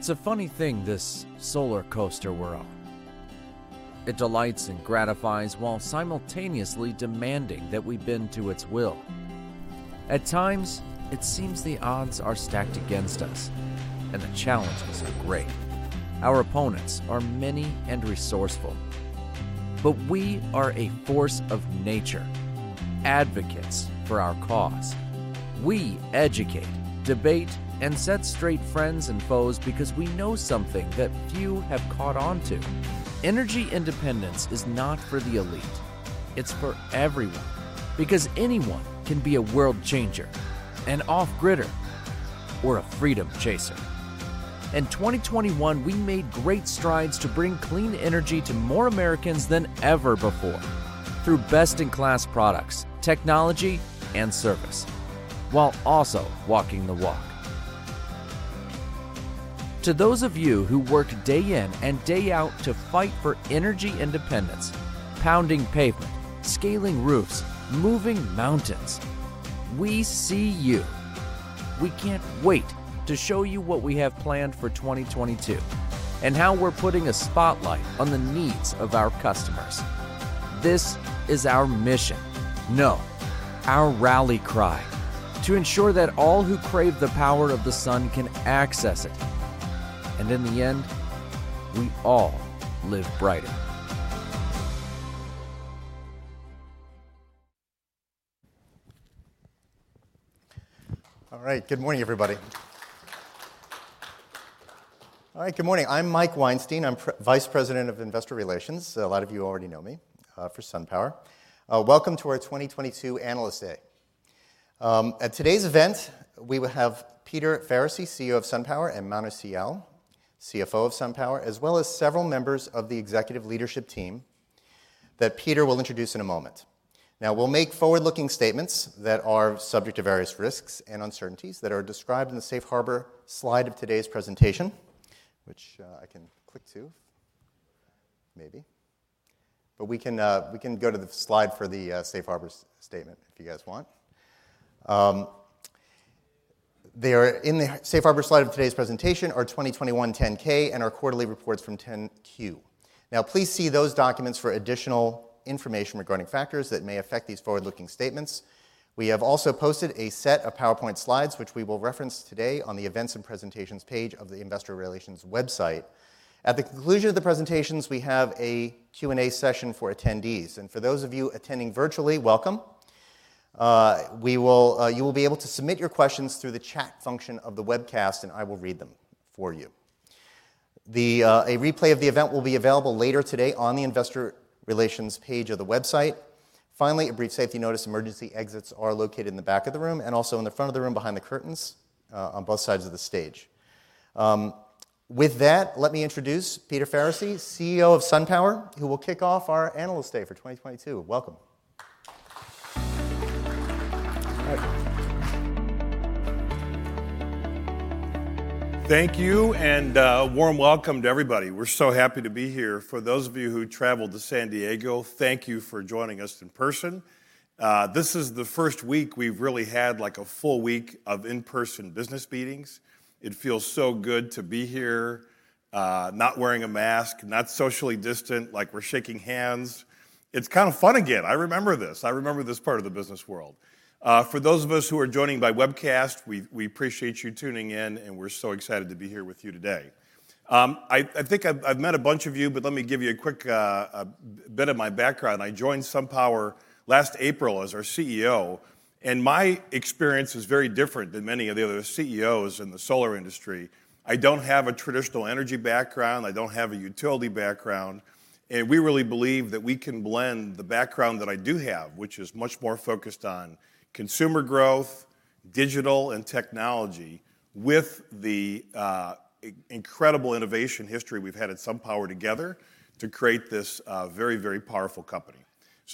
It's a funny thing, this solar coaster world. It delights and gratifies while simultaneously demanding that we bend to its will. At times, it seems the odds are stacked against us and the challenges are great. Our opponents are many and resourceful. We are a force of nature, advocates for our cause. We educate, debate, and set straight friends and foes because we know something that few have caught on to. Energy independence is not for the elite. It's for everyone, because anyone can be a world changer, an off-gridder, or a freedom chaser. In 2021, we made great strides to bring clean energy to more Americans than ever before through best-in-class products, technology, and service, while also walking the walk. To those of you who work day in and day out to fight for energy independence, pounding pavement, scaling roofs, moving mountains, we see you. We can't wait to show you what we have planned for 2022 and how we're putting a spotlight on the needs of our customers. This is our rally cry, to ensure that all who crave the power of the sun can access it, and in the end, we all live brighter. Good morning, everybody. I'm Mike Weinstein, Vice President of Investor Relations, a lot of you already know me for SunPower. Welcome to our 2022 Analyst Day. At today's event, we will have Peter Faricy, CEO of SunPower, and Manu Sial, CFO of SunPower, as well as several members of the executive leadership team that Peter will introduce in a moment. Now, we'll make forward-looking statements that are subject to various risks and uncertainties that are described in the safe harbor slide of today's presentation, which I can click to, maybe. We can go to the slide for the safe harbor statement if you guys want. They are in the safe harbor slide of today's presentation, our 2021 10-K and our quarterly reports Form 10-Q. Now, please see those documents for additional information regarding factors that may affect these forward-looking statements. We have also posted a set of PowerPoint slides, which we will reference today, on the Events and Presentations page of the Investor Relations website. At the conclusion of the presentations, we have a Q&A session for attendees. For those of you attending virtually, welcome. You will be able to submit your questions through the chat function of the webcast, and I will read them for you. A replay of the event will be available later today on the Investor Relations page of the website. Finally, a brief safety notice, emergency exits are located in the back of the room, and also in the front of the room behind the curtains, on both sides of the stage. With that, let me introduce Peter Faricy, CEO of SunPower, who will kick off our Analyst Day for 2022. Welcome. Thank you, and a warm welcome to everybody. We're so happy to be here. For those of you who traveled to San Diego, thank you for joining us in person. This is the first week we've really had, like, a full week of in-person business meetings. It feels so good to be here, not wearing a mask, not socially distant, like, we're shaking hands. It's kind of fun again. I remember this. I remember this part of the business world. For those of us who are joining by webcast, we appreciate you tuning in, and we're so excited to be here with you today. I think I've met a bunch of you, but let me give you a quick bit of my background. I joined SunPower last April as our CEO, and my experience was very different than many of the other CEOs in the solar industry. I don't have a traditional energy background, I don't have a utility background, and we really believe that we can blend the background that I do have, which is much more focused on consumer growth, digital and technology, with the incredible innovation history we've had at SunPower together to create this very, very powerful company.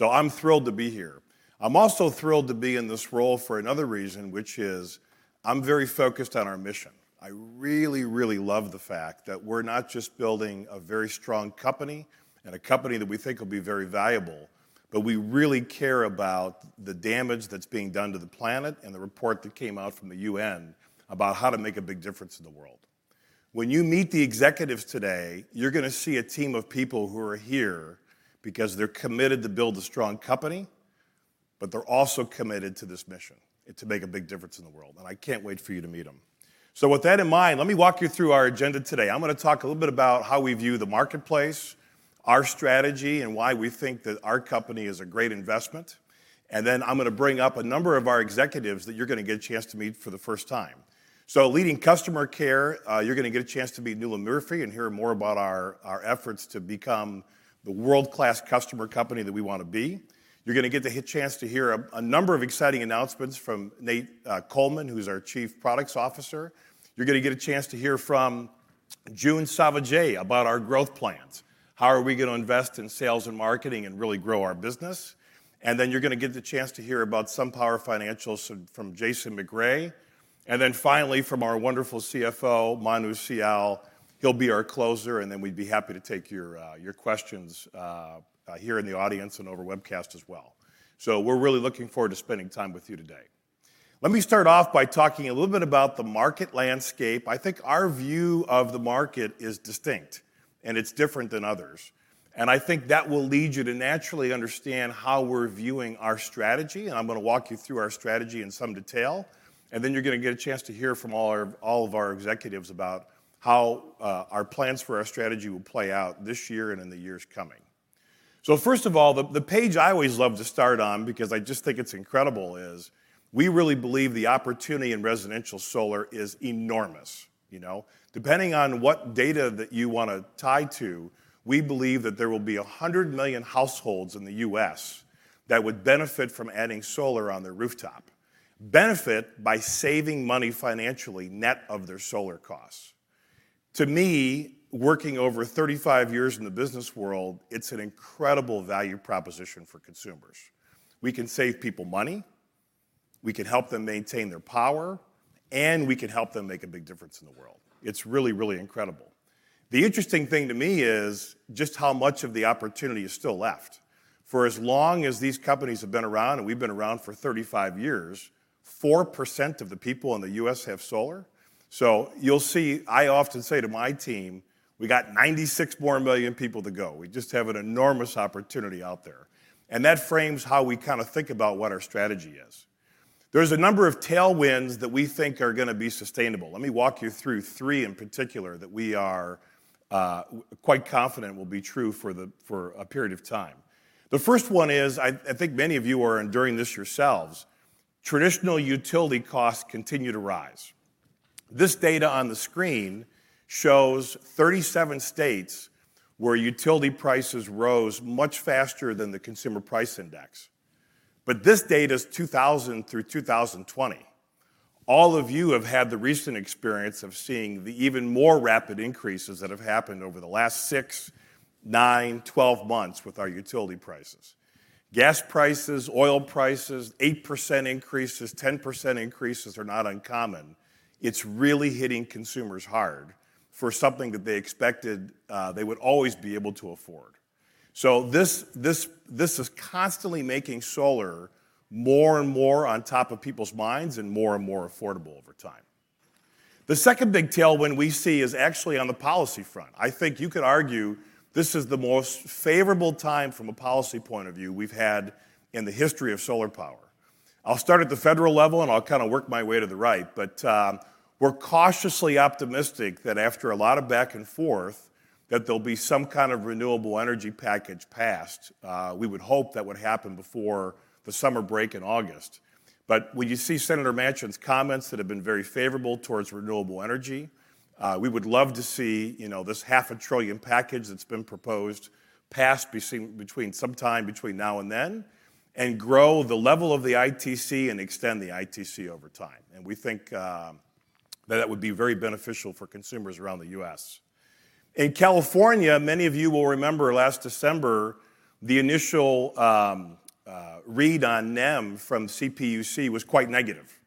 I'm thrilled to be here. I'm also thrilled to be in this role for another reason, which is I'm very focused on our mission. I really, really love the fact that we're not just building a very strong company and a company that we think will be very valuable, but we really care about the damage that's being done to the planet and the report that came out from the UN about how to make a big difference in the world. When you meet the executives today, you're gonna see a team of people who are here because they're committed to build a strong company, but they're also committed to this mission and to make a big difference in the world, and I can't wait for you to meet them. With that in mind, let me walk you through our agenda today. I'm gonna talk a little bit about how we view the marketplace, our strategy, and why we think that our company is a great investment, and then I'm gonna bring up a number of our executives that you're gonna get a chance to meet for the first time. Leading customer care, you're gonna get a chance to meet Nuala Murphy and hear more about our efforts to become the world-class customer company that we wanna be. You're gonna get a chance to hear a number of exciting announcements from Nate Coleman, who's our Chief Products Officer. You're gonna get a chance to hear from June Sauvaget about our growth plans, how are we gonna invest in sales and marketing and really grow our business. Then you're gonna get the chance to hear about SunPower Financial from Jason MacRae. Then finally from our wonderful CFO, Manu Sial, he'll be our closer, and then we'd be happy to take your questions here in the audience and over webcast as well. We're really looking forward to spending time with you today. Let me start off by talking a little bit about the market landscape. I think our view of the market is distinct and it's different than others, and I think that will lead you to naturally understand how we're viewing our strategy, and I'm going to walk you through our strategy in some detail. Then you're going to get a chance to hear from all of our executives about how our plans for our strategy will play out this year and in the years coming. First of all, the page I always love to start on because I just think it's incredible is we really believe the opportunity in residential solar is enormous, you know. Depending on what data that you want to tie to, we believe that there will be 100 million households in the U.S. that would benefit from adding solar on their rooftop, benefit by saving money financially net of their solar costs. To me, working over 35 years in the business world, it's an incredible value proposition for consumers. We can save people money, we can help them maintain their power, and we can help them make a big difference in the world. It's really, really incredible. The interesting thing to me is just how much of the opportunity is still left. For as long as these companies have been around, and we've been around for 35 years, 4% of the people in the U.S. have solar. You'll see I often say to my team, we got 96 million more people to go. We just have an enormous opportunity out there. That frames how we kinda think about what our strategy is. There's a number of tailwinds that we think are gonna be sustainable. Let me walk you through three in particular that we are quite confident will be true for a period of time. The first one is, I think many of you are enduring this yourselves, traditional utility costs continue to rise. This data on the screen shows 37 states where utility prices rose much faster than the consumer price index. This data is 2000 through 2020. All of you have had the recent experience of seeing the even more rapid increases that have happened over the last six, nine, 12 months with our utility prices. Gas prices, oil prices, 8% increases, 10% increases are not uncommon. It's really hitting consumers hard for something that they expected they would always be able to afford. This is constantly making solar more and more on top of people's minds and more and more affordable over time. The second big tailwind we see is actually on the policy front. I think you could argue this is the most favorable time from a policy point of view we've had in the history of solar power. I'll start at the federal level, and I'll kinda work my way to the right, but we're cautiously optimistic that after a lot of back and forth, that there'll be some kind of renewable energy package passed. We would hope that would happen before the summer break in August. But when you see Senator Manchin's comments that have been very favorable towards renewable energy, we would love to see, you know, this half a trillion package that's been proposed pass between sometime between now and then and grow the level of the ITC and extend the ITC over time. We think that would be very beneficial for consumers around the U.S. In California, many of you will remember last December, the initial read on NEM from CPUC was quite negative,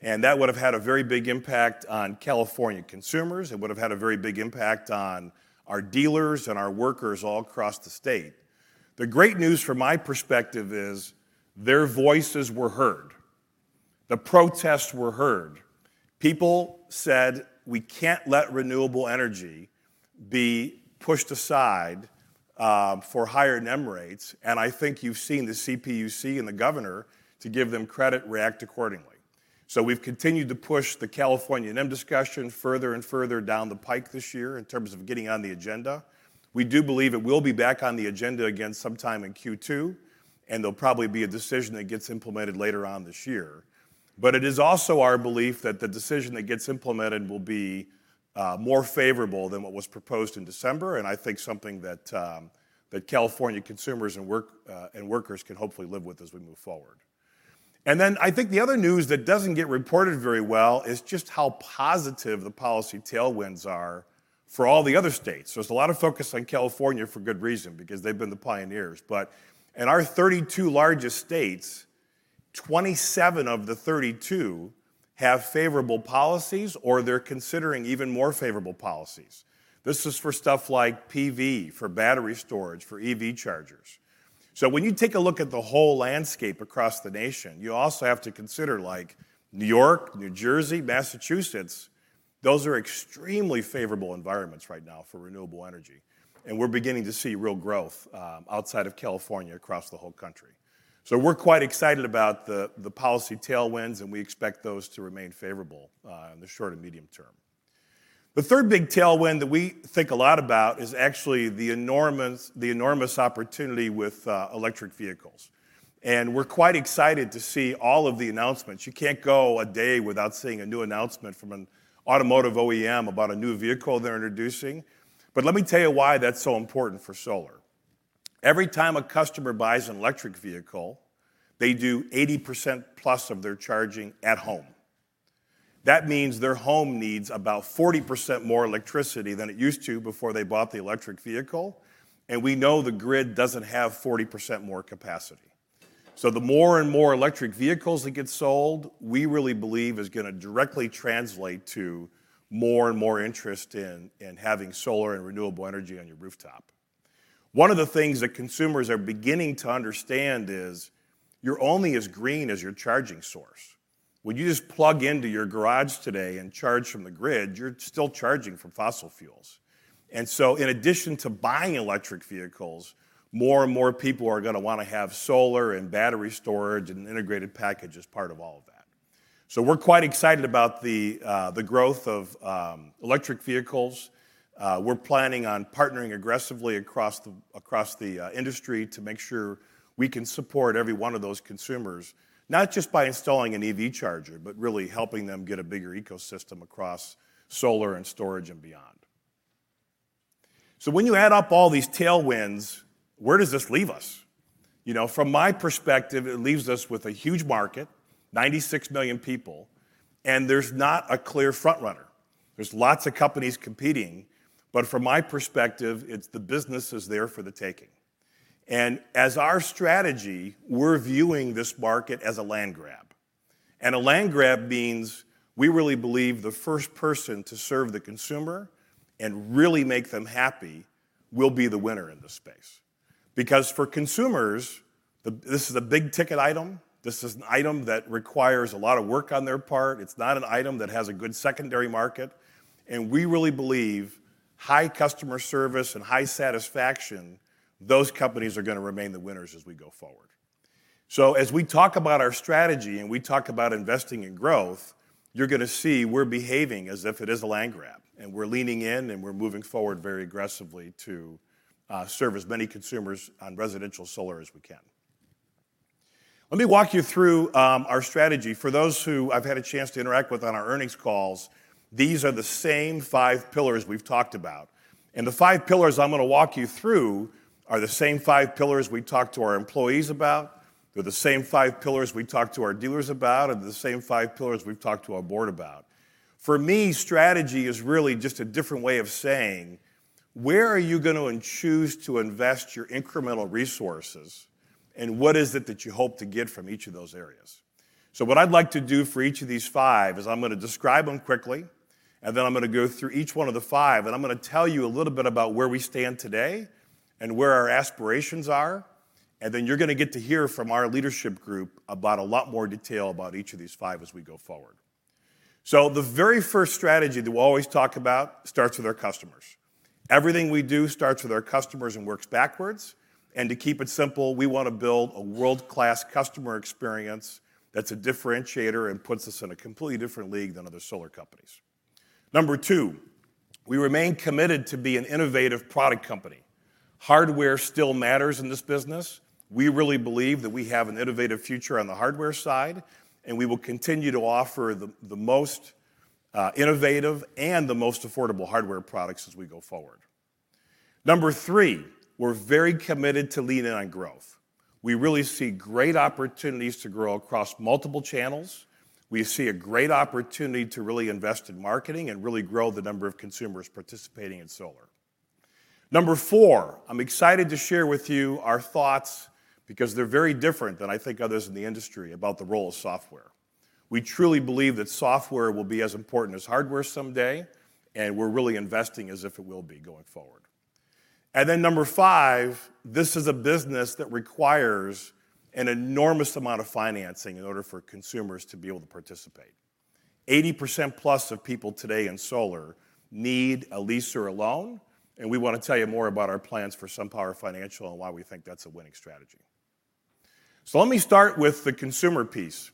and that would have had a very big impact on California consumers. It would have had a very big impact on our dealers and our workers all across the state. The great news from my perspective is their voices were heard. The protests were heard. People said, "We can't let renewable energy be pushed aside for higher NEM rates," and I think you've seen the CPUC and the governor to give them credit react accordingly. We've continued to push the California NEM discussion further and further down the pike this year in terms of getting on the agenda. We do believe it will be back on the agenda again sometime in Q2, and there'll probably be a decision that gets implemented later on this year. It is also our belief that the decision that gets implemented will be more favorable than what was proposed in December, and I think something that California consumers and workers can hopefully live with as we move forward. I think the other news that doesn't get reported very well is just how positive the policy tailwinds are for all the other states. There's a lot of focus on California for good reason because they've been the pioneers. In our 32 largest states, 27 of the 32 have favorable policies, or they're considering even more favorable policies. This is for stuff like PV, for battery storage, for EV chargers. When you take a look at the whole landscape across the nation, you also have to consider, like, New York, New Jersey, Massachusetts, those are extremely favorable environments right now for renewable energy, and we're beginning to see real growth outside of California across the whole country. We're quite excited about the policy tailwinds, and we expect those to remain favorable in the short and medium term. The third big tailwind that we think a lot about is actually the enormous opportunity with electric vehicles, and we're quite excited to see all of the announcements. You can't go a day without seeing a new announcement from an automotive OEM about a new vehicle they're introducing. Let me tell you why that's so important for solar. Every time a customer buys an electric vehicle, they do 80%+ of their charging at home. That means their home needs about 40% more electricity than it used to before they bought the electric vehicle, and we know the grid doesn't have 40% more capacity. The more and more electric vehicles that get sold, we really believe is gonna directly translate to more and more interest in having solar and renewable energy on your rooftop. One of the things that consumers are beginning to understand is you're only as green as your charging source. When you just plug into your garage today and charge from the grid, you're still charging from fossil fuels. In addition to buying electric vehicles, more and more people are going to want to have solar and battery storage and an integrated package as part of all of that. We're quite excited about the growth of electric vehicles. We're planning on partnering aggressively across the industry to make sure we can support every one of those consumers, not just by installing an EV charger, but really helping them get a bigger ecosystem across solar and storage and beyond. When you add up all these tailwinds, where does this leave us? You know, from my perspective, it leaves us with a huge market, 96 million people, and there's not a clear front runner. There's lots of companies competing, but from my perspective, it's the business is there for the taking. As our strategy, we're viewing this market as a land grab. A land grab means we really believe the first person to serve the consumer and really make them happy will be the winner in this space. Because for consumers, this is a big-ticket item. This is an item that requires a lot of work on their part. It's not an item that has a good secondary market. We really believe high customer service and high satisfaction, those companies are going to remain the winners as we go forward. As we talk about our strategy and we talk about investing in growth, you're going to see we're behaving as if it is a land grab, and we're leaning in and we're moving forward very aggressively to serve as many consumers on residential solar as we can. Let me walk you through our strategy. For those who I've had a chance to interact with on our earnings calls, these are the same five pillars we've talked about. The five pillars I'm going to walk you through are the same five pillars we talk to our employees about. They're the same five pillars we talk to our dealers about, and they're the same five pillars we've talked to our board about. For me, strategy is really just a different way of saying, where are you going to choose to invest your incremental resources, and what is it that you hope to get from each of those areas? What I'd like to do for each of these five is I'm going to describe them quickly, and then I'm going to go through each one of the five, and I'm going to tell you a little bit about where we stand today and where our aspirations are, and then you're going to get to hear from our leadership group about a lot more detail about each of these five as we go forward. The very first strategy that we always talk about starts with our customers. Everything we do starts with our customers and works backwards. To keep it simple, we want to build a world-class customer experience that's a differentiator and puts us in a completely different league than other solar companies. Number two, we remain committed to be an innovative product company. Hardware still matters in this business. We really believe that we have an innovative future on the hardware side, and we will continue to offer the most innovative and the most affordable hardware products as we go forward. Number three, we're very committed to lean in on growth. We really see great opportunities to grow across multiple channels. We see a great opportunity to really invest in marketing and really grow the number of consumers participating in solar. Number four, I'm excited to share with you our thoughts because they're very different than I think others in the industry about the role of software. We truly believe that software will be as important as hardware someday, and we're really investing as if it will be going forward. Number five, this is a business that requires an enormous amount of financing in order for consumers to be able to participate. 80%+ of people today in solar need a lease or a loan, and we want to tell you more about our plans for SunPower Financial and why we think that's a winning strategy. Let me start with the consumer piece.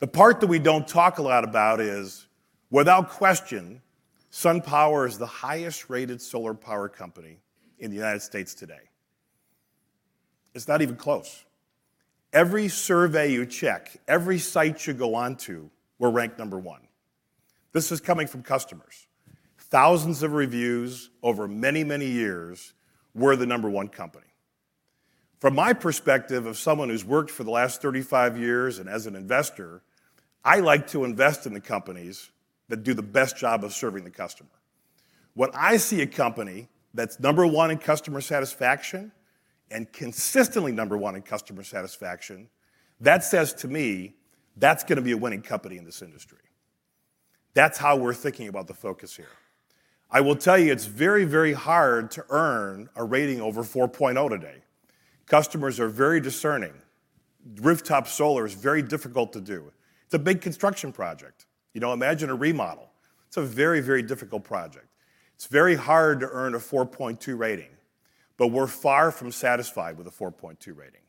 The part that we don't talk a lot about is, without question, SunPower is the highest-rated solar power company in the United States today. It's not even close. Every survey you check, every site you go on to, we're ranked number one. This is coming from customers. Thousands of reviews over many, many years, we're the number one company. From my perspective of someone who's worked for the last 35 years and as an investor, I like to invest in the companies that do the best job of serving the customer. When I see a company that's number one in customer satisfaction and consistently number one in customer satisfaction, that says to me, that's going to be a winning company in this industry. That's how we're thinking about the focus here. I will tell you it's very, very hard to earn a rating over 4.0 today. Customers are very discerning. Rooftop solar is very difficult to do. It's a big construction project. You know, imagine a remodel. It's a very, very difficult project. It's very hard to earn a 4.2 rating, but we're far from satisfied with a 4.2 rating.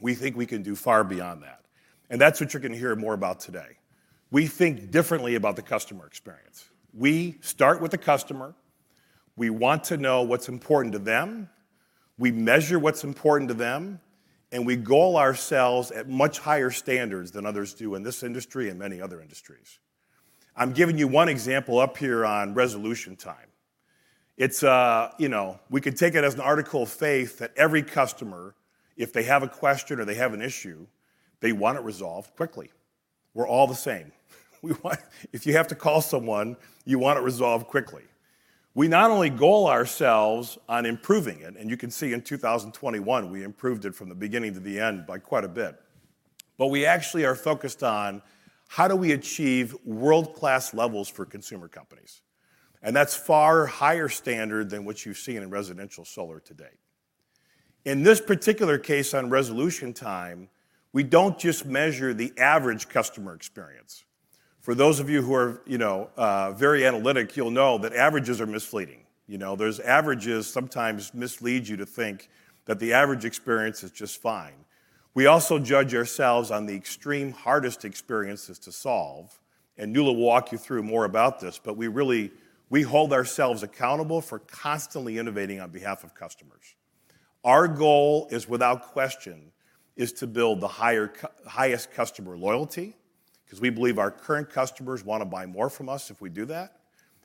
We think we can do far beyond that, and that's what you're going to hear more about today. We think differently about the customer experience. We start with the customer. We want to know what's important to them. We measure what's important to them, and we hold ourselves at much higher standards than others do in this industry and many other industries. I'm giving you one example up here on resolution time. It's, you know, we could take it as an article of faith that every customer, if they have a question or they have an issue, they want it resolved quickly. We're all the same. If you have to call someone, you want it resolved quickly. We not only hold ourselves on improving it, and you can see in 2021, we improved it from the beginning to the end by quite a bit. We actually are focused on how do we achieve world-class levels for consumer companies? That's far higher standard than what you see in a residential solar today. In this particular case on resolution time, we don't just measure the average customer experience. For those of you who are, you know, very analytic, you'll know that averages are misleading. You know, those averages sometimes mislead you to think that the average experience is just fine. We also judge ourselves on the extreme hardest experiences to solve, and Nuala will walk you through more about this, but we really hold ourselves accountable for constantly innovating on behalf of customers. Our goal, without question, is to build the highest customer loyalty, because we believe our current customers want to buy more from us if we do that,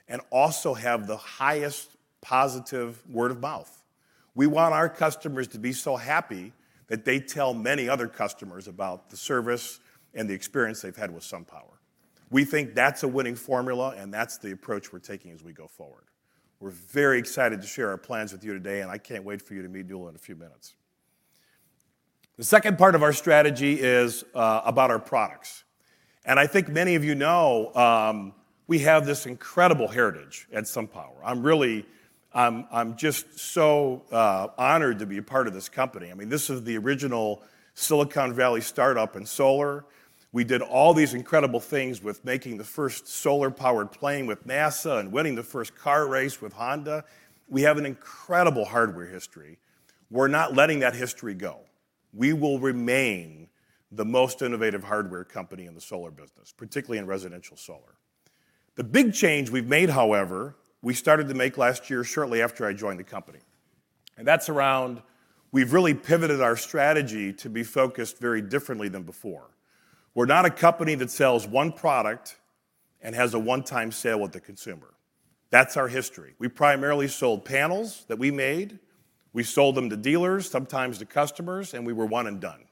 and also have the highest positive word of mouth. We want our customers to be so happy that they tell many other customers about the service and the experience they've had with SunPower. We think that's a winning formula and that's the approach we're taking as we go forward. We're very excited to share our plans with you today, and I can't wait for you to meet Nuala in a few minutes. The second part of our strategy is about our products. I think many of you know we have this incredible heritage at SunPower. I'm really just so honored to be a part of this company. I mean, this is the original Silicon Valley startup in solar. We did all these incredible things with making the first solar-powered plane with NASA and winning the first car race with Honda. We have an incredible hardware history. We're not letting that history go. We will remain the most innovative hardware company in the solar business, particularly in residential solar. The big change we've made, however, we started to make last year shortly after I joined the company, and that's around we've really pivoted our strategy to be focused very differently than before. We're not a company that sells one product and has a one-time sale with the consumer. That's our history. We primarily sold panels that we made. We sold them to dealers, sometimes to customers, and we were one and done.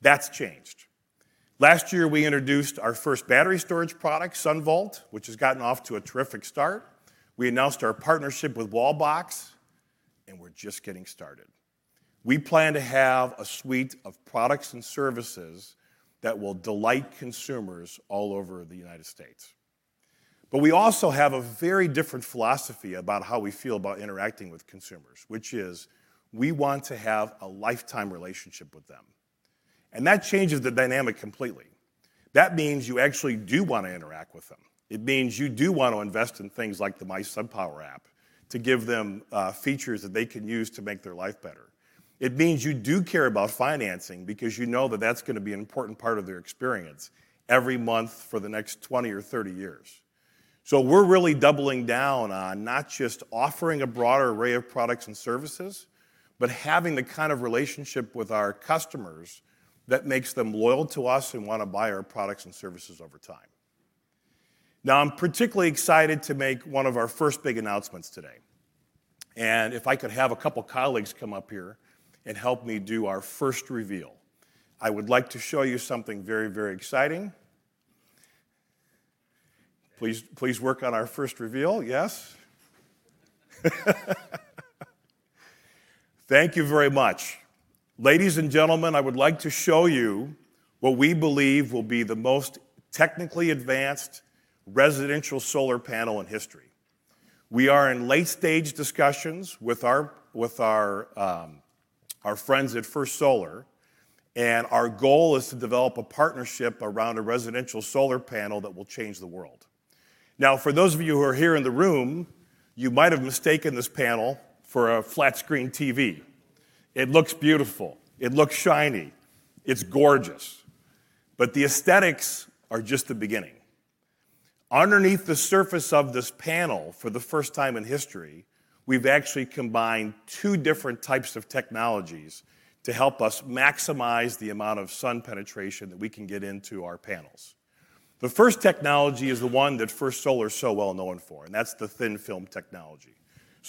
That's changed. Last year, we introduced our first battery storage product, SunVault, which has gotten off to a terrific start. We announced our partnership with Wallbox, and we're just getting started. We plan to have a suite of products and services that will delight consumers all over the U.S. We also have a very different philosophy about how we feel about interacting with consumers, which is we want to have a lifetime relationship with them. That changes the dynamic completely. That means you actually do wanna interact with them. It means you do want to invest in things like the mySunPower app to give them features that they can use to make their life better. It means you do care about financing because you know that that's gonna be an important part of their experience every month for the next 20 or 30 years. We're really doubling down on not just offering a broader array of products and services, but having the kind of relationship with our customers that makes them loyal to us and wanna buy our products and services over time. Now, I'm particularly excited to make one of our first big announcements today. If I could have a couple colleagues come up here and help me do our first reveal. I would like to show you something very, very exciting. Please, please work on our first reveal. Yes. Thank you very much. Ladies, and gentlemen, I would like to show you what we believe will be the most technically advanced residential solar panel in history. We are in late-stage discussions with our friends at First Solar, and our goal is to develop a partnership around a residential solar panel that will change the world. Now, for those of you who are here in the room, you might have mistaken this panel for a flat-screen TV. It looks beautiful. It looks shiny. It's gorgeous. But the aesthetics are just the beginning. Underneath the surface of this panel, for the first time in history, we've actually combined two different types of technologies to help us maximize the amount of sun penetration that we can get into our panels. The first technology is the one that First Solar is so well known for, and that's the thin-film technology.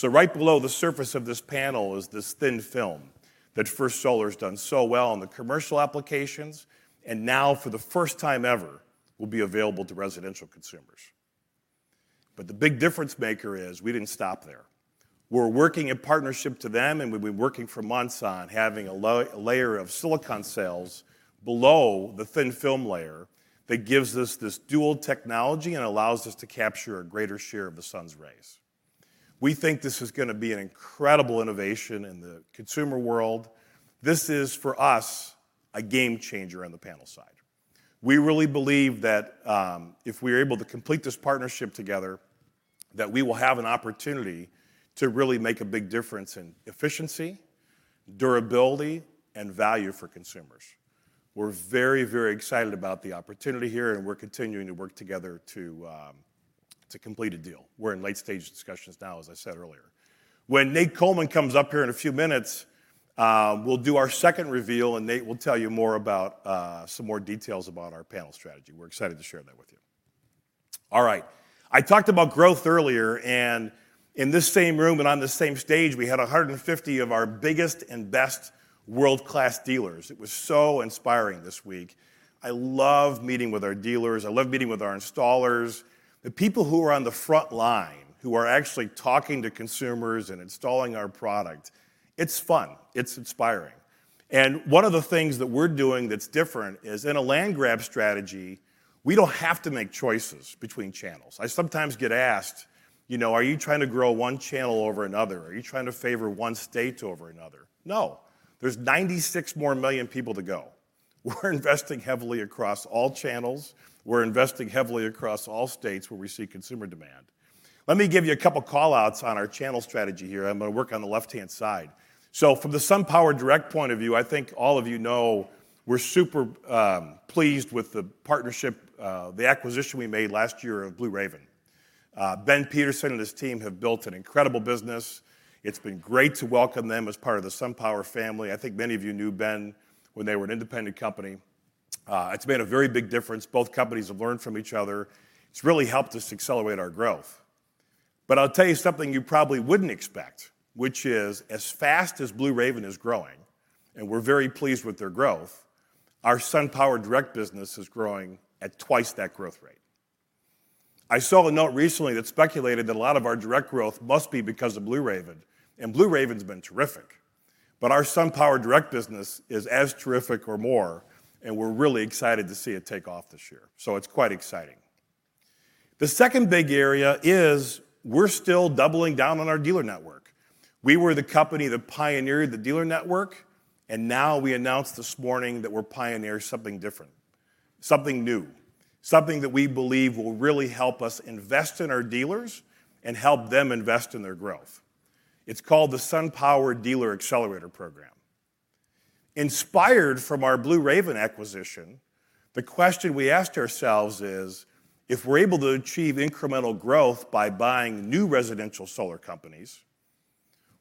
Right below the surface of this panel is this thin film that First Solar has done so well on the commercial applications and now for the first time ever will be available to residential consumers. The big difference maker is we didn't stop there. We're working in partnership with them, and we've been working for months on having a layer of silicon cells below the thin film layer that gives us this dual technology and allows us to capture a greater share of the sun's rays. We think this is gonna be an incredible innovation in the consumer world. This is, for us, a game changer on the panel side. We really believe that, if we're able to complete this partnership together, that we will have an opportunity to really make a big difference in efficiency, durability, and value for consumers. We're very, very excited about the opportunity here, and we're continuing to work together to complete a deal. We're in late-stage discussions now, as I said earlier. When Nate Coleman comes up here in a few minutes, we'll do our second reveal, and Nate will tell you more about, some more details about our panel strategy. We're excited to share that with you. All right. I talked about growth earlier, and in this same room and on this same stage, we had 150 of our biggest and best world-class dealers. It was so inspiring this week. I love meeting with our dealers. I love meeting with our installers. The people who are on the front line, who are actually talking to consumers and installing our product, it's fun, it's inspiring. One of the things that we're doing that's different is in a land grab strategy, we don't have to make choices between channels. I sometimes get asked, you know, are you trying to grow one channel over another? Are you trying to favor one state over another? No. There's 96 more million people to go. We're investing heavily across all channels. We're investing heavily across all states where we see consumer demand. Let me give you a couple call-outs on our channel strategy here. I'm gonna work on the left-hand side. From the SunPower Direct point of view, I think all of you know we're super pleased with the partnership, the acquisition we made last year of Blue Raven. Ben Peterson and his team have built an incredible business. It's been great to welcome them as part of the SunPower family. I think many of you knew Ben when they were an independent company. It's made a very big difference. Both companies have learned from each other. It's really helped us accelerate our growth. I'll tell you something you probably wouldn't expect, which is as fast as Blue Raven is growing, and we're very pleased with their growth, our SunPower Direct business is growing at twice that growth rate. I saw a note recently that speculated that a lot of our direct growth must be because of Blue Raven, and Blue Raven's been terrific. Our SunPower Direct business is as terrific or more, and we're really excited to see it take off this year. It's quite exciting. The second big area is we're still doubling down on our dealer network. We were the company that pioneered the dealer network, and now we announced this morning that we're pioneering something different, something new, something that we believe will really help us invest in our dealers and help them invest in their growth. It's called the SunPower Dealer Accelerator Program. Inspired from our Blue Raven acquisition, the question we asked ourselves is, if we're able to achieve incremental growth by buying new residential solar companies,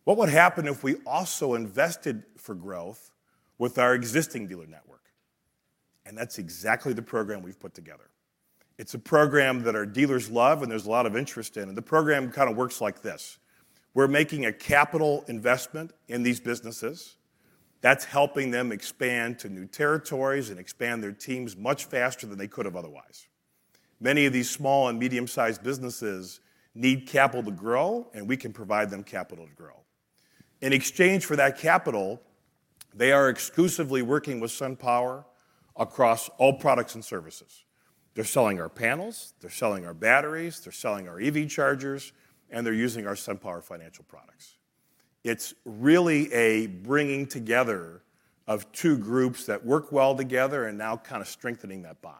what would happen if we also invested for growth with our existing dealer network? That's exactly the program we've put together. It's a program that our dealers love and there's a lot of interest in. The program kind of works like this. We're making a capital investment in these businesses that's helping them expand to new territories and expand their teams much faster than they could have otherwise. Many of these small and medium-sized businesses need capital to grow, and we can provide them capital to grow. In exchange for that capital, they are exclusively working with SunPower across all products and services. They're selling our panels, they're selling our batteries, they're selling our EV chargers, and they're using our SunPower financial products. It's really a bringing together of two groups that work well together and now kind of strengthening that bond.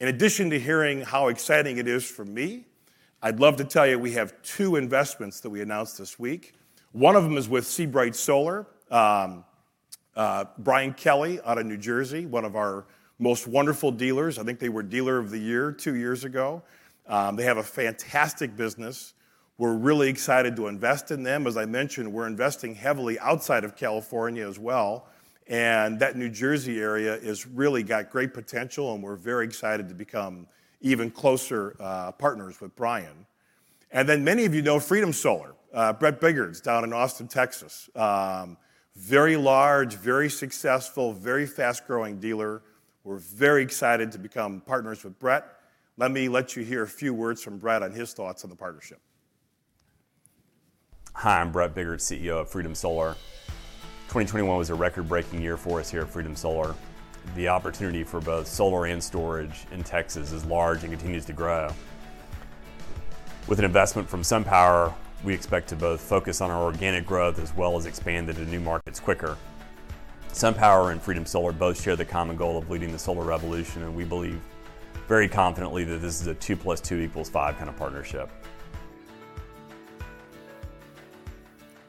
In addition to hearing how exciting it is for me, I'd love to tell you we have two investments that we announced this week. One of them is with Sea Bright Solar, Brian Kelly out of New Jersey, one of our most wonderful dealers. I think they were Dealer of the Year two years ago. They have a fantastic business. We're really excited to invest in them. As I mentioned, we're investing heavily outside of California as well, and that New Jersey area has really got great potential and we're very excited to become even closer partners with Brian. Many of you know Freedom Solar. Bret Biggart down in Austin, Texas. Very large, very successful, very fast-growing dealer. We're very excited to become partners with Bret. Let me let you hear a few words from Bret on his thoughts on the partnership. Hi, I'm Bret Biggart, CEO of Freedom Solar. 2021 was a record-breaking year for us here at Freedom Solar. The opportunity for both solar and storage in Texas is large and continues to grow. With an investment from SunPower, we expect to both focus on our organic growth as well as expand into new markets quicker. SunPower and Freedom Solar both share the common goal of leading the solar revolution, and we believe very confidently that this is a 2 + 2 = 5 kind of partnership.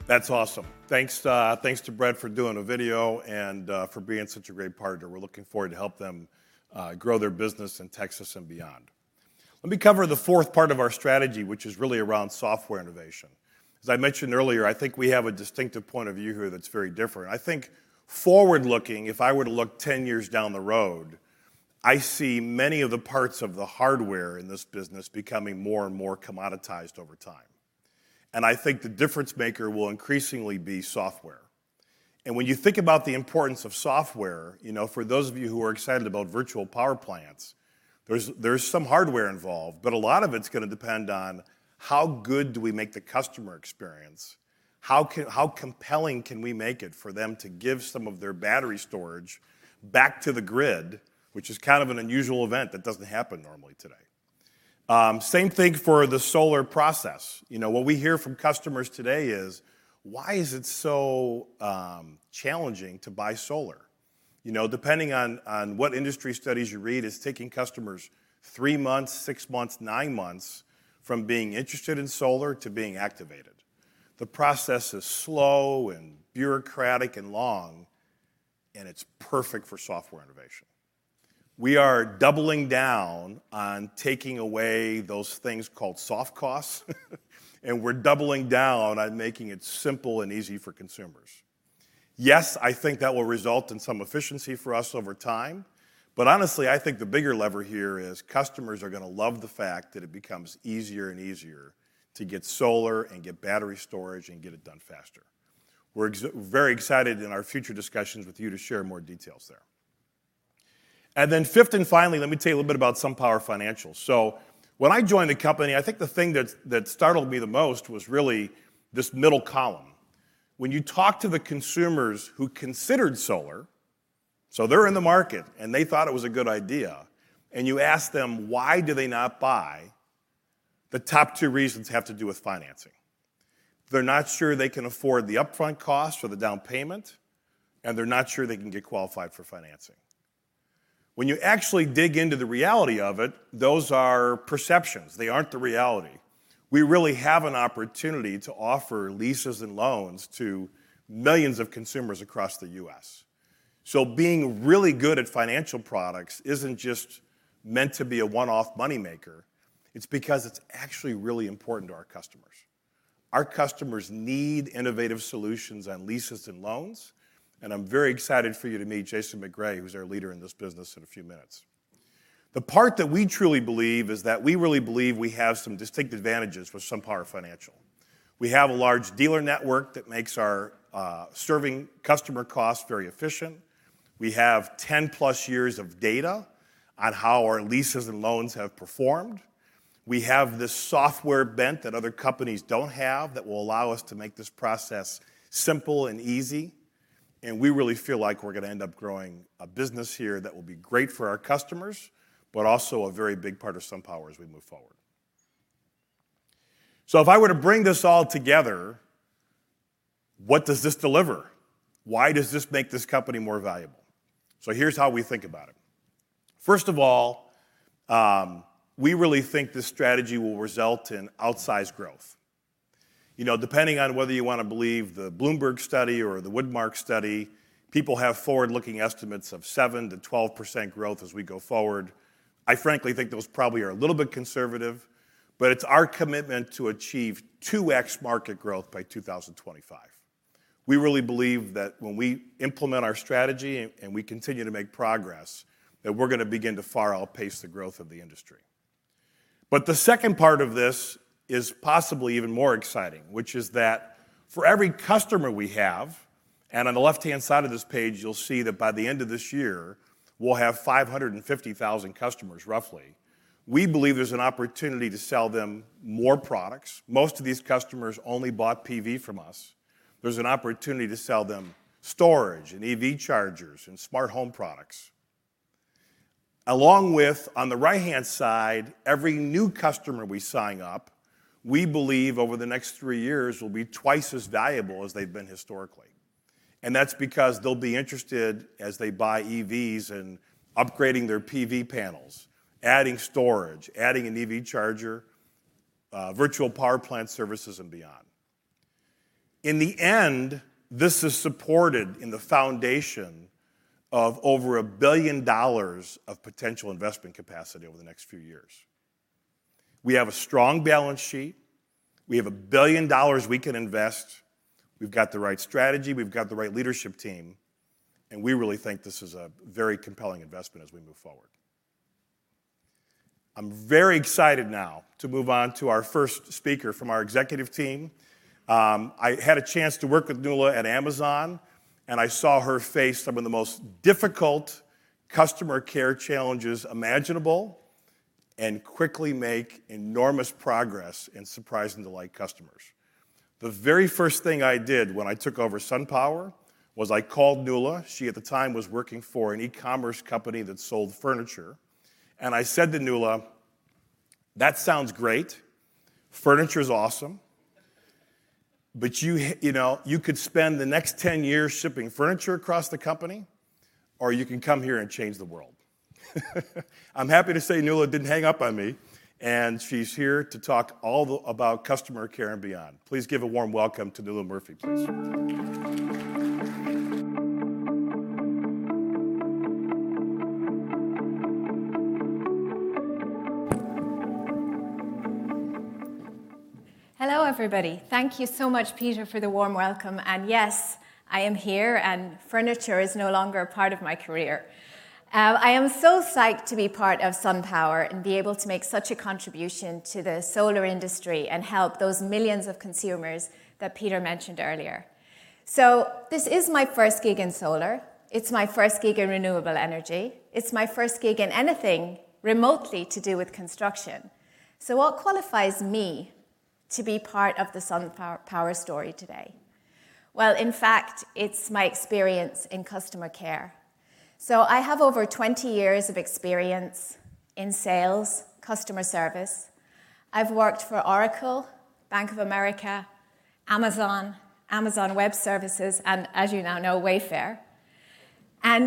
That's awesome. Thanks to Brett for doing a video and for being such a great partner. We're looking forward to help them grow their business in Texas and beyond. Let me cover the fourth part of our strategy, which is really around software innovation. As I mentioned earlier, I think we have a distinctive point of view here that's very different. I think forward-looking, if I were to look 10 years down the road, I see many of the parts of the hardware in this business becoming more and more commoditized over time. I think the difference maker will increasingly be software. When you think about the importance of software, you know, for those of you who are excited about virtual power plants, there's some hardware involved, but a lot of it's gonna depend on how good do we make the customer experience? How compelling can we make it for them to give some of their battery storage back to the grid, which is kind of an unusual event that doesn't happen normally today. Same thing for the solar process. You know, what we hear from customers today is, "Why is it so challenging to buy solar?" You know, depending on what industry studies you read, it's taking customers three months, six months, nine months from being interested in solar to being activated. The process is slow and bureaucratic and long, and it's perfect for software innovation. We are doubling down on taking away those things called soft costs, and we're doubling down on making it simple and easy for consumers. Yes, I think that will result in some efficiency for us over time. Honestly, I think the bigger lever here is customers are gonna love the fact that it becomes easier and easier to get solar and get battery storage and get it done faster. We're very excited in our future discussions with you to share more details there. Fifth and finally, let me tell you a little bit about SunPower Financial. When I joined the company, I think the thing that startled me the most was really this middle column. When you talk to the consumers who considered solar, so they're in the market, and they thought it was a good idea, and you ask them why do they not buy, the top two reasons have to do with financing. They're not sure they can afford the upfront cost or the down payment, and they're not sure they can get qualified for financing. When you actually dig into the reality of it, those are perceptions. They aren't the reality. We really have an opportunity to offer leases and loans to millions of consumers across the U.S. Being really good at financial products isn't just meant to be a one-off moneymaker. It's because it's actually really important to our customers. Our customers need innovative solutions on leases and loans, and I'm very excited for you to meet Jason MacRae, who's our leader in this business, in a few minutes. The part that we truly believe is that we really believe we have some distinct advantages with SunPower Financial. We have a large dealer network that makes our serving customer costs very efficient. We have 10+ years of data on how our leases and loans have performed. We have this software bent that other companies don't have that will allow us to make this process simple and easy, and we really feel like we're gonna end up growing a business here that will be great for our customers, but also a very big part of SunPower as we move forward. If I were to bring this all together, what does this deliver? Why does this make this company more valuable? Here's how we think about it. First of all, we really think this strategy will result in outsized growth. You know, depending on whether you wanna believe the Bloomberg study or the Wood Mackenzie study, people have forward-looking estimates of 7%-12% growth as we go forward. I frankly think those probably are a little bit conservative, but it's our commitment to achieve 2x market growth by 2025. We really believe that when we implement our strategy and we continue to make progress, that we're gonna begin to far outpace the growth of the industry. The second part of this is possibly even more exciting, which is that for every customer we have, and on the left-hand side of this page you'll see that by the end of this year we'll have 550,000 customers roughly, we believe there's an opportunity to sell them more products. Most of these customers only bought PV from us. There's an opportunity to sell them storage and EV chargers and smart home products. Along with, on the right-hand side, every new customer we sign up, we believe over the next three years will be twice as valuable as they've been historically. That's because they'll be interested, as they buy EVs, in upgrading their PV panels, adding storage, adding an EV charger, virtual power plant services, and beyond. In the end, this is supported in the foundation of over $1 billion of potential investment capacity over the next few years. We have a strong balance sheet. We have $1 billion we can invest. We've got the right strategy. We've got the right leadership team, and we really think this is a very compelling investment as we move forward. I'm very excited now to move on to our first speaker from our executive team. I had a chance to work with Nuala at Amazon, and I saw her face some of the most difficult customer care challenges imaginable and quickly make enormous progress in surprising the customers. The very first thing I did when I took over SunPower was I called Nuala. She at the time was working for an e-commerce company that sold furniture. I said to Nuala, "That sounds great. Furniture is awesome. But you know, you could spend the next 10 years shipping furniture across the company, or you can come here and change the world." I'm happy to say Nuala didn't hang up on me, and she's here to talk all about customer care and beyond. Please give a warm welcome to Nuala Murphy please. Hello, everybody. Thank you so much, Peter, for the warm welcome. Yes, I am here, and furniture is no longer a part of my career. I am so psyched to be part of SunPower and be able to make such a contribution to the solar industry and help those millions of consumers that Peter mentioned earlier. This is my first gig in solar. It's my first gig in renewable energy. It's my first gig in anything remotely to do with construction. What qualifies me to be part of the SunPower Power story today? Well, in fact, it's my experience in customer care. I have over 20 years of experience in sales, customer service. I've worked for Oracle, Bank of America, Amazon Web Services, and as you now know, Wayfair.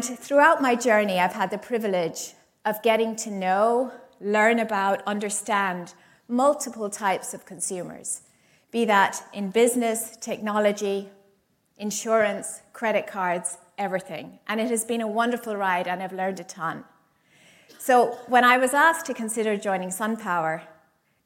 Throughout my journey, I've had the privilege of getting to know, learn about, understand multiple types of consumers, be that in business, technology, insurance, credit cards, everything. It has been a wonderful ride, and I've learned a ton. When I was asked to consider joining SunPower,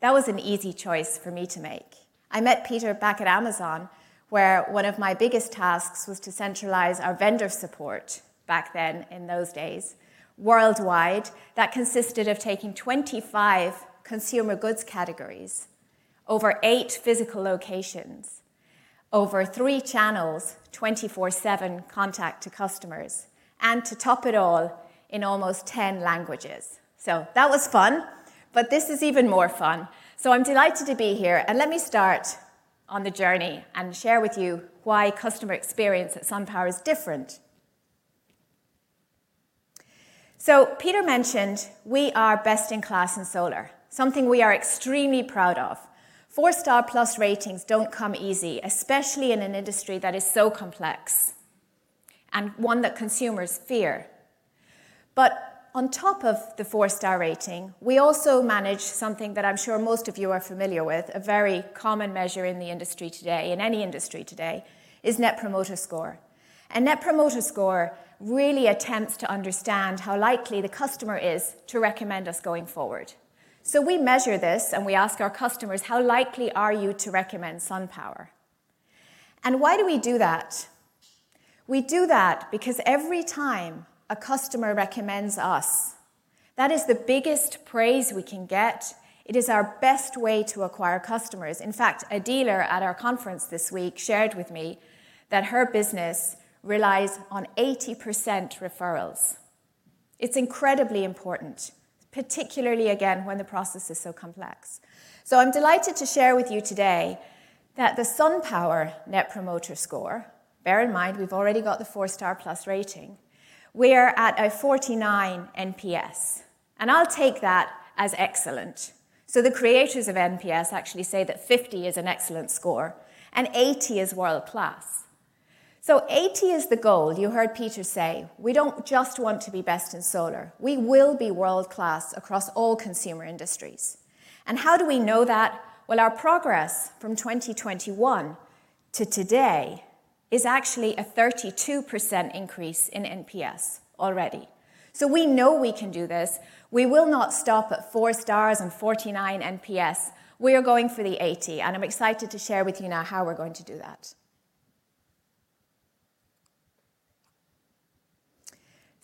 that was an easy choice for me to make. I met Peter back at Amazon, where one of my biggest tasks was to centralize our vendor support back then in those days worldwide. That consisted of taking 25 consumer goods categories over eight physical locations, over three channels, 24/7 contact to customers, and to top it all, in almost 10 languages. That was fun, but this is even more fun. I'm delighted to be here, and let me start on the journey and share with you why customer experience at SunPower is different. Peter mentioned we are best in class in solar, something we are extremely proud of. 4+ star ratings don't come easy, especially in an industry that is so complex and one that consumers fear. On top of the 4-star rating, we also manage something that I'm sure most of you are familiar with, a very common measure in the industry today, in any industry today, is Net Promoter Score. Net Promoter Score really attempts to understand how likely the customer is to recommend us going forward. We measure this, and we ask our customers, "How likely are you to recommend SunPower?" Why do we do that? We do that because every time a customer recommends us, that is the biggest praise we can get. It is our best way to acquire customers. In fact, a dealer at our conference this week shared with me that her business relies on 80% referrals. It's incredibly important, particularly again, when the process is so complex. I'm delighted to share with you today that the SunPower Net Promoter Score, bear in mind, we've already got the 4+ star rating, we're at a 49 NPS, and I'll take that as excellent. The creators of NPS actually say that 50 is an excellent score and 80 is world-class. 80 is the goal. You heard Peter say, "We don't just want to be best in solar. We will be world-class across all consumer industries." How do we know that? Well, our progress from 2021 to today is actually a 32% increase in NPS already. We know we can do this. We will not stop at 4-stars and 49 NPS. We are going for the 80, and I'm excited to share with you now how we're going to do that.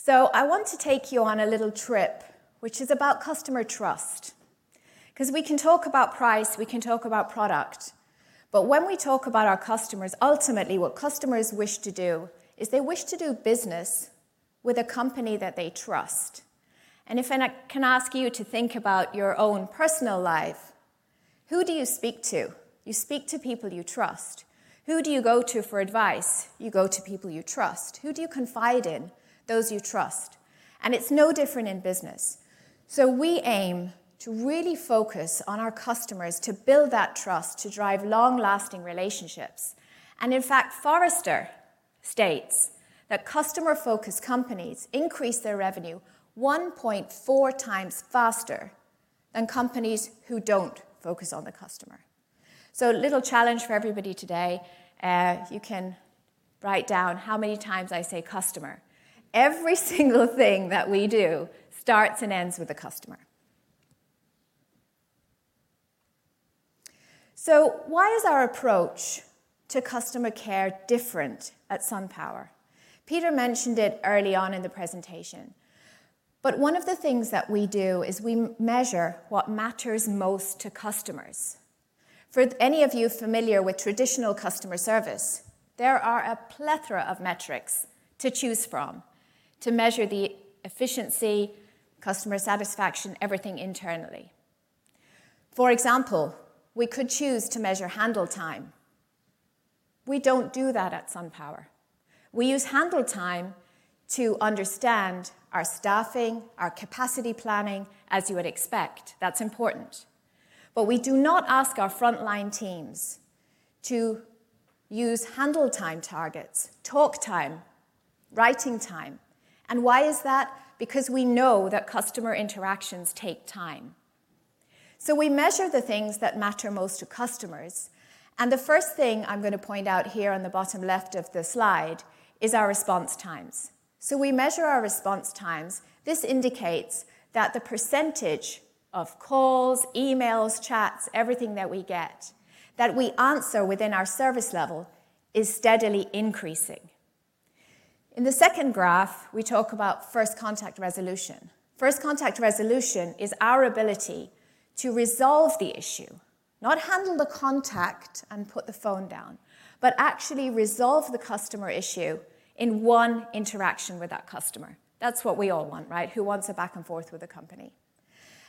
I want to take you on a little trip, which is about customer trust, 'cause we can talk about price, we can talk about product, but when we talk about our customers, ultimately what customers wish to do is they wish to do business with a company that they trust. If I can ask you to think about your own personal life, who do you speak to? You speak to people you trust. Who do you go to for advice? You go to people you trust. Who do you confide in? Those you trust. It's no different in business. We aim to really focus on our customers to build that trust to drive long-lasting relationships. In fact, Forrester states that customer-focused companies increase their revenue 1.4x faster than companies who don't focus on the customer. Little challenge for everybody today, if you can write down how many times I say customer. Every single thing that we do starts and ends with the customer. Why is our approach to customer care different at SunPower? Peter mentioned it early on in the presentation. One of the things that we do is we measure what matters most to customers. For any of you familiar with traditional customer service, there are a plethora of metrics to choose from to measure the efficiency, customer satisfaction, everything internally. For example, we could choose to measure handle time. We don't do that at SunPower. We use handle time to understand our staffing, our capacity planning, as you would expect. That's important. We do not ask our frontline teams to use handle time targets, talk time, writing time. Why is that? Because we know that customer interactions take time. We measure the things that matter most to customers, and the first thing I'm gonna point out here on the bottom left of the slide is our response times. We measure our response times. This indicates that the percentage of calls, emails, chats, everything that we get that we answer within our service level is steadily increasing. In the second graph, we talk about first contact resolution. First contact resolution is our ability to resolve the issue, not handle the contact and put the phone down, but actually resolve the customer issue in one interaction with that customer. That's what we all want, right? Who wants a back and forth with a company?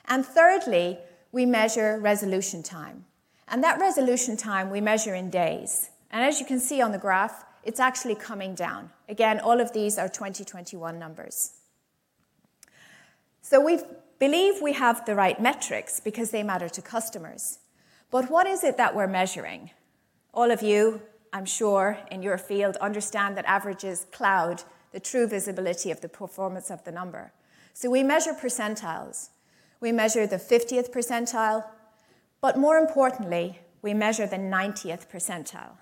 Thirdly, we measure resolution time, and that resolution time we measure in days. As you can see on the graph, it's actually coming down. Again, all of these are 2021 numbers. We believe we have the right metrics because they matter to customers. What is it that we're measuring? All of you, I'm sure, in your field understand that averages cloud the true visibility of the performance of the number. We measure percentiles. We measure the 50th percentile. More importantly, we measure the 90th percentile.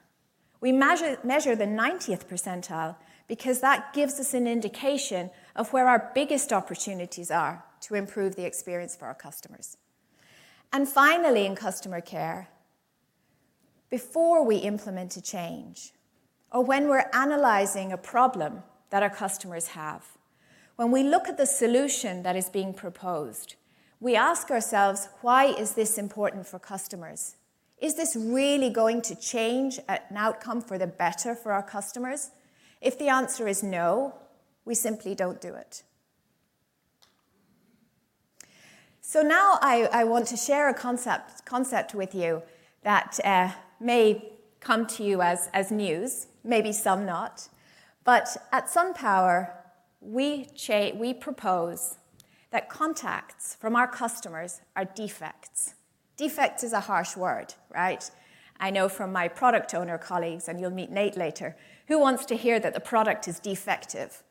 We measure the 90th percentile because that gives us an indication of where our biggest opportunities are to improve the experience for our customers. Finally, in customer care, before we implement a change or when we're analyzing a problem that our customers have, when we look at the solution that is being proposed, we ask ourselves, "Why is this important for customers? Is this really going to change an outcome for the better for our customers?" If the answer is no, we simply don't do it. Now I want to share a concept with you that may come to you as news, maybe some not. At SunPower, we propose that contacts from our customers are defects. Defect is a harsh word, right? I know from my product owner colleagues, and you'll meet Nate later, who wants to hear that the product is defective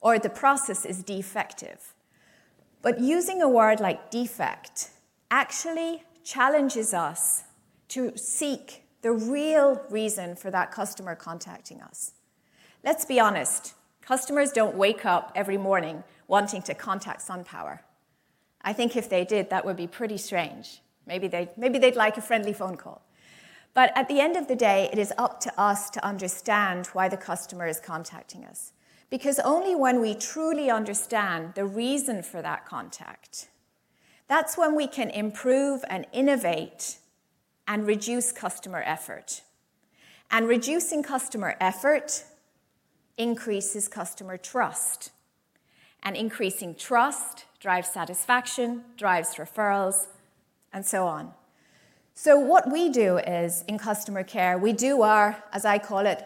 or the process is defective. Using a word like defect actually challenges us to seek the real reason for that customer contacting us. Let's be honest. Customers don't wake up every morning wanting to contact SunPower. I think if they did, that would be pretty strange. Maybe they'd like a friendly phone call. At the end of the day, it is up to us to understand why the customer is contacting us because only when we truly understand the reason for that contact, that's when we can improve and innovate and reduce customer effort and reducing customer effort increases customer trust, and increasing trust drives satisfaction, drives referrals, and so on. What we do is, in customer care, we do our, as I call it,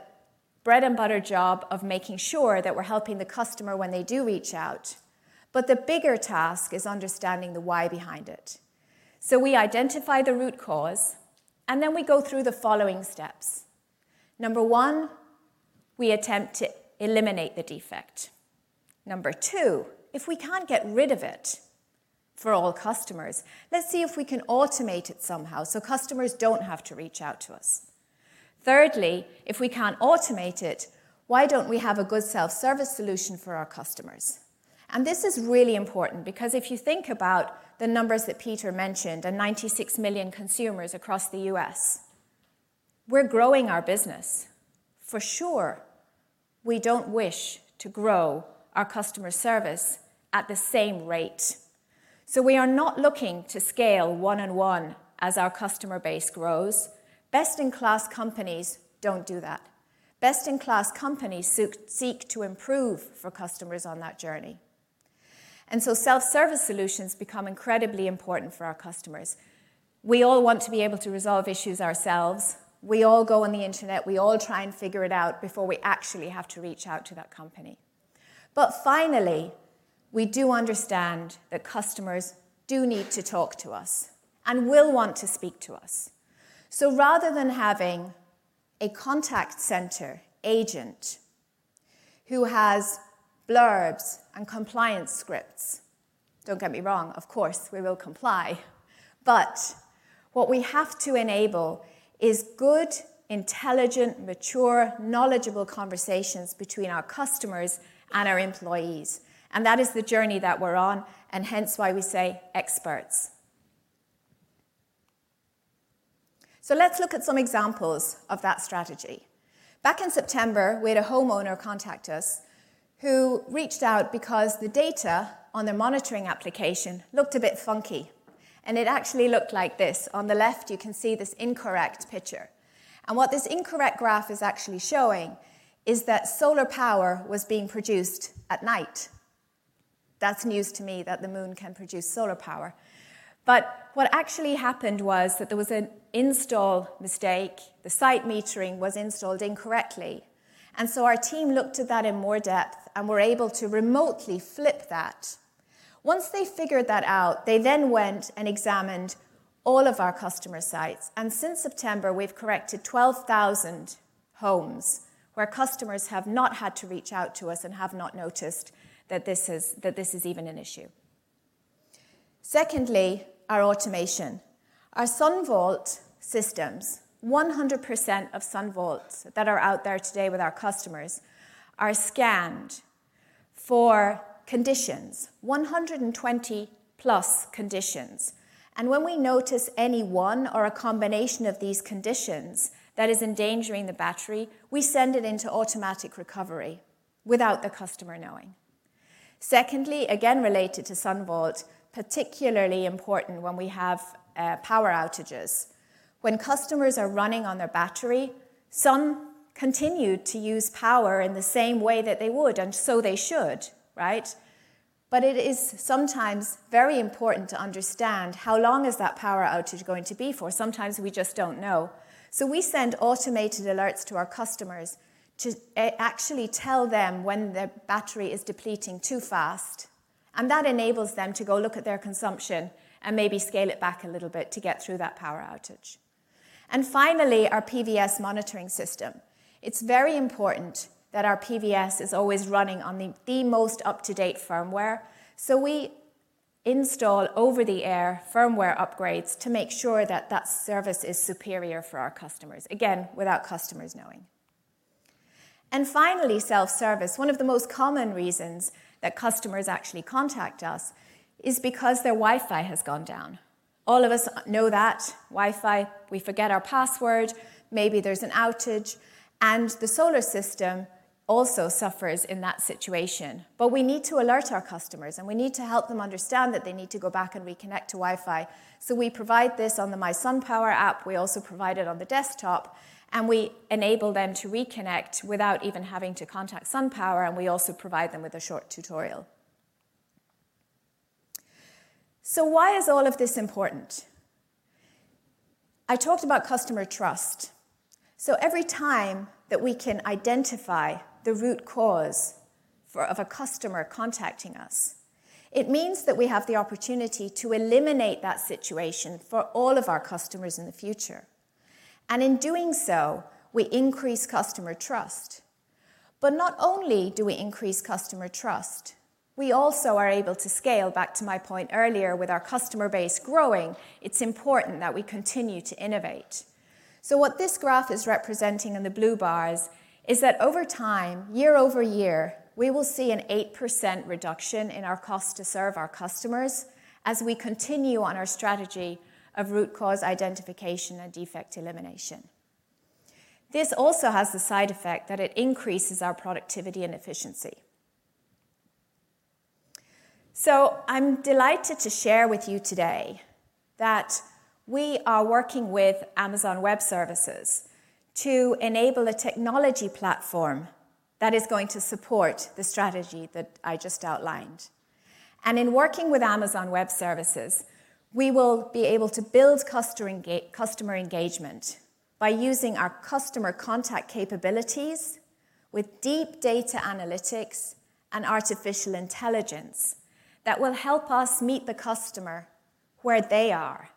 bread and butter job of making sure that we're helping the customer when they do reach out. The bigger task is understanding the why behind it. We identify the root cause, and then we go through the following steps. Number two, we attempt to eliminate the defect. Number two, if we can't get rid of it for all customers, let's see if we can automate it somehow so customers don't have to reach out to us. Thirdly, if we can't automate it, why don't we have a good self-service solution for our customers? This is really important because if you think about the numbers that Peter mentioned, the 96 million consumers across the U.S., we're growing our business. For sure, we don't wish to grow our customer service at the same rate. We are not looking to scale one-on-one as our customer base grows. Best-in-class companies don't do that. Best-in-class companies seek to improve for customers on that journey. Self-service solutions become incredibly important for our customers. We all want to be able to resolve issues ourselves. We all go on the internet. We all try and figure it out before we actually have to reach out to that company. Finally, we do understand that customers do need to talk to us and will want to speak to us. Rather than having a contact center agent who has blurbs and compliance scripts, don't get me wrong, of course, we will comply, but what we have to enable is good, intelligent, mature, knowledgeable conversations between our customers and our employees. That is the journey that we're on, and hence why we say experts. Let's look at some examples of that strategy. Back in September, we had a homeowner contact us who reached out because the data on their monitoring application looked a bit funky, and it actually looked like this. On the left, you can see this incorrect picture, and what this incorrect graph is actually showing is that solar power was being produced at night. That's news to me that the moon can produce solar power. What actually happened was that there was an install mistake. The site metering was installed incorrectly, and so our team looked at that in more depth and were able to remotely flip that. Once they figured that out, they then went and examined all of our customer sites, and since September, we've corrected 12,000 homes where customers have not had to reach out to us and have not noticed that this is even an issue. Secondly, our automation. Our SunVault systems, 100% of SunVaults that are out there today with our customers are scanned for conditions, 120+ conditions. When we notice any one or a combination of these conditions that is endangering the battery, we send it into automatic recovery without the customer knowing. Secondly, again related to SunVault, particularly important when we have power outages. When customers are running on their battery, some continue to use power in the same way that they would, and so they should, right? It is sometimes very important to understand how long is that power outage going to be for. Sometimes we just don't know. We send automated alerts to our customers to actually tell them when their battery is depleting too fast, and that enables them to go look at their consumption and maybe scale it back a little bit to get through that power outage. Finally, our PVS monitoring system. It's very important that our PVS is always running on the most up-to-date firmware, so we install over-the-air firmware upgrades to make sure that service is superior for our customers, again, without customers knowing. Finally, self-service. One of the most common reasons that customers actually contact us is because their Wi-Fi has gone down. All of us know that Wi-Fi, we forget our password, maybe there's an outage, and the solar system also suffers in that situation. We need to alert our customers, and we need to help them understand that they need to go back and reconnect to Wi-Fi. We provide this on the mySunPower app, we also provide it on the desktop, and we enable them to reconnect without even having to contact SunPower, and we also provide them with a short tutorial. Why is all of this important? I talked about customer trust. Every time that we can identify the root cause of a customer contacting us, it means that we have the opportunity to eliminate that situation for all of our customers in the future. In doing so, we increase customer trust. Not only do we increase customer trust, we also are able to scale, back to my point earlier, with our customer base growing, it's important that we continue to innovate. What this graph is representing in the blue bars is that over time, year-over-year, we will see an 8% reduction in our cost to serve our customers as we continue on our strategy of root cause identification and defect elimination. This also has the side effect that it increases our productivity and efficiency. I'm delighted to share with you today that we are working with Amazon Web Services to enable a technology platform that is going to support the strategy that I just outlined. In working with Amazon Web Services, we will be able to build customer engagement by using our customer contact capabilities with deep data analytics and artificial intelligence that will help us meet the customer where they are.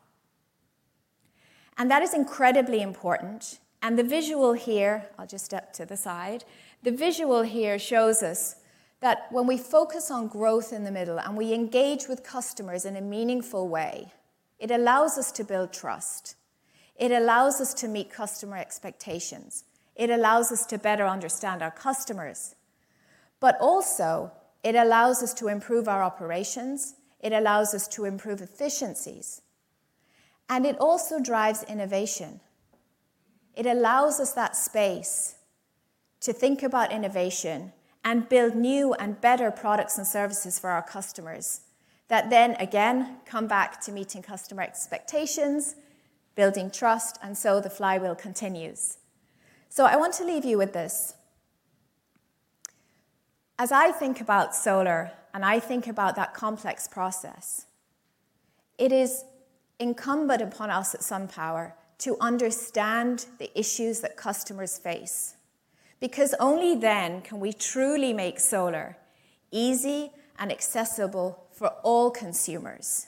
That is incredibly important, and the visual here, I'll just step to the side, the visual here shows us that when we focus on growth in the middle and we engage with customers in a meaningful way, it allows us to build trust. It allows us to meet customer expectations. It allows us to better understand our customers. But also, it allows us to improve our operations, it allows us to improve efficiencies, and it also drives innovation. It allows us that space to think about innovation and build new and better products and services for our customers that then again come back to meeting customer expectations, building trust, and so the flywheel continues. I want to leave you with this. As I think about solar and I think about that complex process, it is incumbent upon us at SunPower to understand the issues that customers face, because only then can we truly make solar easy and accessible for all consumers.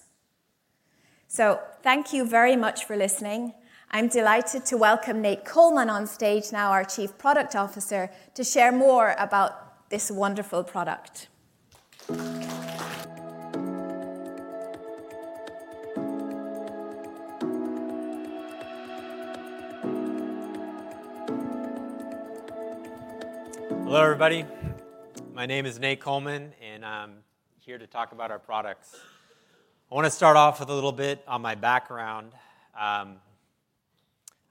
Thank you very much for listening. I'm delighted to welcome Nate Coleman on stage now, our Chief Products Officer, to share more about this wonderful product. Hello, everybody. My name is Nate Coleman, and I'm here to talk about our products. I wanna start off with a little bit on my background, on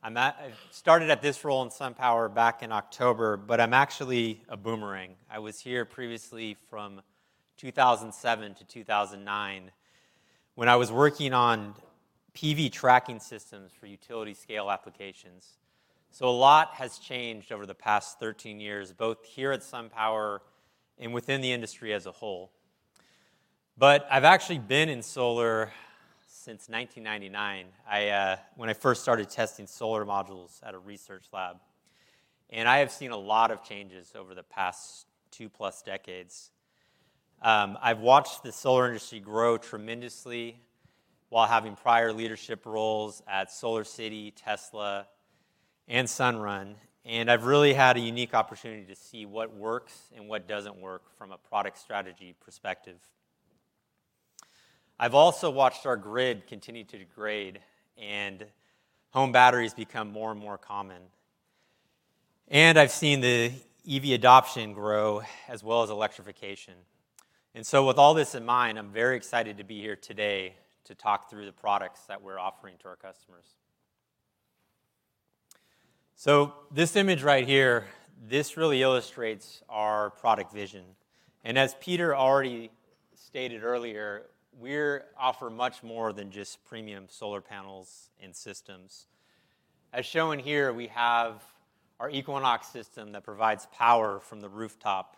that I started at this role in SunPower back in October, but I'm actually a boomerang. I was here previously from 2007-2009 when I was working on PV tracking systems for utility scale applications. A lot has changed over the past 13 years, both here at SunPower and within the industry as a whole. I've actually been in solar since 1999 when I first started testing solar modules at a research lab, and I have seen a lot of changes over the past 2+ decades. I've watched the solar industry grow tremendously while having prior leadership roles at SolarCity, Tesla, and Sunrun, and I've really had a unique opportunity to see what works and what doesn't work from a product strategy perspective. I've also watched our grid continue to degrade and home batteries become more and more common. I've seen the EV adoption grow as well as electrification. With all this in mind, I'm very excited to be here today to talk through the products that we're offering to our customers. This image right here, this really illustrates our product vision. As Peter already stated earlier, we offer much more than just premium solar panels and systems. As shown here, we have our Equinox system that provides power from the rooftop.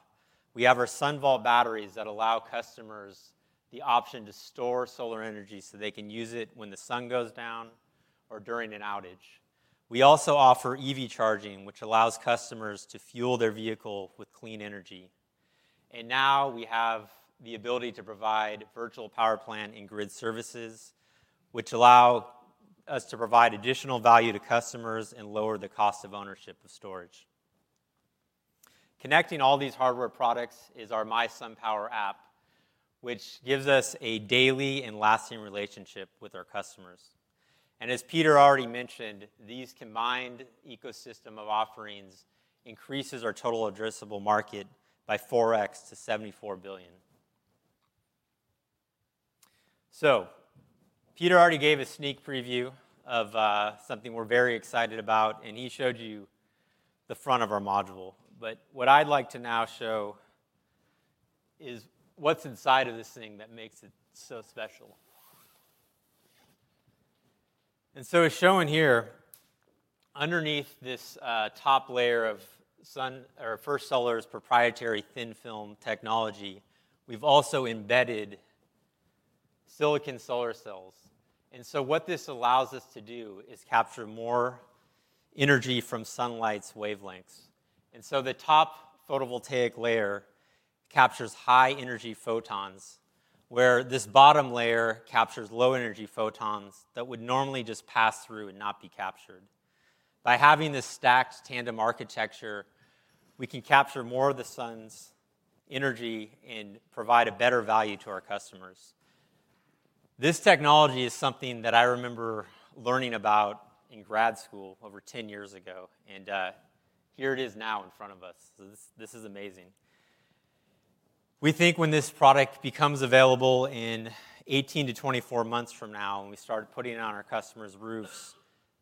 We have our SunVault batteries that allow customers the option to store solar energy so they can use it when the sun goes down or during an outage. We also offer EV charging, which allows customers to fuel their vehicle with clean energy. Now we have the ability to provide virtual power plant and grid services, which allow us to provide additional value to customers and lower the cost of ownership of storage. Connecting all these hardware products is our mySunPower app, which gives us a daily and lasting relationship with our customers. As Peter already mentioned, these combined ecosystem of offerings increases our total addressable market by 4x to $74 billion. Peter already gave a sneak preview of something we're very excited about, and he showed you the front of our module. What I'd like to now show is what's inside of this thing that makes it so special. As shown here, underneath this top layer of First Solar's proprietary thin-film technology, we've also embedded silicon solar cells. What this allows us to do is capture more energy from sunlight's wavelengths. The top photovoltaic layer captures high-energy photons, where this bottom layer captures low-energy photons that would normally just pass through and not be captured. By having this stacked tandem architecture, we can capture more of the sun's energy and provide a better value to our customers. This technology is something that I remember learning about in grad school over 10 years ago, and here it is now in front of us. This is amazing. We think when this product becomes available in 18-24 months from now, when we start putting it on our customers' roofs,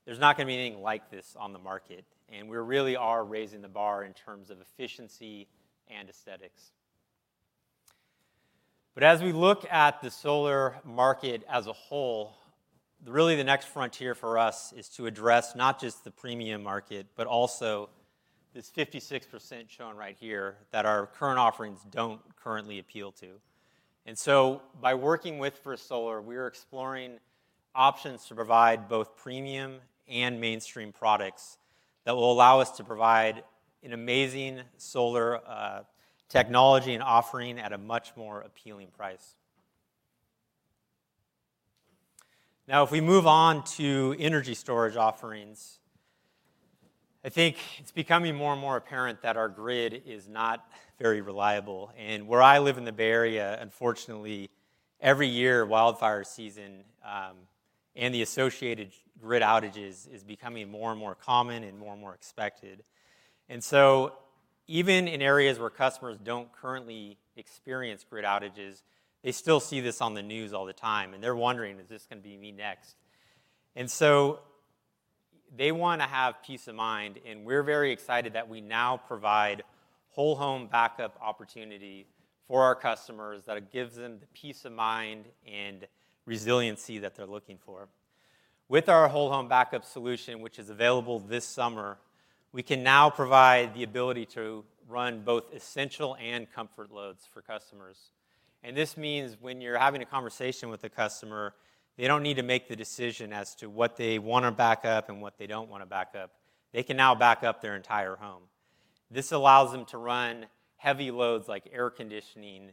there's not gonna be anything like this on the market, and we really are raising the bar in terms of efficiency and aesthetics. As we look at the solar market as a whole, really the next frontier for us is to address not just the premium market, but also this 56% shown right here that our current offerings don't currently appeal to. By working with First Solar, we're exploring options to provide both premium and mainstream products that will allow us to provide an amazing solar technology and offering at a much more appealing price. Now, if we move on to energy storage offerings, I think it's becoming more and more apparent that our grid is not very reliable. Where I live in the Bay Area, unfortunately, every year, wildfire season, and the associated grid outages is becoming more and more common and more and more expected. Even in areas where customers don't currently experience grid outages, they still see this on the news all the time, and they're wondering, "Is this gonna be me next?" They wanna have peace of mind, and we're very excited that we now provide whole-home backup opportunity for our customers that gives them the peace of mind and resiliency that they're looking for. With our whole-home backup solution, which is available this summer, we can now provide the ability to run both essential and comfort loads for customers. This means when you're having a conversation with a customer, they don't need to make the decision as to what they wanna back up and what they don't wanna back up. They can now back up their entire home. This allows them to run heavy loads like air conditioning,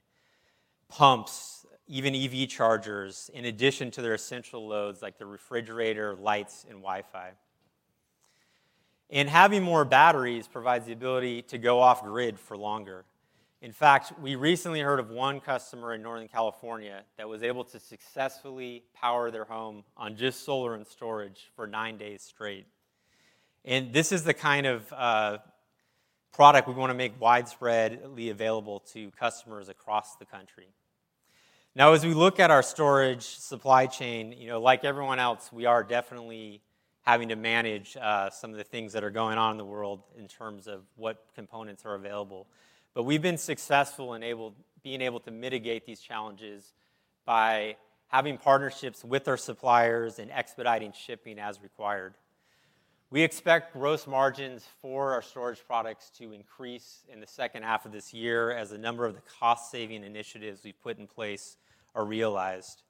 pumps, even EV chargers, in addition to their essential loads like the refrigerator, lights, and Wi-Fi. Having more batteries provides the ability to go off grid for longer. In fact, we recently heard of one customer in Northern California that was able to successfully power their home on just solar and storage for nine days straight. This is the kind of product we wanna make widespreadly available to customers across the country. Now, as we look at our storage supply chain, you know, like everyone else, we are definitely having to manage some of the things that are going on in the world in terms of what components are available. But we've been successful in being able to mitigate these challenges by having partnerships with our suppliers and expediting shipping as required. We expect gross margins for our storage products to increase in the second half of this year as a number of the cost-saving initiatives we've put in place are realized.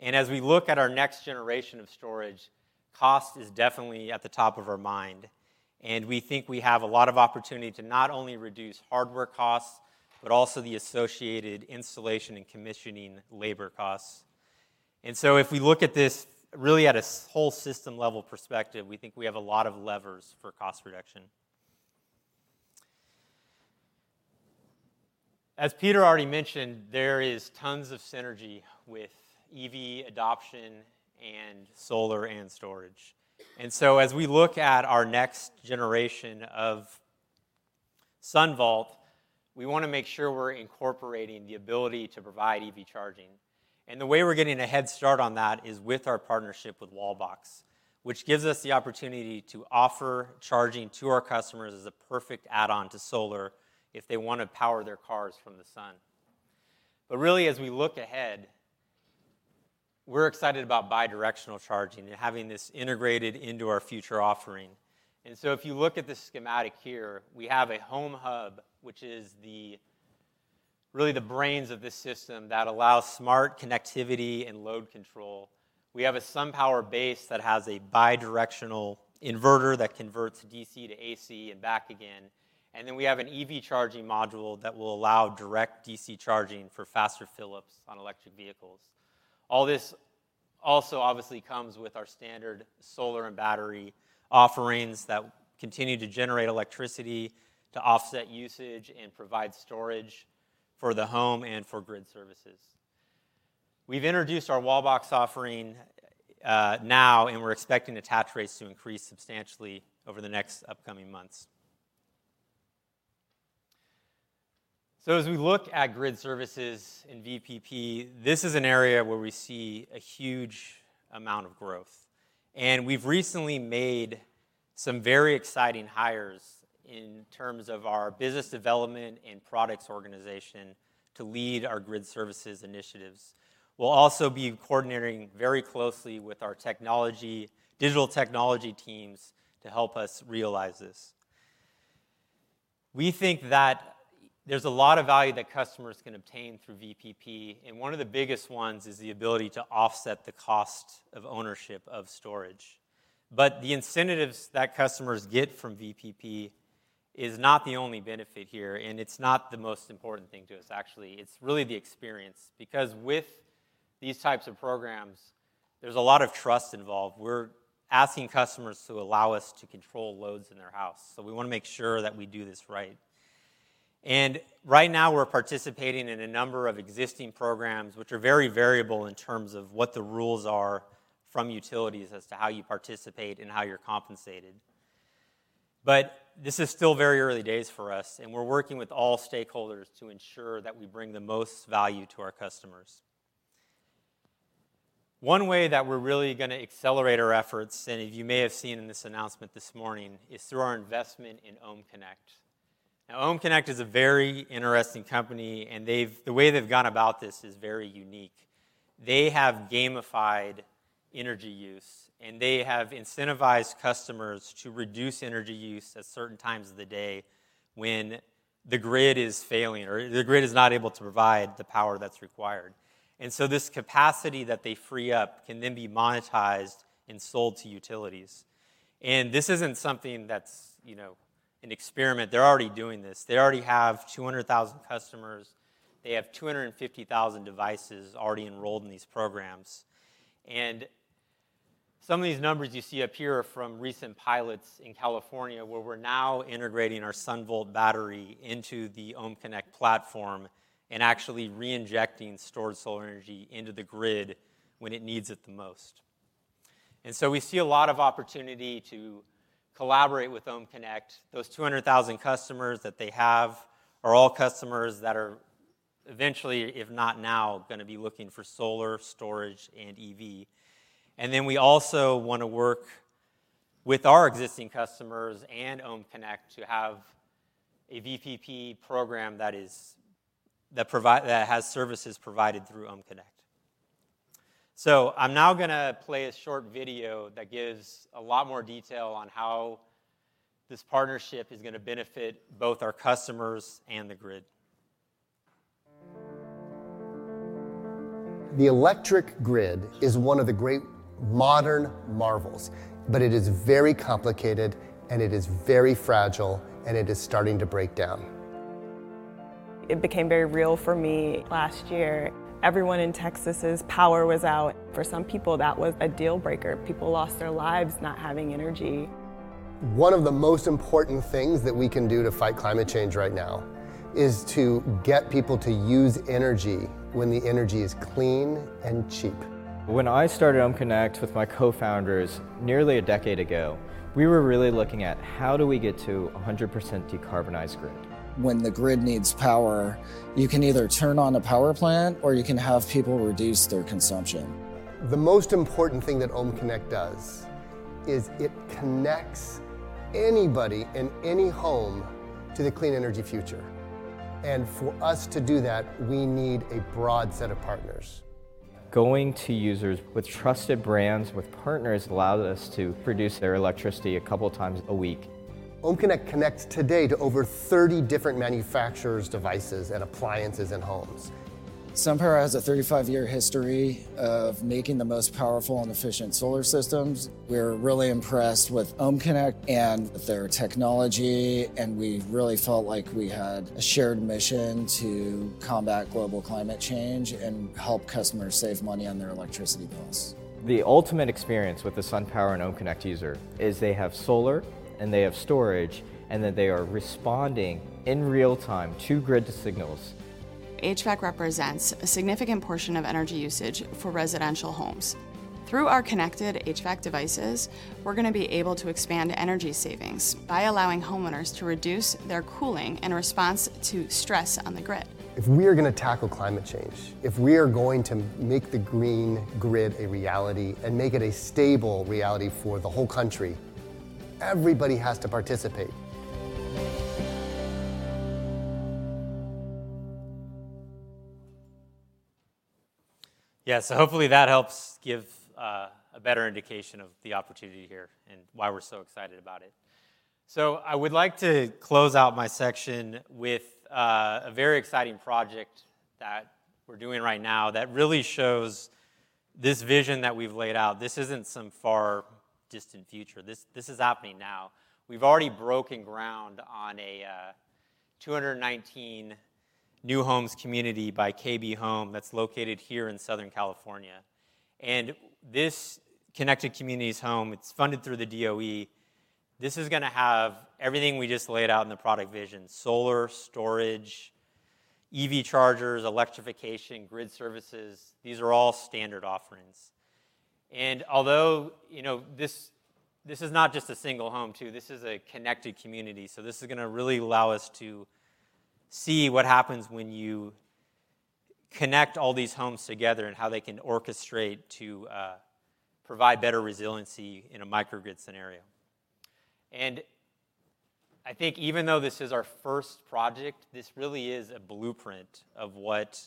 As we look at our next generation of storage, cost is definitely at the top of our mind, and we think we have a lot of opportunity to not only reduce hardware costs, but also the associated installation and commissioning labor costs. If we look at this really at a whole system-level perspective, we think we have a lot of levers for cost reduction. As Peter already mentioned, there is tons of synergy with EV adoption and solar and storage. As we look at our next generation of SunVault, we wanna make sure we're incorporating the ability to provide EV charging. The way we're getting a head start on that is with our partnership with Wallbox, which gives us the opportunity to offer charging to our customers as a perfect add-on to solar if they wanna power their cars from the sun. Really, as we look ahead, we're excited about bi-directional charging and having this integrated into our future offering. If you look at this schematic here, we have a home hub, which is really the brains of this system that allows smart connectivity and load control. We have a SunPower base that has a bidirectional inverter that converts DC to AC and back again. We have an EV charging module that will allow direct DC charging for faster fill-ups on electric vehicles. All this also obviously comes with our standard solar and battery offerings that continue to generate electricity to offset usage and provide storage for the home and for grid services. We've introduced our Wallbox offering now, and we're expecting attach rates to increase substantially over the next upcoming months. As we look at grid services in VPP, this is an area where we see a huge amount of growth, and we've recently made some very exciting hires in terms of our business development and products organization to lead our grid services initiatives. We'll also be coordinating very closely with our technology and digital technology teams to help us realize this. We think that there's a lot of value that customers can obtain through VPP, and one of the biggest ones is the ability to offset the cost of ownership of storage. The incentives that customers get from VPP is not the only benefit here, and it's not the most important thing to us, actually. It's really the experience, because with these types of programs, there's a lot of trust involved. We're asking customers to allow us to control loads in their house, so we wanna make sure that we do this right. Right now, we're participating in a number of existing programs which are very variable in terms of what the rules are from utilities as to how you participate and how you're compensated. This is still very early days for us, and we're working with all stakeholders to ensure that we bring the most value to our customers. One way that we're really gonna accelerate our efforts, and you may have seen in this announcement this morning, is through our investment in OhmConnect. Now, OhmConnect is a very interesting company, and they've, the way they've gone about this is very unique. They have gamified energy use, and they have incentivized customers to reduce energy use at certain times of the day when the grid is failing or the grid is not able to provide the power that's required. This capacity that they free up can then be monetized and sold to utilities. This isn't something that's, you know, an experiment. They're already doing this. They already have 200,000 customers. They have 250,000 devices already enrolled in these programs. Some of these numbers you see up here are from recent pilots in California, where we're now integrating our SunVault battery into the OhmConnect platform and actually reinjecting stored solar energy into the grid when it needs it the most. We see a lot of opportunity to collaborate with OhmConnect. Those 200,000 customers that they have are all customers that are eventually, if not now, gonna be looking for solar, storage, and EV. We also wanna work with our existing customers and OhmConnect to have a VPP program that has services provided through OhmConnect. I'm now gonna play a short video that gives a lot more detail on how this partnership is gonna benefit both our customers and the grid. The electric grid is one of the great modern marvels, but it is very complicated, and it is very fragile, and it is starting to break down. It became very real for me last year. Everyone in Texas' power was out. For some people, that was a deal breaker. People lost their lives not having energy. One of the most important things that we can do to fight climate change right now is to get people to use energy when the energy is clean and cheap. When I started OhmConnect with my co-founders nearly a decade ago, we were really looking at, how do we get to 100% decarbonized grid? When the grid needs power, you can either turn on a power plant, or you can have people reduce their consumption. The most important thing that OhmConnect does is it connects anybody in any home to the clean energy future. For us to do that, we need a broad set of partners. Going to users with trusted brands, with partners, allowed us to produce their electricity a couple times a week. OhmConnect connects today to over 30 different manufacturers, devices, and appliances in homes. SunPower has a 35-year history of making the most powerful and efficient solar systems. We're really impressed with OhmConnect and their technology, and we really felt like we had a shared mission to combat global climate change and help customers save money on their electricity bills. The ultimate experience with the SunPower and OhmConnect user is they have solar, and they have storage, and that they are responding in real time to grid signals. HVAC represents a significant portion of energy usage for residential homes. Through our connected HVAC devices, we're gonna be able to expand energy savings by allowing homeowners to reduce their cooling in response to stress on the grid. If we are gonna tackle climate change, if we are going to make the green grid a reality and make it a stable reality for the whole country, everybody has to participate. Yeah, hopefully that helps give a better indication of the opportunity here and why we're so excited about it. I would like to close out my section with a very exciting project that we're doing right now that really shows this vision that we've laid out. This isn't some far distant future. This is happening now. We've already broken ground on a 219 new homes community by KB Home that's located here in Southern California. This connected community's home, it's funded through the DOE. This is gonna have everything we just laid out in the product vision: solar, storage, EV chargers, electrification, grid services. These are all standard offerings. Although, you know, this is not just a single home too, this is a connected community. This is gonna really allow us to see what happens when you connect all these homes together and how they can orchestrate to provide better resiliency in a microgrid scenario. I think even though this is our first project, this really is a blueprint of what,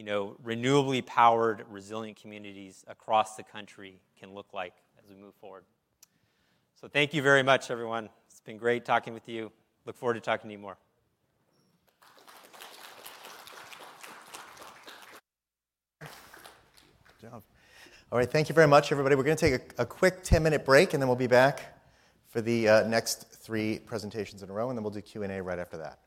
you know, renewably powered, resilient communities across the country can look like as we move forward. Thank you very much, everyone. It's been great talking with you. Look forward to talking to you more. Good job. All right. Thank you very much, everybody. We're gonna take a quick 10-minute break, and then we'll be back for the next three presentations in a row, and then we'll do Q&A right after that.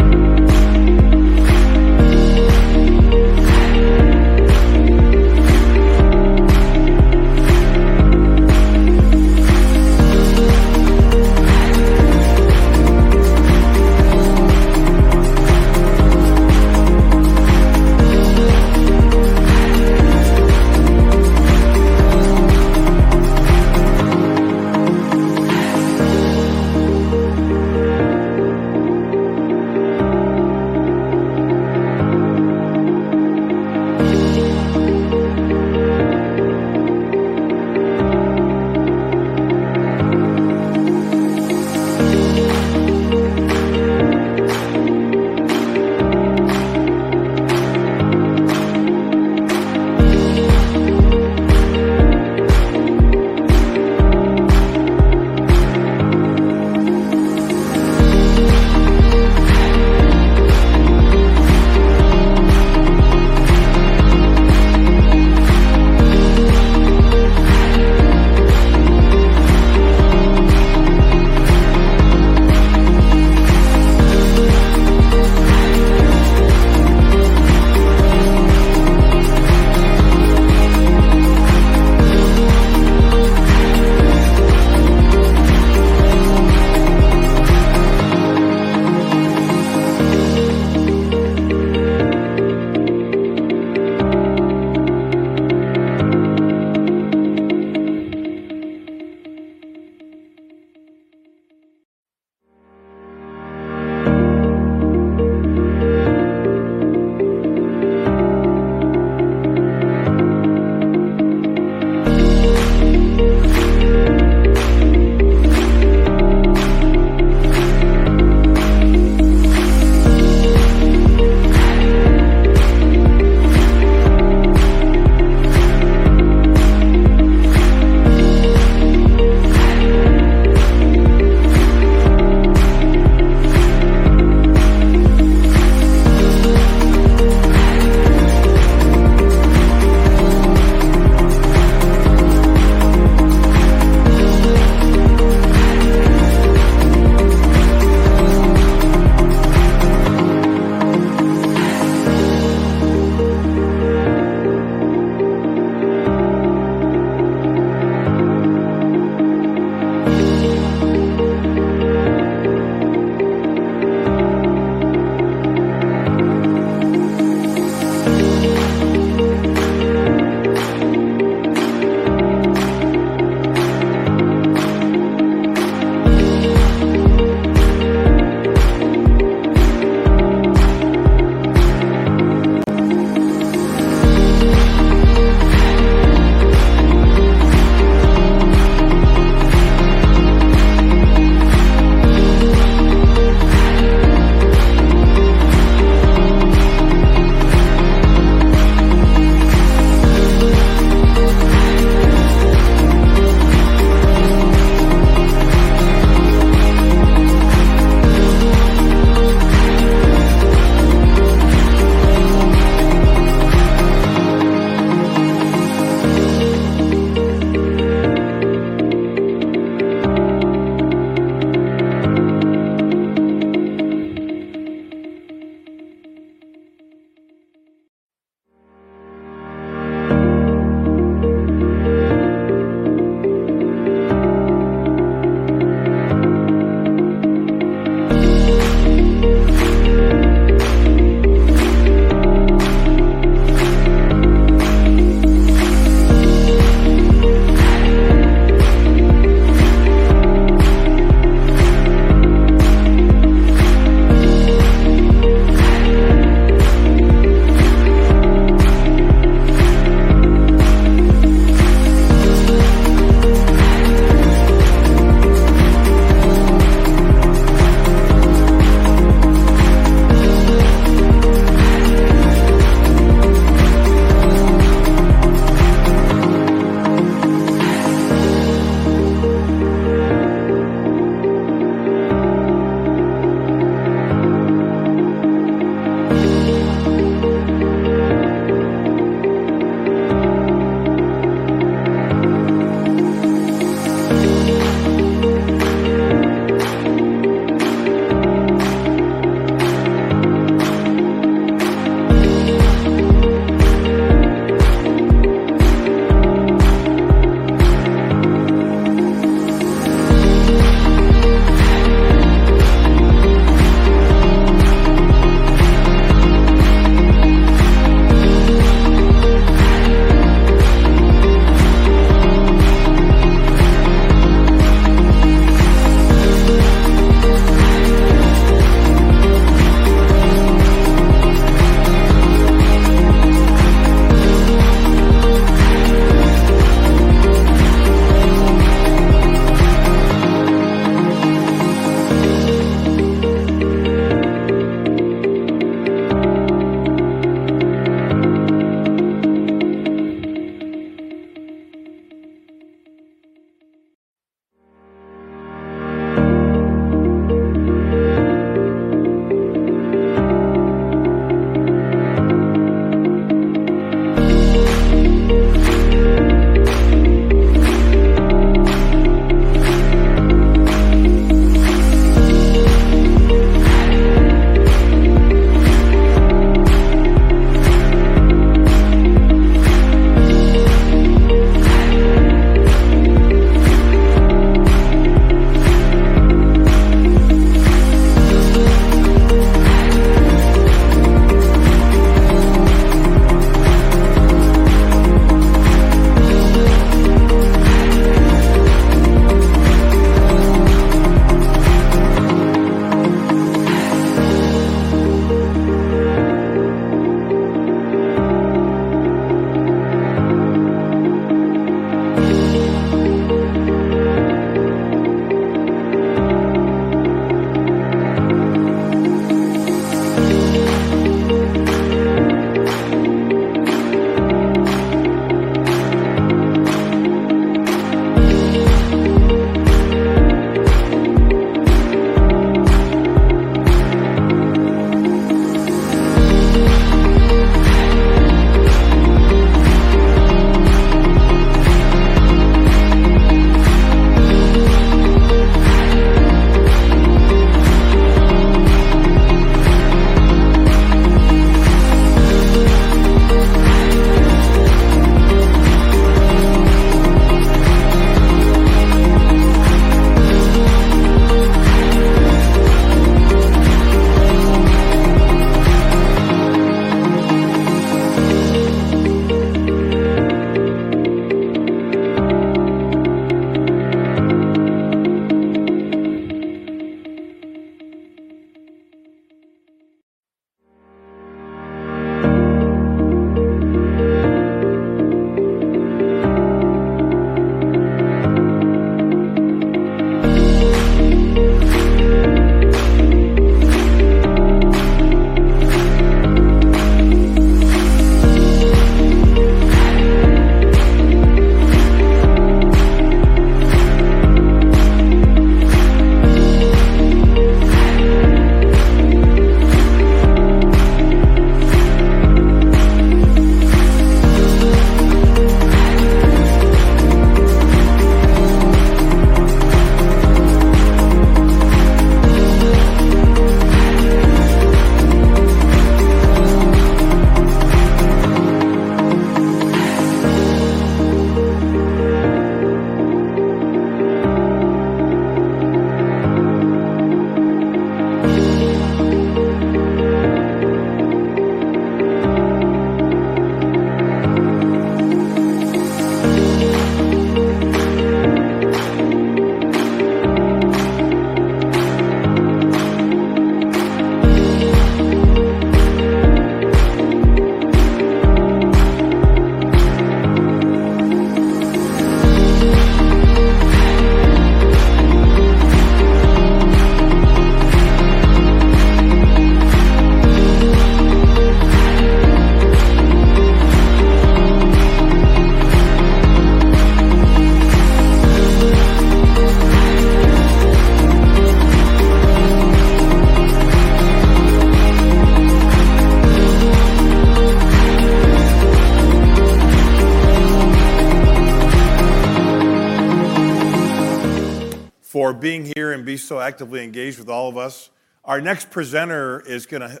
Okay? Thank you for being here and being so actively engaged with all of us. Our next presenter is gonna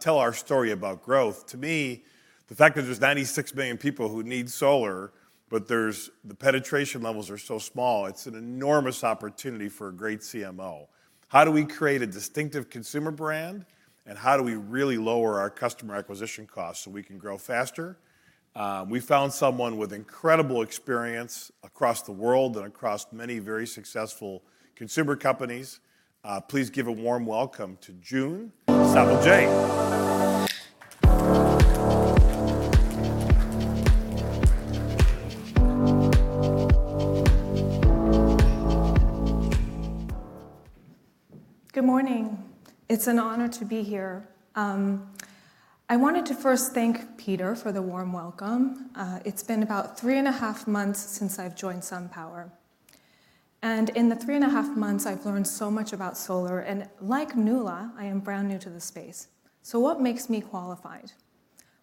tell our story about growth. To me, the fact that there's 96 million people who need solar, but the penetration levels are so small, it's an enormous opportunity for a great CMO. How do we create a distinctive consumer brand, and how do we really lower our customer acquisition costs so we can grow faster? We found someone with incredible experience across the world and across many very successful consumer companies. Please give a warm welcome to June Sauvaget. Good morning. It's an honor to be here. I wanted to first thank Peter for the warm welcome. It's been about three and a half months since I've joined SunPower, and in the three and a half months, I've learned so much about solar, and like Nuala, I am brand new to the space. What makes me qualified?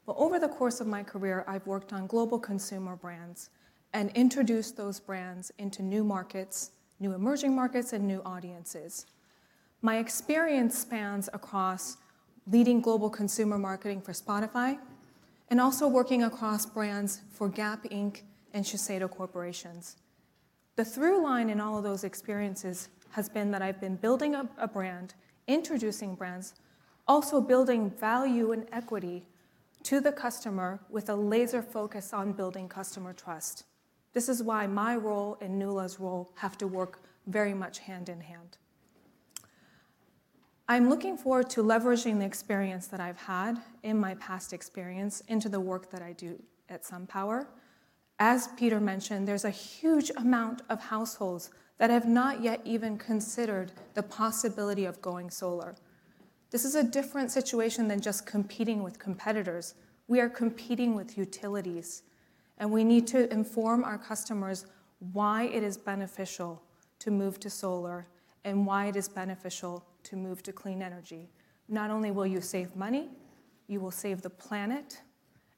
Well, over the course of my career, I've worked on global consumer brands and introduced those brands into new markets, new emerging markets, and new audiences. My experience spans across leading global consumer marketing for Spotify and also working across brands for Gap Inc and Shiseido Corporation. The through line in all of those experiences has been that I've been building up a brand, introducing brands, also building value and equity to the customer with a laser focus on building customer trust. This is why my role and Nuala's role have to work very much hand in hand. I'm looking forward to leveraging the experience that I've had in my past experience into the work that I do at SunPower. As Peter mentioned, there's a huge amount of households that have not yet even considered the possibility of going solar. This is a different situation than just competing with competitors. We are competing with utilities, and we need to inform our customers why it is beneficial to move to solar and why it is beneficial to move to clean energy. Not only will you save money, you will save the planet,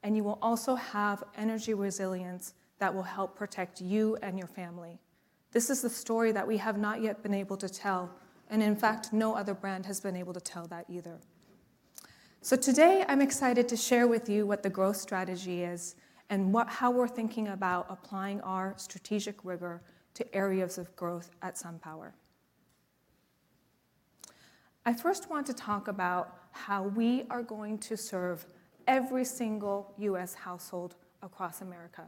and you will also have energy resilience that will help protect you and your family. This is the story that we have not yet been able to tell, and in fact, no other brand has been able to tell that either. Today, I'm excited to share with you what the growth strategy is and how we're thinking about applying our strategic rigor to areas of growth at SunPower. I first want to talk about how we are going to serve every single U.S. household across America.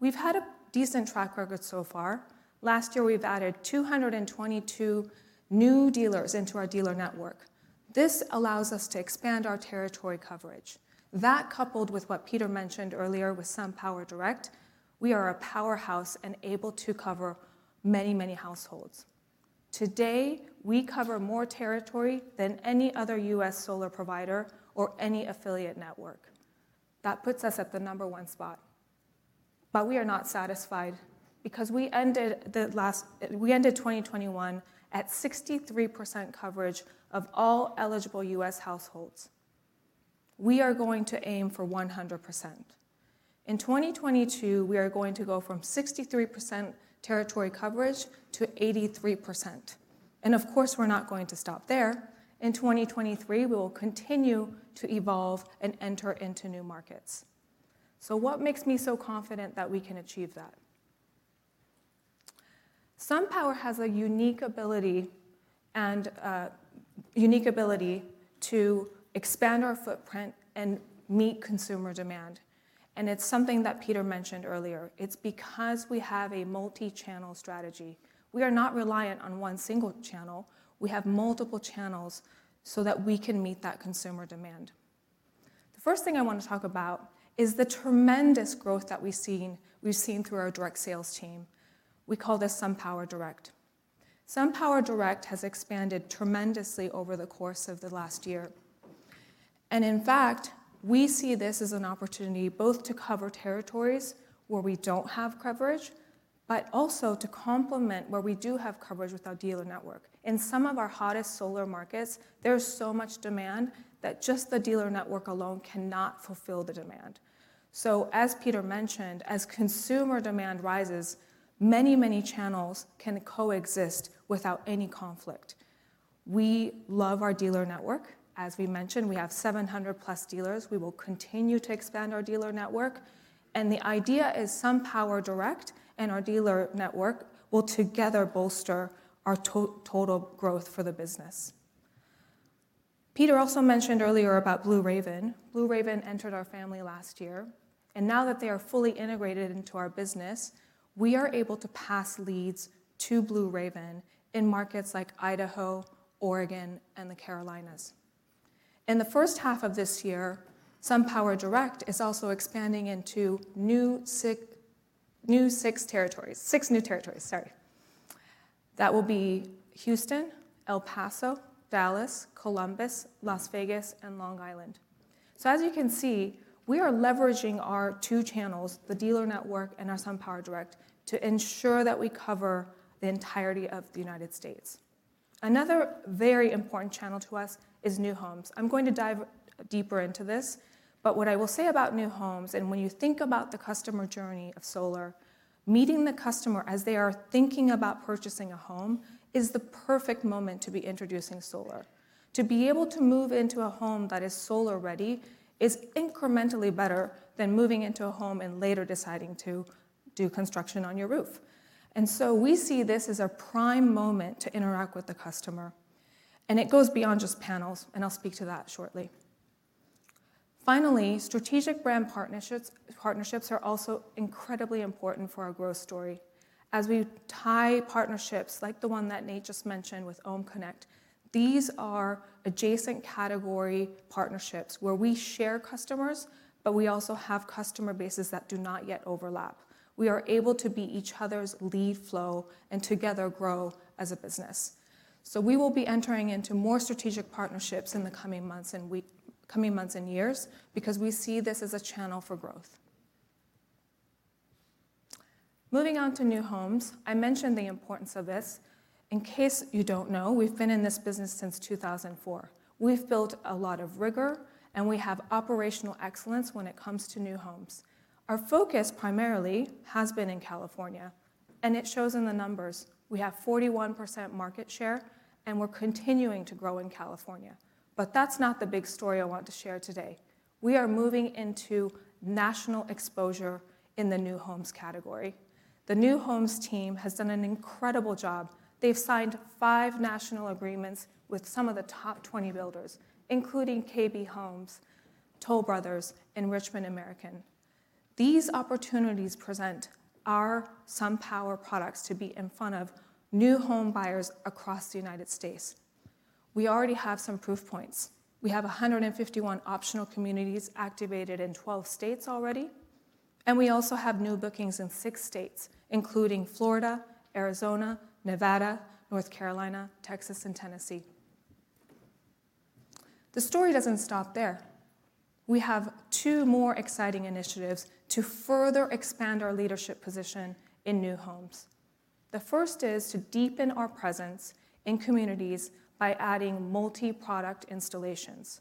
We've had a decent track record so far. Last year, we've added 222 new dealers into our dealer network. This allows us to expand our territory coverage. That coupled with what Peter mentioned earlier with SunPower Direct, we are a powerhouse and able to cover many, many households. Today, we cover more territory than any other U.S. solar provider or any affiliate network. That puts us at the number one spot. We are not satisfied because we ended 2021 at 63% coverage of all eligible U.S. households. We are going to aim for 100%. In 2022, we are going to go from 63% territory coverage to 83%. Of course, we're not going to stop there. In 2023, we will continue to evolve and enter into new markets. What makes me so confident that we can achieve that? SunPower has a unique ability to expand our footprint and meet consumer demand, and it's something that Peter mentioned earlier. It's because we have a multi-channel strategy. We are not reliant on one single channel. We have multiple channels so that we can meet that consumer demand. The first thing I want to talk about is the tremendous growth that we've seen through our direct sales team. We call this SunPower Direct. SunPower Direct has expanded tremendously over the course of the last year. In fact, we see this as an opportunity both to cover territories where we don't have coverage, but also to complement where we do have coverage with our dealer network. In some of our hottest solar markets, there's so much demand that just the dealer network alone cannot fulfill the demand. As Peter mentioned, as consumer demand rises, many, many channels can coexist without any conflict. We love our dealer network. We mentioned, we have 700+ dealers. We will continue to expand our dealer network. The idea is SunPower Direct and our dealer network will together bolster our total growth for the business. Peter also mentioned earlier about Blue Raven. Blue Raven entered our family last year, and now that they are fully integrated into our business, we are able to pass leads to Blue Raven in markets like Idaho, Oregon, and the Carolinas. In the first half of this year, SunPower Direct is also expanding into six new territories, sorry. That will be Houston, El Paso, Dallas, Columbus, Las Vegas, and Long Island. You can see, we are leveraging our two channels, the dealer network and our SunPower Direct, to ensure that we cover the entirety of the U.S. Another very important channel to us is new homes. I'm going to dive deeper into this, but what I will say about new homes, and when you think about the customer journey of solar, meeting the customer as they are thinking about purchasing a home is the perfect moment to be introducing solar. To be able to move into a home that is solar ready is incrementally better than moving into a home and later deciding to do construction on your roof. We see this as a prime moment to interact with the customer, and it goes beyond just panels, and I'll speak to that shortly. Finally, strategic brand partnerships are also incredibly important for our growth story. As we tie partnerships like the one that Nate just mentioned with OhmConnect, these are adjacent category partnerships where we share customers, but we also have customer bases that do not yet overlap. We are able to be each other's lead flow and together grow as a business. We will be entering into more strategic partnerships in the coming months and years because we see this as a channel for growth. Moving on to new homes. I mentioned the importance of this. In case you don't know, we've been in this business since 2004. We've built a lot of rigor, and we have operational excellence when it comes to new homes. Our focus primarily has been in California, and it shows in the numbers. We have 41% market share, and we're continuing to grow in California. But that's not the big story I want to share today. We are moving into national exposure in the new homes category. The new homes team has done an incredible job. They've signed five national agreements with some of the top 20 builders, including KB Home, Toll Brothers, and Richmond American. These opportunities present our SunPower products to be in front of new home buyers across the U.S. We already have some proof points. We have 151 optional communities activated in 12 states already, and we also have new bookings in six states, including Florida, Arizona, Nevada, North Carolina, Texas, and Tennessee. The story doesn't stop there. We have two more exciting initiatives to further expand our leadership position in new homes. The first is to deepen our presence in communities by adding multi-product installations.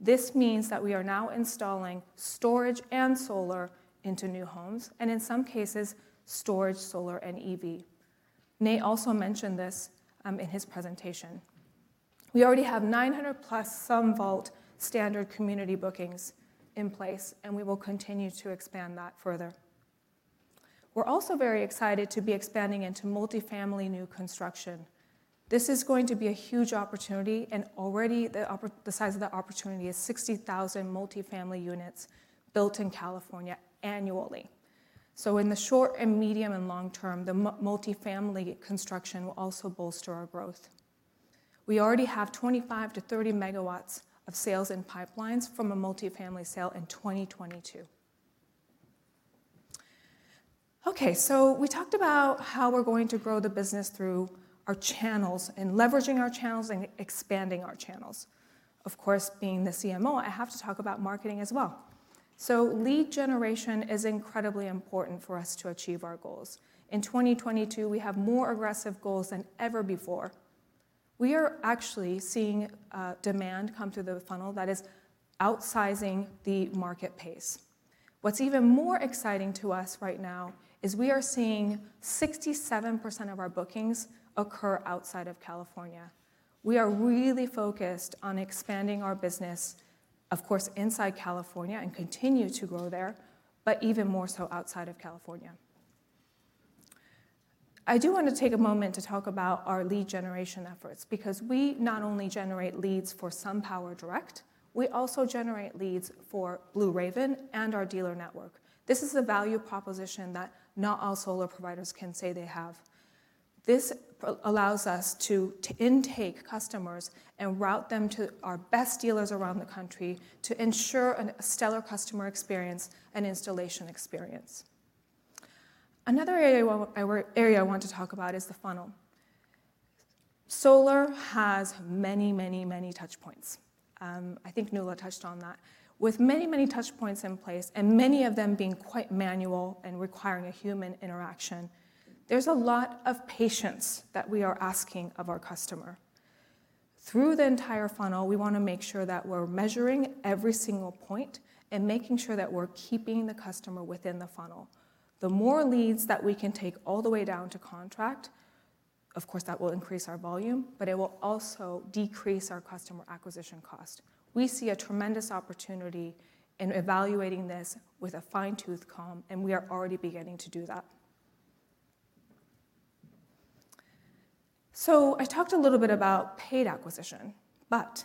This means that we are now installing storage and solar into new homes, and in some cases, storage, solar, and EV. Nate also mentioned this in his presentation. We already have 900+ SunVault standard community bookings in place, and we will continue to expand that further. We're also very excited to be expanding into multifamily new construction. This is going to be a huge opportunity, and already the size of the opportunity is 60,000 multifamily units built in California annually. In the short and medium and long term, the multifamily construction will also bolster our growth. We already have 25 MW-30 MW of sales in pipelines from a multifamily sale in 2022. Okay. We talked about how we're going to grow the business through our channels and leveraging our channels and expanding our channels. Of course, being the CMO, I have to talk about marketing as well. Lead generation is incredibly important for us to achieve our goals. In 2022, we have more aggressive goals than ever before. We are actually seeing demand come through the funnel that is outpacing the market pace. What's even more exciting to us right now is we are seeing 67% of our bookings occur outside of California. We are really focused on expanding our business, of course, inside California and continue to grow there, but even more so outside of California. I do want to take a moment to talk about our lead generation efforts because we not only generate leads for SunPower Direct, we also generate leads for Blue Raven and our dealer network. This is a value proposition that not all solar providers can say they have. This allows us to intake customers and route them to our best dealers around the country to ensure a stellar customer experience and installation experience. Another area I want to talk about is the funnel. Solar has many, many, many touch points. I think Nuala touched on that. With many, many touch points in place and many of them being quite manual and requiring a human interaction, there's a lot of patience that we are asking of our customer. Through the entire funnel, we wanna make sure that we're measuring every single point and making sure that we're keeping the customer within the funnel. The more leads that we can take all the way down to contract, of course, that will increase our volume, but it will also decrease our customer acquisition cost. We see a tremendous opportunity in evaluating this with a fine-tooth comb, and we are already beginning to do that. I talked a little bit about paid acquisition, but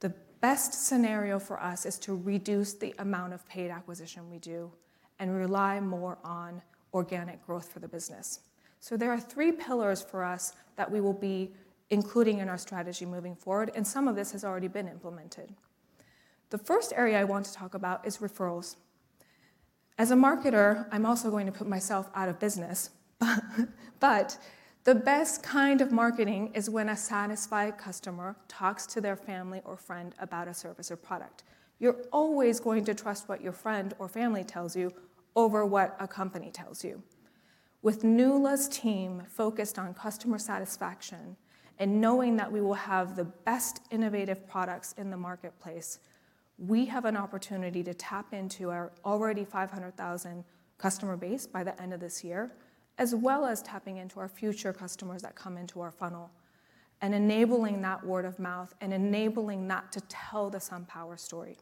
the best scenario for us is to reduce the amount of paid acquisition we do and rely more on organic growth for the business. There are three pillars for us that we will be including in our strategy moving forward, and some of this has already been implemented. The first area I want to talk about is referrals. As a marketer, I'm also going to put myself out of business, but the best kind of marketing is when a satisfied customer talks to their family or friend about a service or product. You're always going to trust what your friend or family tells you over what a company tells you. With Nuala's team focused on customer satisfaction and knowing that we will have the best innovative products in the marketplace, we have an opportunity to tap into our already 500,000 customer base by the end of this year, as well as tapping into our future customers that come into our funnel and enabling that word of mouth and enabling that to tell the SunPower story.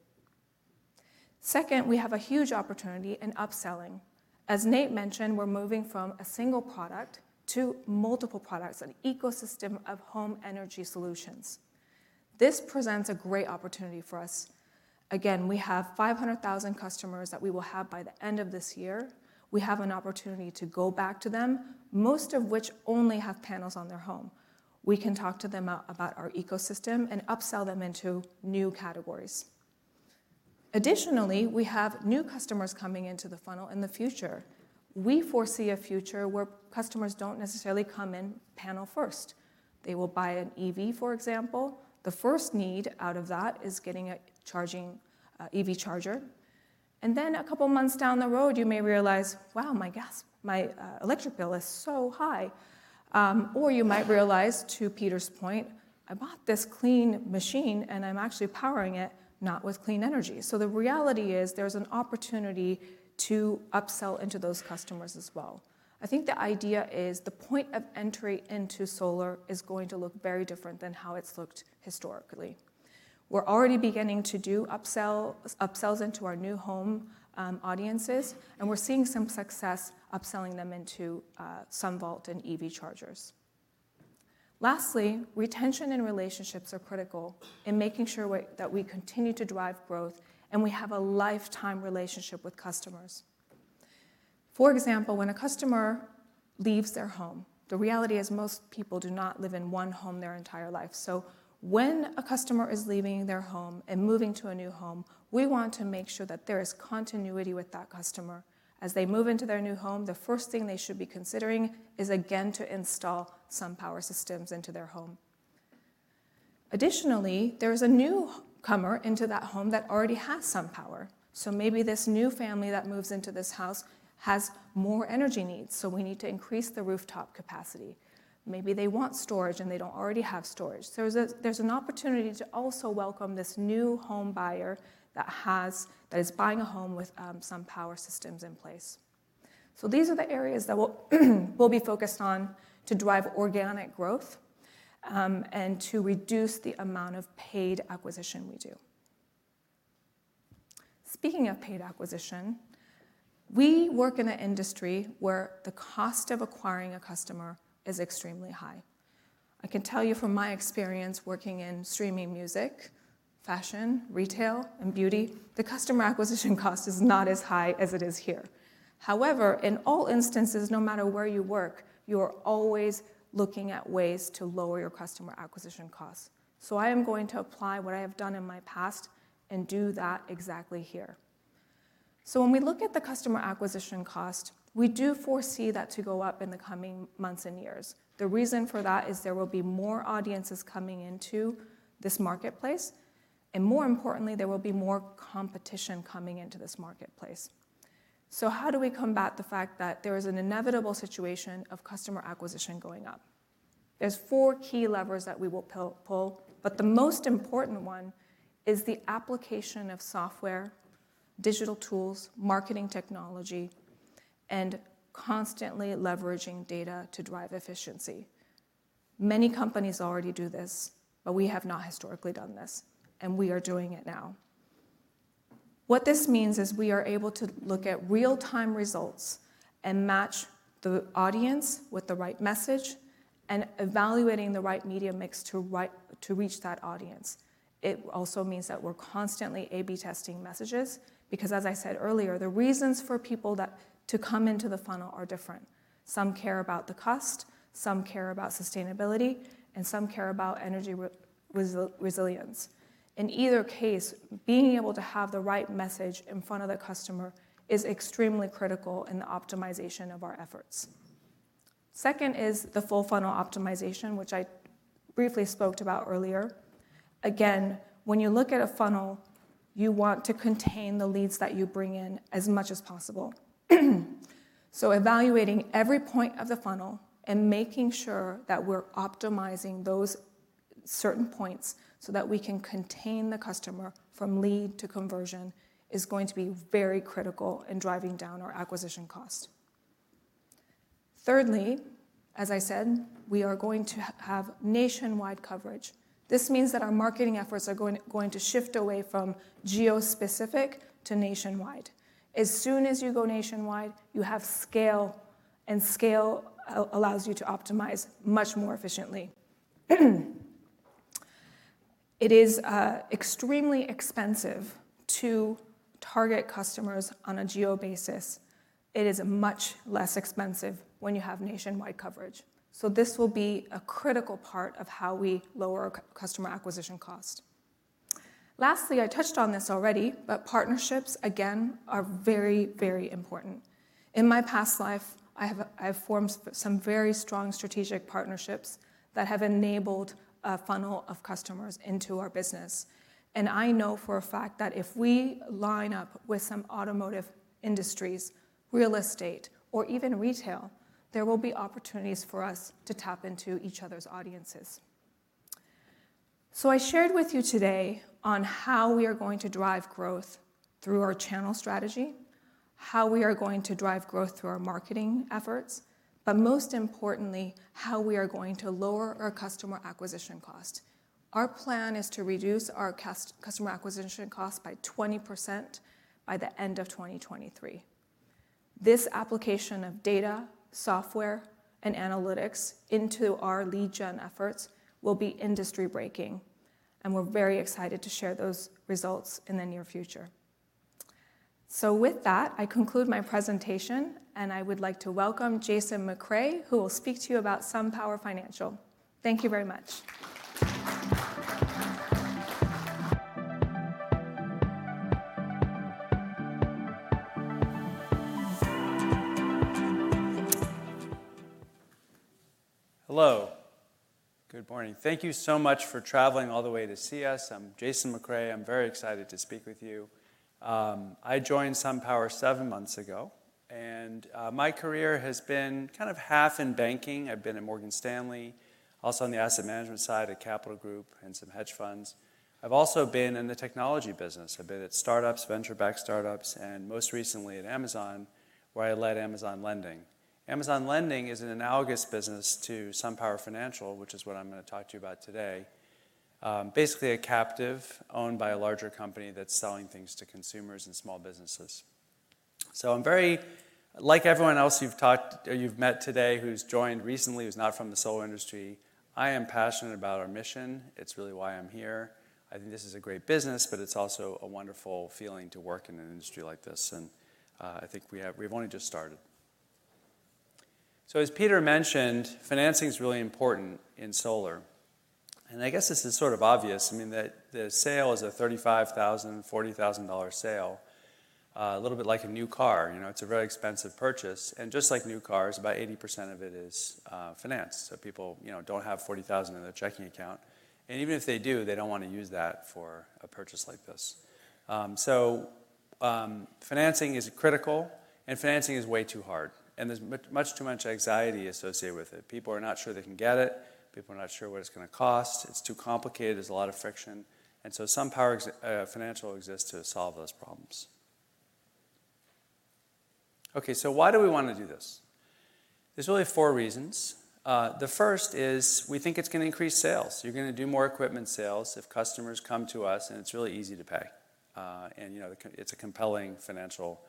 Second, we have a huge opportunity in upselling. As Nate mentioned, we're moving from a single product to multiple products, an ecosystem of home energy solutions. This presents a great opportunity for us. Again, we have 500,000 customers that we will have by the end of this year. We have an opportunity to go back to them, most of which only have panels on their home. We can talk to them about our ecosystem and upsell them into new categories. Additionally, we have new customers coming into the funnel in the future. We foresee a future where customers don't necessarily come in panel first. They will buy an EV, for example. The first need out of that is getting an EV charger. A couple of months down the road, you may realize, wow, my electric bill is so high. You might realize, to Peter's point, I bought this clean machine, and I'm actually powering it not with clean energy. The reality is there's an opportunity to upsell into those customers as well. I think the idea is the point of entry into solar is going to look very different than how it's looked historically. We're already beginning to do upsells into our new home audiences, and we're seeing some success upselling them into SunVault and EV chargers. Lastly, retention and relationships are critical in making sure that we continue to drive growth, and we have a lifetime relationship with customers. For example, when a customer leaves their home, the reality is most people do not live in one home their entire life. When a customer is leaving their home and moving to a new home, we want to make sure that there is continuity with that customer. As they move into their new home, the first thing they should be considering is, again, to install SunPower systems into their home. Additionally, there is a newcomer into that home that already has SunPower. Maybe this new family that moves into this house has more energy needs, so we need to increase the rooftop capacity. Maybe they want storage, and they don't already have storage. There's an opportunity to also welcome this new homebuyer that is buying a home with SunPower systems in place. These are the areas that we'll be focused on to drive organic growth and to reduce the amount of paid acquisition we do. Speaking of paid acquisition, we work in an industry where the cost of acquiring a customer is extremely high. I can tell you from my experience working in streaming music, fashion, retail, and beauty, the customer acquisition cost is not as high as it is here. However, in all instances, no matter where you work, you're always looking at ways to lower your customer acquisition costs. I am going to apply what I have done in my past and do that exactly here. When we look at the customer acquisition cost, we do foresee that to go up in the coming months and years. The reason for that is there will be more audiences coming into this marketplace, and more importantly, there will be more competition coming into this marketplace. How do we combat the fact that there is an inevitable situation of customer acquisition going up? There's four key levers that we will pull, but the most important one is the application of software, digital tools, marketing technology, and constantly leveraging data to drive efficiency. Many companies already do this, but we have not historically done this, and we are doing it now. What this means is we are able to look at real-time results and match the audience with the right message and evaluating the right media mix to reach that audience. It also means that we're constantly A/B testing messages because as I said earlier, the reasons for people to come into the funnel are different. Some care about the cost, some care about sustainability, and some care about energy resilience. In either case, being able to have the right message in front of the customer is extremely critical in the optimization of our efforts. Second is the full funnel optimization, which I briefly spoke about earlier. Again, when you look at a funnel, you want to contain the leads that you bring in as much as possible. So evaluating every point of the funnel and making sure that we're optimizing those certain points so that we can contain the customer from lead to conversion is going to be very critical in driving down our acquisition cost. Thirdly, as I said, we are going to have nationwide coverage. This means that our marketing efforts are going to shift away from geo-specific to nationwide. As soon as you go nationwide, you have scale, and scale allows you to optimize much more efficiently. It is extremely expensive to target customers on a geo basis. It is much less expensive when you have nationwide coverage. This will be a critical part of how we lower customer acquisition cost. Lastly, I touched on this already, but partnerships, again, are very, very important. In my past life, I have formed some very strong strategic partnerships that have enabled a funnel of customers into our business. I know for a fact that if we line up with some automotive industries, real estate, or even retail, there will be opportunities for us to tap into each other's audiences. I shared with you today on how we are going to drive growth through our channel strategy, how we are going to drive growth through our marketing efforts, but most importantly, how we are going to lower our customer acquisition cost. Our plan is to reduce our customer acquisition cost by 20% by the end of 2023. This application of data, software, and analytics into our lead gen efforts will be industry breaking, and we're very excited to share those results in the near future. With that, I conclude my presentation, and I would like to welcome Jason MacRae, who will speak to you about SunPower Financial. Thank you very much. Hello. Good morning. Thank you so much for traveling all the way to see us. I'm Jason MacRae. I'm very excited to speak with you. I joined SunPower seven months ago, and my career has been kind of half in banking. I've been at Morgan Stanley, also on the asset management side at Capital Group and some hedge funds. I've also been in the technology business. I've been at startups, venture-backed startups, and most recently at Amazon, where I led Amazon Lending. Amazon Lending is an analogous business to SunPower Financial, which is what I'm gonna talk to you about today. Basically a captive owned by a larger company that's selling things to consumers and small businesses. Like everyone else you've talked to or you've met today who's joined recently, who's not from the solar industry, I am passionate about our mission. It's really why I'm here. I think this is a great business, but it's also a wonderful feeling to work in an industry like this, and I think we have only just started. As Peter mentioned, financing is really important in solar, and I guess this is sort of obvious. I mean, the sale is a $35,000-$40,000 sale, a little bit like a new car. You know, it's a very expensive purchase, and just like new cars, about 80% of it is financed. So people, you know, don't have $40,000 in their checking account, and even if they do, they don't wanna use that for a purchase like this. Financing is critical, and financing is way too hard, and there's much too much anxiety associated with it. People are not sure they can get it. People are not sure what it's gonna cost. It's too complicated. There's a lot of friction. SunPower Financial exists to solve those problems. Okay, why do we wanna do this? There's really four reasons. The first is we think it's gonna increase sales. You're gonna do more equipment sales if customers come to us, and it's really easy to pay, and, you know, it's a compelling financial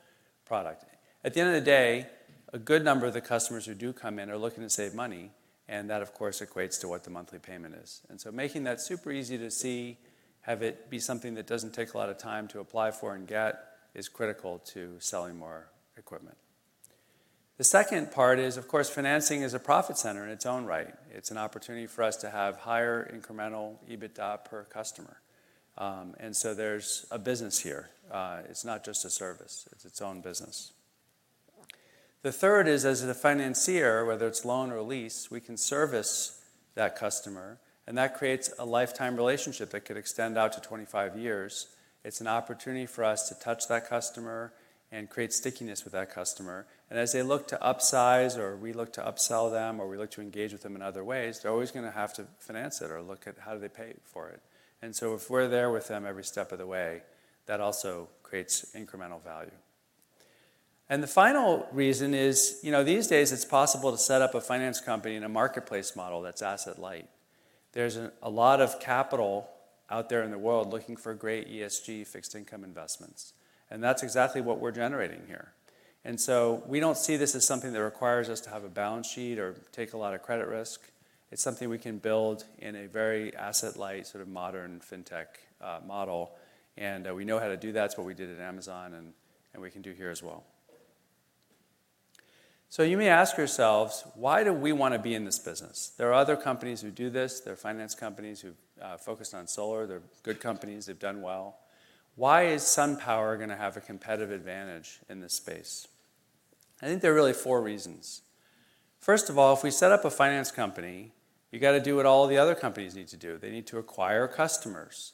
product. At the end of the day, a good number of the customers who do come in are looking to save money, and that of course equates to what the monthly payment is. Making that super easy to see, have it be something that doesn't take a lot of time to apply for and get, is critical to selling more equipment. The second part is, of course, financing is a profit center in its own right. It's an opportunity for us to have higher incremental EBITDA per customer. There's a business here. It's not just a service. It's its own business. The third is as a financier, whether it's loan or lease, we can service that customer, and that creates a lifetime relationship that could extend out to 25 years. It's an opportunity for us to touch that customer and create stickiness with that customer. As they look to upsize or we look to upsell them, or we look to engage with them in other ways, they're always gonna have to finance it or look at how do they pay for it. If we're there with them every step of the way, that also creates incremental value. The final reason is, you know, these days it's possible to set up a finance company in a marketplace model that's asset light. There's a lot of capital out there in the world looking for great ESG fixed income investments, and that's exactly what we're generating here. We don't see this as something that requires us to have a balance sheet or take a lot of credit risk. It's something we can build in a very asset light, sort of modern fintech model. We know how to do that. It's what we did at Amazon and we can do here as well. You may ask yourselves, "Why do we wanna be in this business?" There are other companies who do this. There are finance companies who focused on solar. They're good companies. They've done well. Why is SunPower gonna have a competitive advantage in this space? I think there are really four reasons. First of all, if we set up a finance company, you gotta do what all the other companies need to do. They need to acquire customers.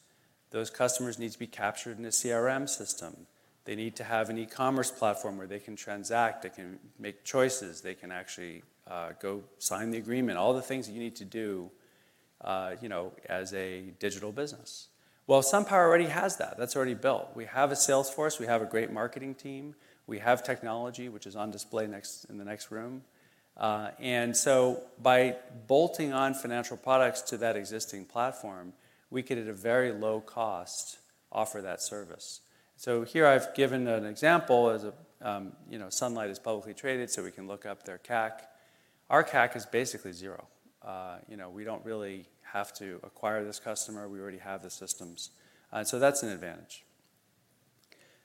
Those customers need to be captured in a CRM system. They need to have an e-commerce platform where they can transact, they can make choices, they can actually go sign the agreement, all the things that you need to do, you know, as a digital business. Well, SunPower already has that. That's already built. We have a sales force. We have a great marketing team. We have technology, which is on display next, in the next room. By bolting on financial products to that existing platform, we could, at a very low cost, offer that service. Here I've given an example. As a, you know, Sunlight is publicly traded, so we can look up their CAC. Our CAC is basically zero. You know, we don't really have to acquire this customer. We already have the systems. So that's an advantage.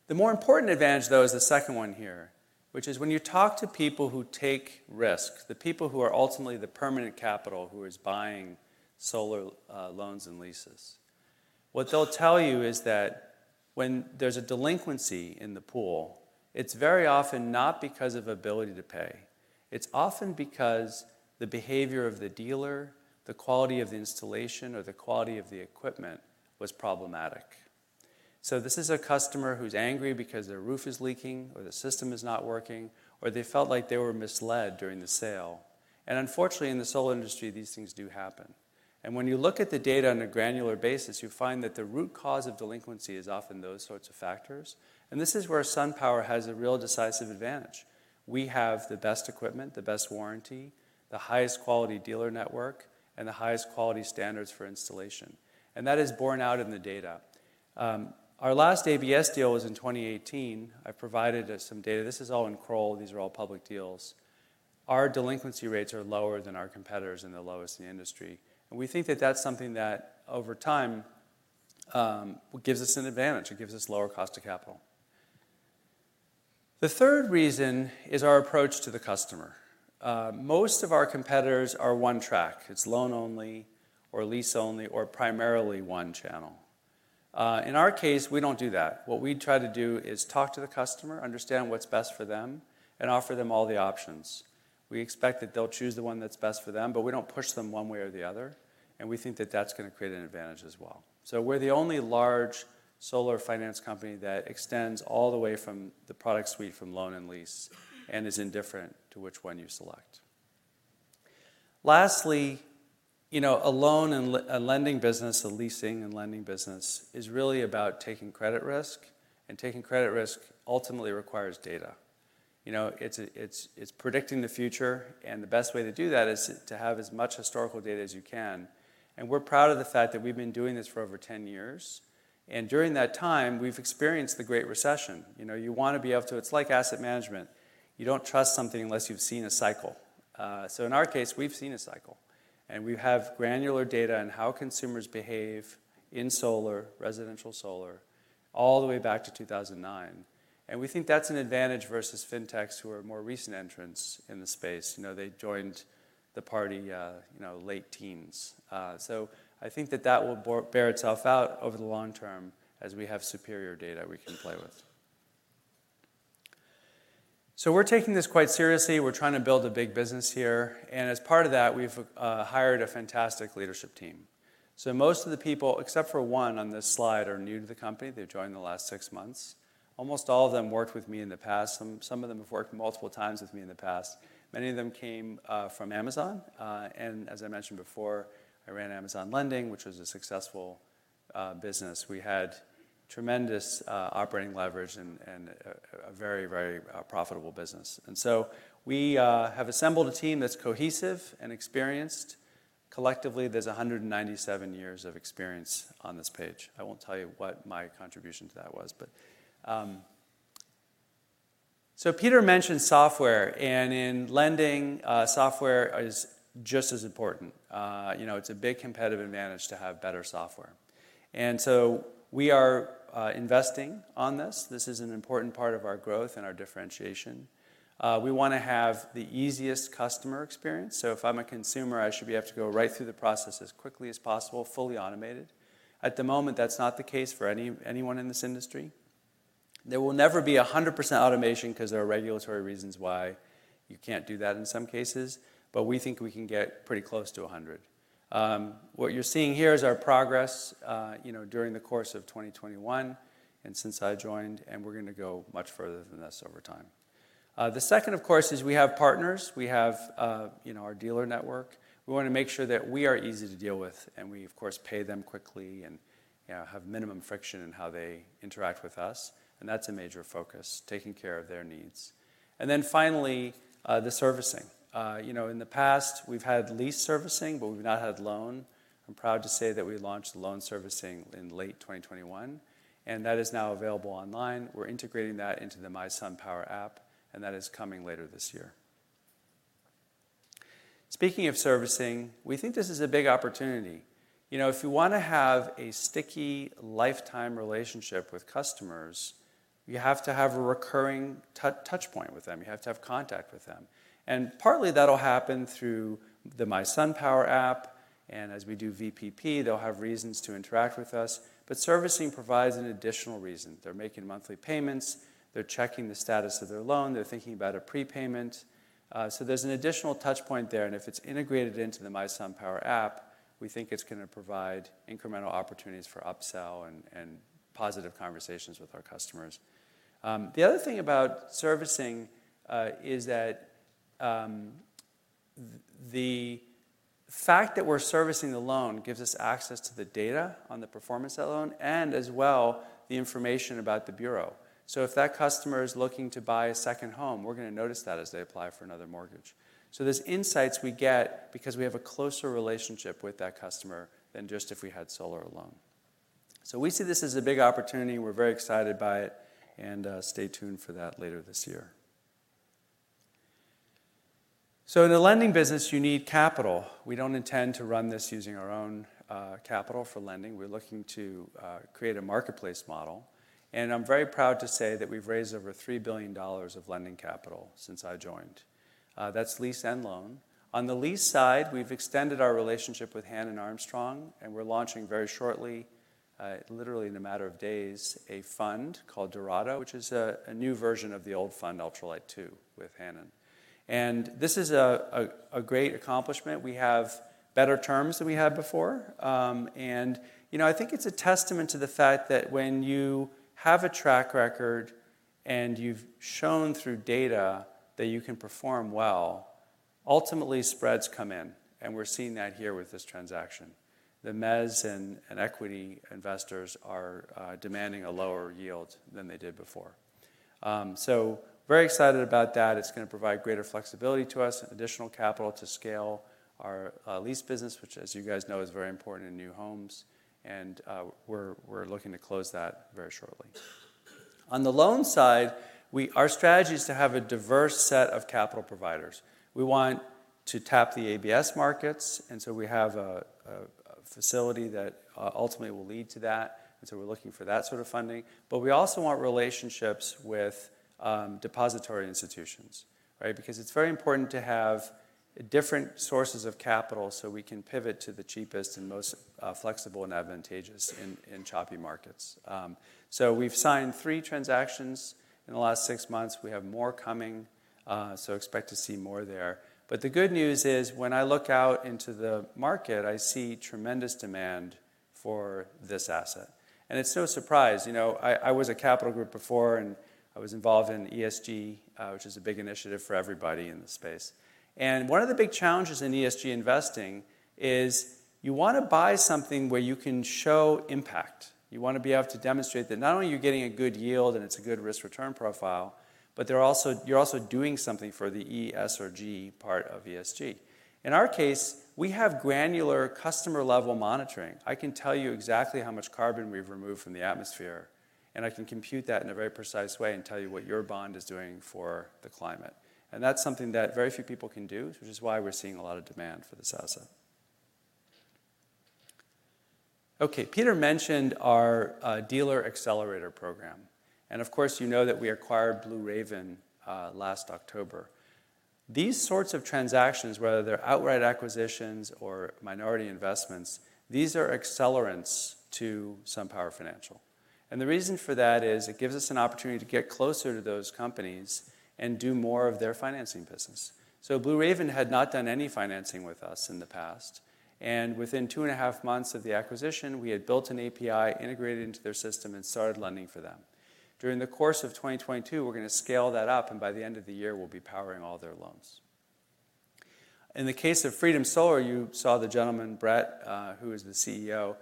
The more important advantage, though, is the second one here, which is when you talk to people who take risks, the people who are ultimately the permanent capital, who is buying solar, loans and leases, what they'll tell you is that when there's a delinquency in the pool, it's very often not because of ability to pay. It's often because the behavior of the dealer, the quality of the installation, or the quality of the equipment was problematic. This is a customer who's angry because their roof is leaking, or the system is not working, or they felt like they were misled during the sale. Unfortunately, in the solar industry, these things do happen. When you look at the data on a granular basis, you find that the root cause of delinquency is often those sorts of factors. This is where SunPower has a real decisive advantage. We have the best equipment, the best warranty, the highest quality dealer network, and the highest quality standards for installation, and that is borne out in the data. Our last ABS deal was in 2018. I've provided some data. This is all in Kroll. These are all public deals. Our delinquency rates are lower than our competitors and the lowest in the industry. We think that that's something that over time gives us an advantage. It gives us lower cost of capital. The third reason is our approach to the customer. Most of our competitors are one track. It's loan only or lease only or primarily one channel. In our case, we don't do that. What we try to do is talk to the customer, understand what's best for them, and offer them all the options. We expect that they'll choose the one that's best for them, but we don't push them one way or the other, and we think that that's gonna create an advantage as well. We're the only large solar finance company that extends all the way from the product suite from loan and lease and is indifferent to which one you select. Lastly, you know, a lending business, a leasing and lending business is really about taking credit risk, and taking credit risk ultimately requires data. You know, it's predicting the future, and the best way to do that is to have as much historical data as you can. We're proud of the fact that we've been doing this for over 10 years, and during that time, we've experienced the Great Recession. You know, you wanna be able to. It's like asset management. You don't trust something unless you've seen a cycle. So in our case, we've seen a cycle, and we have granular data on how consumers behave in solar, residential solar, all the way back to 2009. We think that's an advantage versus fintechs who are more recent entrants in the space. You know, they joined the party, you know, late teens. I think that will bear itself out over the long term as we have superior data we can play with. We're taking this quite seriously. We're trying to build a big business here. As part of that, we've hired a fantastic leadership team. Most of the people, except for one on this slide, are new to the company. They've joined in the last six months. Almost all of them worked with me in the past. Some of them have worked multiple times with me in the past. Many of them came from Amazon. As I mentioned before, I ran Amazon Lending, which was a successful business. We had tremendous operating leverage and a very profitable business. We have assembled a team that's cohesive and experienced. Collectively, there's 197 years of experience on this page. I won't tell you what my contribution to that was, but Peter mentioned software, and in lending, software is just as important. You know, it's a big competitive advantage to have better software. We are investing on this. This is an important part of our growth and our differentiation. We wanna have the easiest customer experience. If I'm a consumer, I should be able to go right through the process as quickly as possible, fully automated. At the moment, that's not the case for anyone in this industry. There will never be 100% automation because there are regulatory reasons why you can't do that in some cases, but we think we can get pretty close to a hundred. What you're seeing here is our progress, you know, during the course of 2021 and since I joined, and we're gonna go much further than this over time. The second, of course, is we have partners. We have, you know, our dealer network. We wanna make sure that we are easy to deal with, and we of course pay them quickly and, you know, have minimum friction in how they interact with us. That's a major focus, taking care of their needs. Finally, the servicing. You know, in the past we've had lease servicing, but we've not had loan. I'm proud to say that we launched loan servicing in late 2021, and that is now available online. We're integrating that into the mySunPower app, and that is coming later this year. Speaking of servicing, we think this is a big opportunity. You know, if you wanna have a sticky lifetime relationship with customers, you have to have a recurring touchpoint with them. You have to have contact with them. Partly that'll happen through the mySunPower app, and as we do VPP, they'll have reasons to interact with us. Servicing provides an additional reason. They're making monthly payments, they're checking the status of their loan, they're thinking about a prepayment. There's an additional touchpoint there, and if it's integrated into the mySunPower app, we think it's gonna provide incremental opportunities for upsell and positive conversations with our customers. The other thing about servicing is that the fact that we're servicing the loan gives us access to the data on the performance of that loan and as well the information about the bureau. If that customer is looking to buy a second home, we're gonna notice that as they apply for another mortgage. There's insights we get because we have a closer relationship with that customer than just if we had solar alone. We see this as a big opportunity. We're very excited by it, and stay tuned for that later this year. In the lending business, you need capital. We don't intend to run this using our own capital for lending. We're looking to create a marketplace model, and I'm very proud to say that we've raised over $3 billion of lending capital since I joined. That's lease and loan. On the lease side, we've extended our relationship with Hannon Armstrong, and we're launching very shortly, literally in a matter of days, a fund called Dorado, which is a new version of the old fund, SunStrong Two, with Hannon. This is a great accomplishment. We have better terms than we had before. You know, I think it's a testament to the fact that when you have a track record and you've shown through data that you can perform well, ultimately spreads come in, and we're seeing that here with this transaction. The mezz and equity investors are demanding a lower yield than they did before. Very excited about that. It's gonna provide greater flexibility to us and additional capital to scale our lease business, which as you guys know, is very important in new homes. We're looking to close that very shortly. On the loan side, our strategy is to have a diverse set of capital providers. We want to tap the ABS markets, and so we have a facility that ultimately will lead to that, and so we're looking for that sort of funding. We also want relationships with depository institutions, right? Because it's very important to have different sources of capital, so we can pivot to the cheapest and most flexible and advantageous in choppy markets. We've signed three transactions in the last six months. We have more coming, expect to see more there. The good news is when I look out into the market, I see tremendous demand for this asset. It's no surprise. You know, I was at Capital Group before, and I was involved in ESG, which is a big initiative for everybody in this space. One of the big challenges in ESG investing is you wanna buy something where you can show impact. You wanna be able to demonstrate that not only are you getting a good yield and it's a good risk return profile, but you're also doing something for the E, S or G part of ESG. In our case, we have granular customer-level monitoring. I can tell you exactly how much carbon we've removed from the atmosphere, and I can compute that in a very precise way and tell you what your bond is doing for the climate. That's something that very few people can do, which is why we're seeing a lot of demand for this asset. Okay, Peter mentioned our Dealer Accelerator Program, and of course, you know that we acquired Blue Raven last October. These sorts of transactions, whether they're outright acquisitions or minority investments, these are accelerants to SunPower Financial. The reason for that is it gives us an opportunity to get closer to those companies and do more of their financing business. Blue Raven had not done any financing with us in the past, and within two and a half months of the acquisition, we had built an API, integrated into their system and started lending for them. During the course of 2022, we're gonna scale that up, and by the end of the year, we'll be powering all their loans. In the case of Freedom Solar, you saw the gentleman, Bret, who is the CEO.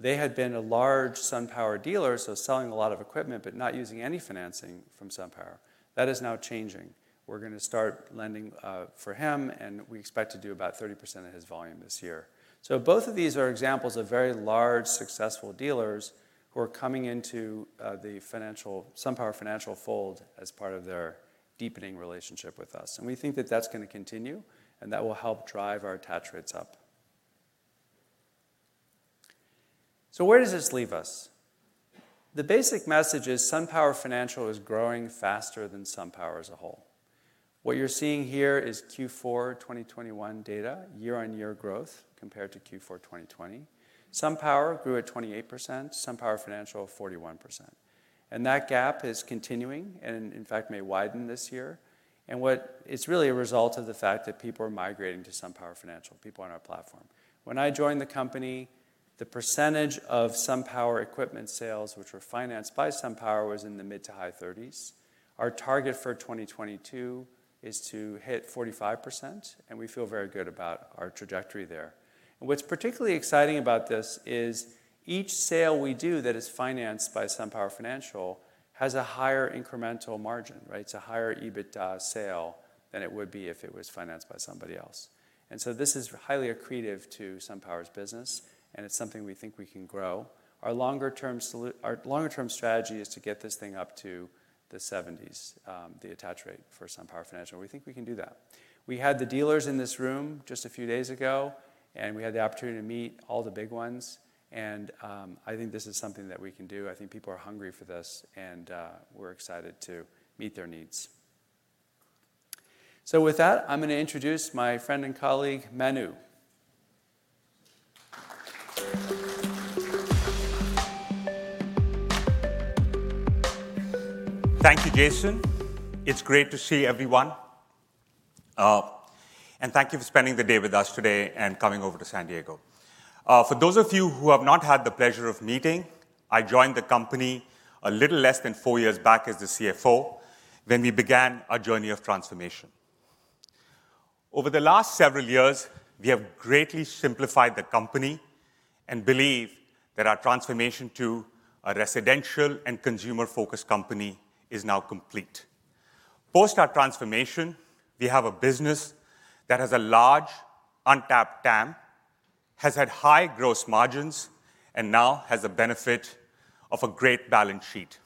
They had been a large SunPower dealer, so selling a lot of equipment, but not using any financing from SunPower. That is now changing. We're gonna start lending for him, and we expect to do about 30% of his volume this year. Both of these are examples of very large, successful dealers who are coming into SunPower Financial fold as part of their deepening relationship with us, and we think that that's gonna continue and that will help drive our attach rates up. Where does this leave us? The basic message is SunPower Financial is growing faster than SunPower as a whole. What you're seeing here is Q4 2021 data year-on-year growth compared to Q4 2020. SunPower grew at 28%, SunPower Financial 41%. That gap is continuing and in fact may widen this year. It's really a result of the fact that people are migrating to SunPower Financial, people on our platform. When I joined the company, the percentage of SunPower equipment sales which were financed by SunPower was in the mid- to high-30s%. Our target for 2022 is to hit 45%, and we feel very good about our trajectory there. What's particularly exciting about this is each sale we do that is financed by SunPower Financial has a higher incremental margin, right? It's a higher EBITDA sale than it would be if it was financed by somebody else. This is highly accretive to SunPower's business, and it's something we think we can grow. Our longer term strategy is to get this thing up to the 70s%, the attach rate for SunPower Financial. We think we can do that. We had the dealers in this room just a few days ago, and we had the opportunity to meet all the big ones and I think this is something that we can do. I think people are hungry for this and, we're excited to meet their needs. With that, I'm gonna introduce my friend and colleague, Manu. Thank you, Jason. It's great to see everyone. Thank you for spending the day with us today and coming over to San Diego. For those of you who I've not had the pleasure of meeting, I joined the company a little less than four years back as the CFO when we began our journey of transformation. Over the last several years, we have greatly simplified the company and believe that our transformation to a residential and consumer-focused company is now complete. Post our transformation, we have a business that has a large untapped TAM, has had high gross margins, and now has the benefit of a great balance sheet.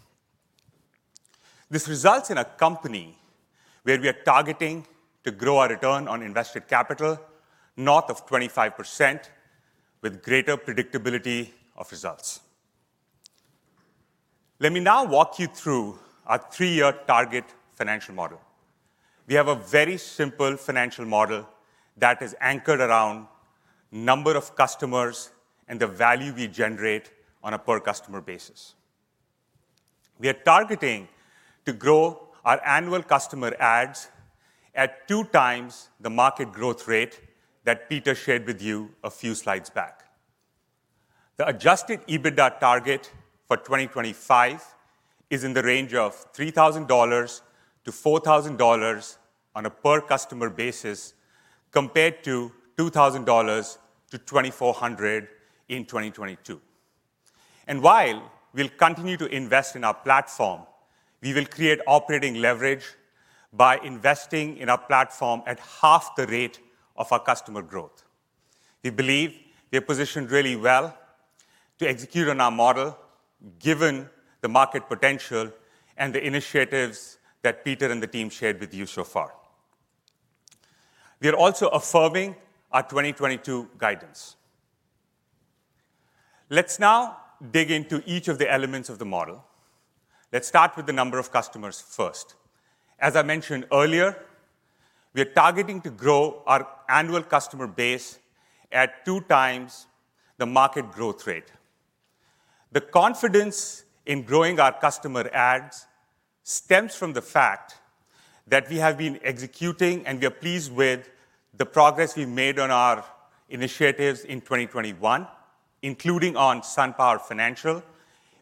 This results in a company where we are targeting to grow our return on invested capital north of 25% with greater predictability of results. Let me now walk you through our three-year target financial model. We have a very simple financial model that is anchored around number of customers and the value we generate on a per customer basis. We are targeting to grow our annual customer adds at 2x the market growth rate that Peter shared with you a few slides back. The Adjusted EBITDA target for 2025 is in the range of $3,000-$4,000 on a per customer basis, compared to $2,000-$2,400 in 2022. While we'll continue to invest in our platform, we will create operating leverage by investing in our platform at half the rate of our customer growth. We believe we are positioned really well to execute on our model given the market potential and the initiatives that Peter and the team shared with you so far. We are also affirming our 2022 guidance. Let's now dig into each of the elements of the model. Let's start with the number of customers first. As I mentioned earlier, we are targeting to grow our annual customer base at 2x the market growth rate. The confidence in growing our customer adds stems from the fact that we have been executing and we are pleased with the progress we've made on our initiatives in 2021, including on SunPower Financial,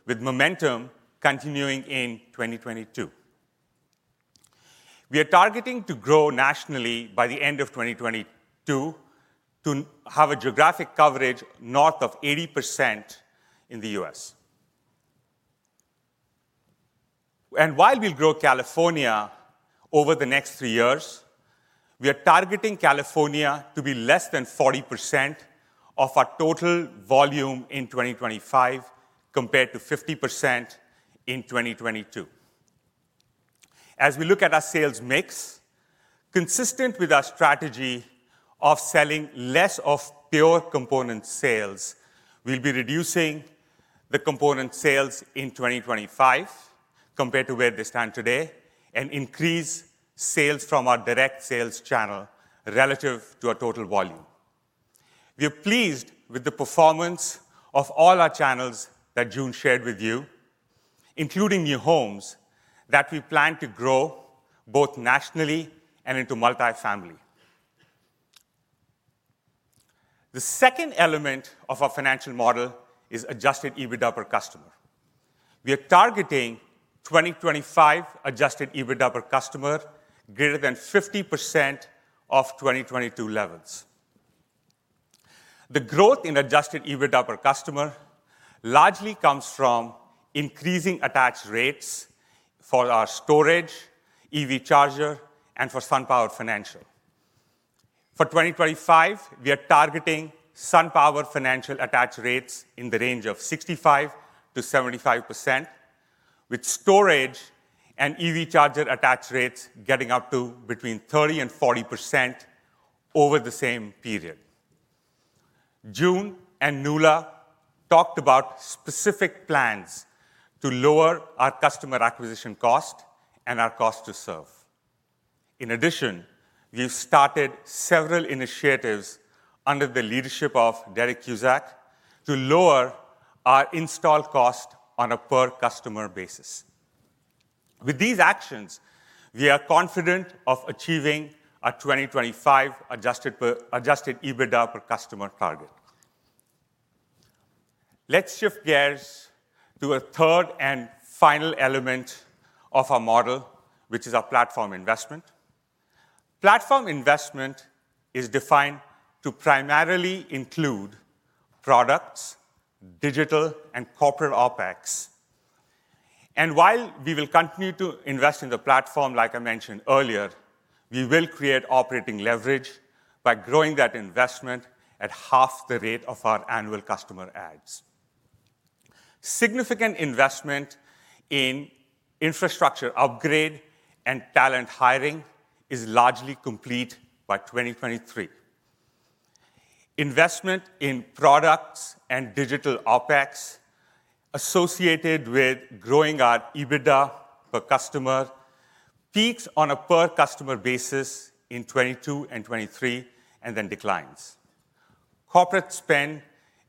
with momentum continuing in 2022. We are targeting to grow nationally by the end of 2022 to have a geographic coverage north of 80% in the U.S. While we'll grow California over the next three years, we are targeting California to be less than 40% of our total volume in 2025 compared to 50% in 2022. As we look at our sales mix, consistent with our strategy of selling less of pure component sales, we'll be reducing the component sales in 2025 compared to where they stand today and increase sales from our direct sales channel relative to our total volume. We are pleased with the performance of all our channels that June shared with you, including new homes that we plan to grow both nationally and into multifamily. The second element of our financial model is Adjusted EBITDA per customer. We are targeting 2025 Adjusted EBITDA per customer greater than 50% of 2022 levels. The growth in Adjusted EBITDA per customer largely comes from increasing attach rates for our storage, EV charger, and for SunPower Financial. For 2025, we are targeting SunPower Financial attach rates in the range of 65%-75%, with storage and EV charger attach rates getting up to between 30%-40% over the same period. June and Nuala talked about specific plans to lower our customer acquisition cost and our cost to serve. In addition, we've started several initiatives under the leadership of Derek Kuzak to lower our install cost on a per customer basis. With these actions, we are confident of achieving our 2025 Adjusted EBITDA per customer target. Let's shift gears to a third and final element of our model, which is our platform investment. Platform investment is defined to primarily include products, digital, and corporate OpEx. While we will continue to invest in the platform, like I mentioned earlier, we will create operating leverage by growing that investment at half the rate of our annual customer adds. Significant investment in infrastructure upgrade and talent hiring is largely complete by 2023. Investment in products and digital OpEx associated with growing our EBITDA per customer peaks on a per customer basis in 2022 and 2023, and then declines. Corporate spend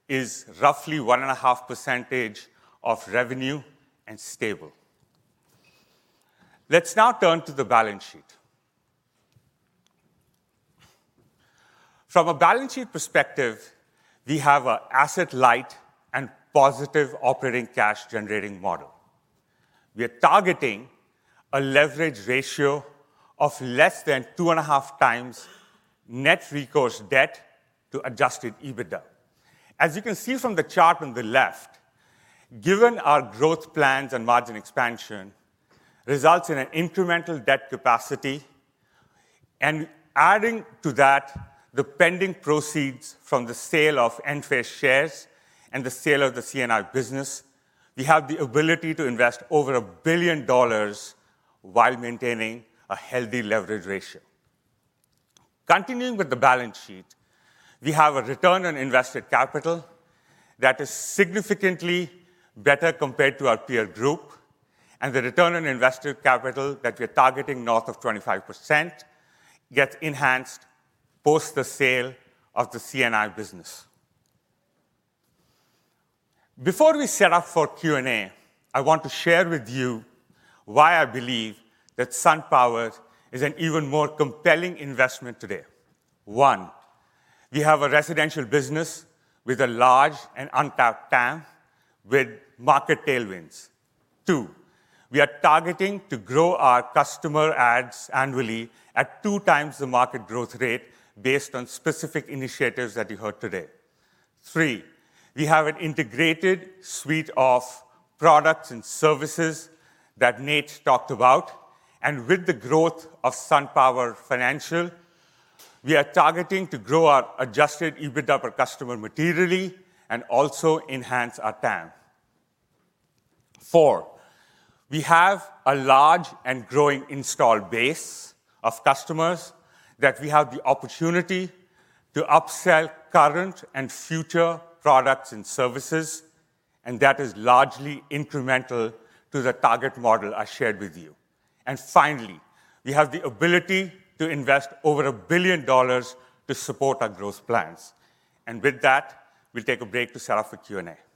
is roughly 1.5% of revenue and stable. Let's now turn to the balance sheet. From a balance sheet perspective, we have an asset-light and positive operating cash generating model. We are targeting a leverage ratio of less than 2.5x net recourse debt to Adjusted EBITDA. As you can see from the chart on the left, given our growth plans and margin expansion results in an incremental debt capacity, and adding to that the pending proceeds from the sale of Enphase shares and the sale of the C&I business, we have the ability to invest over $1 billion while maintaining a healthy leverage ratio. Continuing with the balance sheet, we have a return on invested capital that is significantly better compared to our peer group, and the return on invested capital that we're targeting north of 25% gets enhanced post the sale of the C&I business. Before we set up for Q&A, I want to share with you why I believe that SunPower is an even more compelling investment today. One, we have a residential business with a large and untapped TAM with market tailwinds. Two, we are targeting to grow our customer adds annually at 2x the market growth rate based on specific initiatives that you heard today. Three, we have an integrated suite of products and services that Nate talked about. With the growth of SunPower Financial, we are targeting to grow our Adjusted EBITDA per customer materially and also enhance our TAM. Four, we have a large and growing installed base of customers that we have the opportunity to upsell current and future products and services, and that is largely incremental to the target model I shared with you. Finally, we have the ability to invest over $1 billion to support our growth plans. With that, we'll take a break to set up for Q&A. Okay, we're back, and we're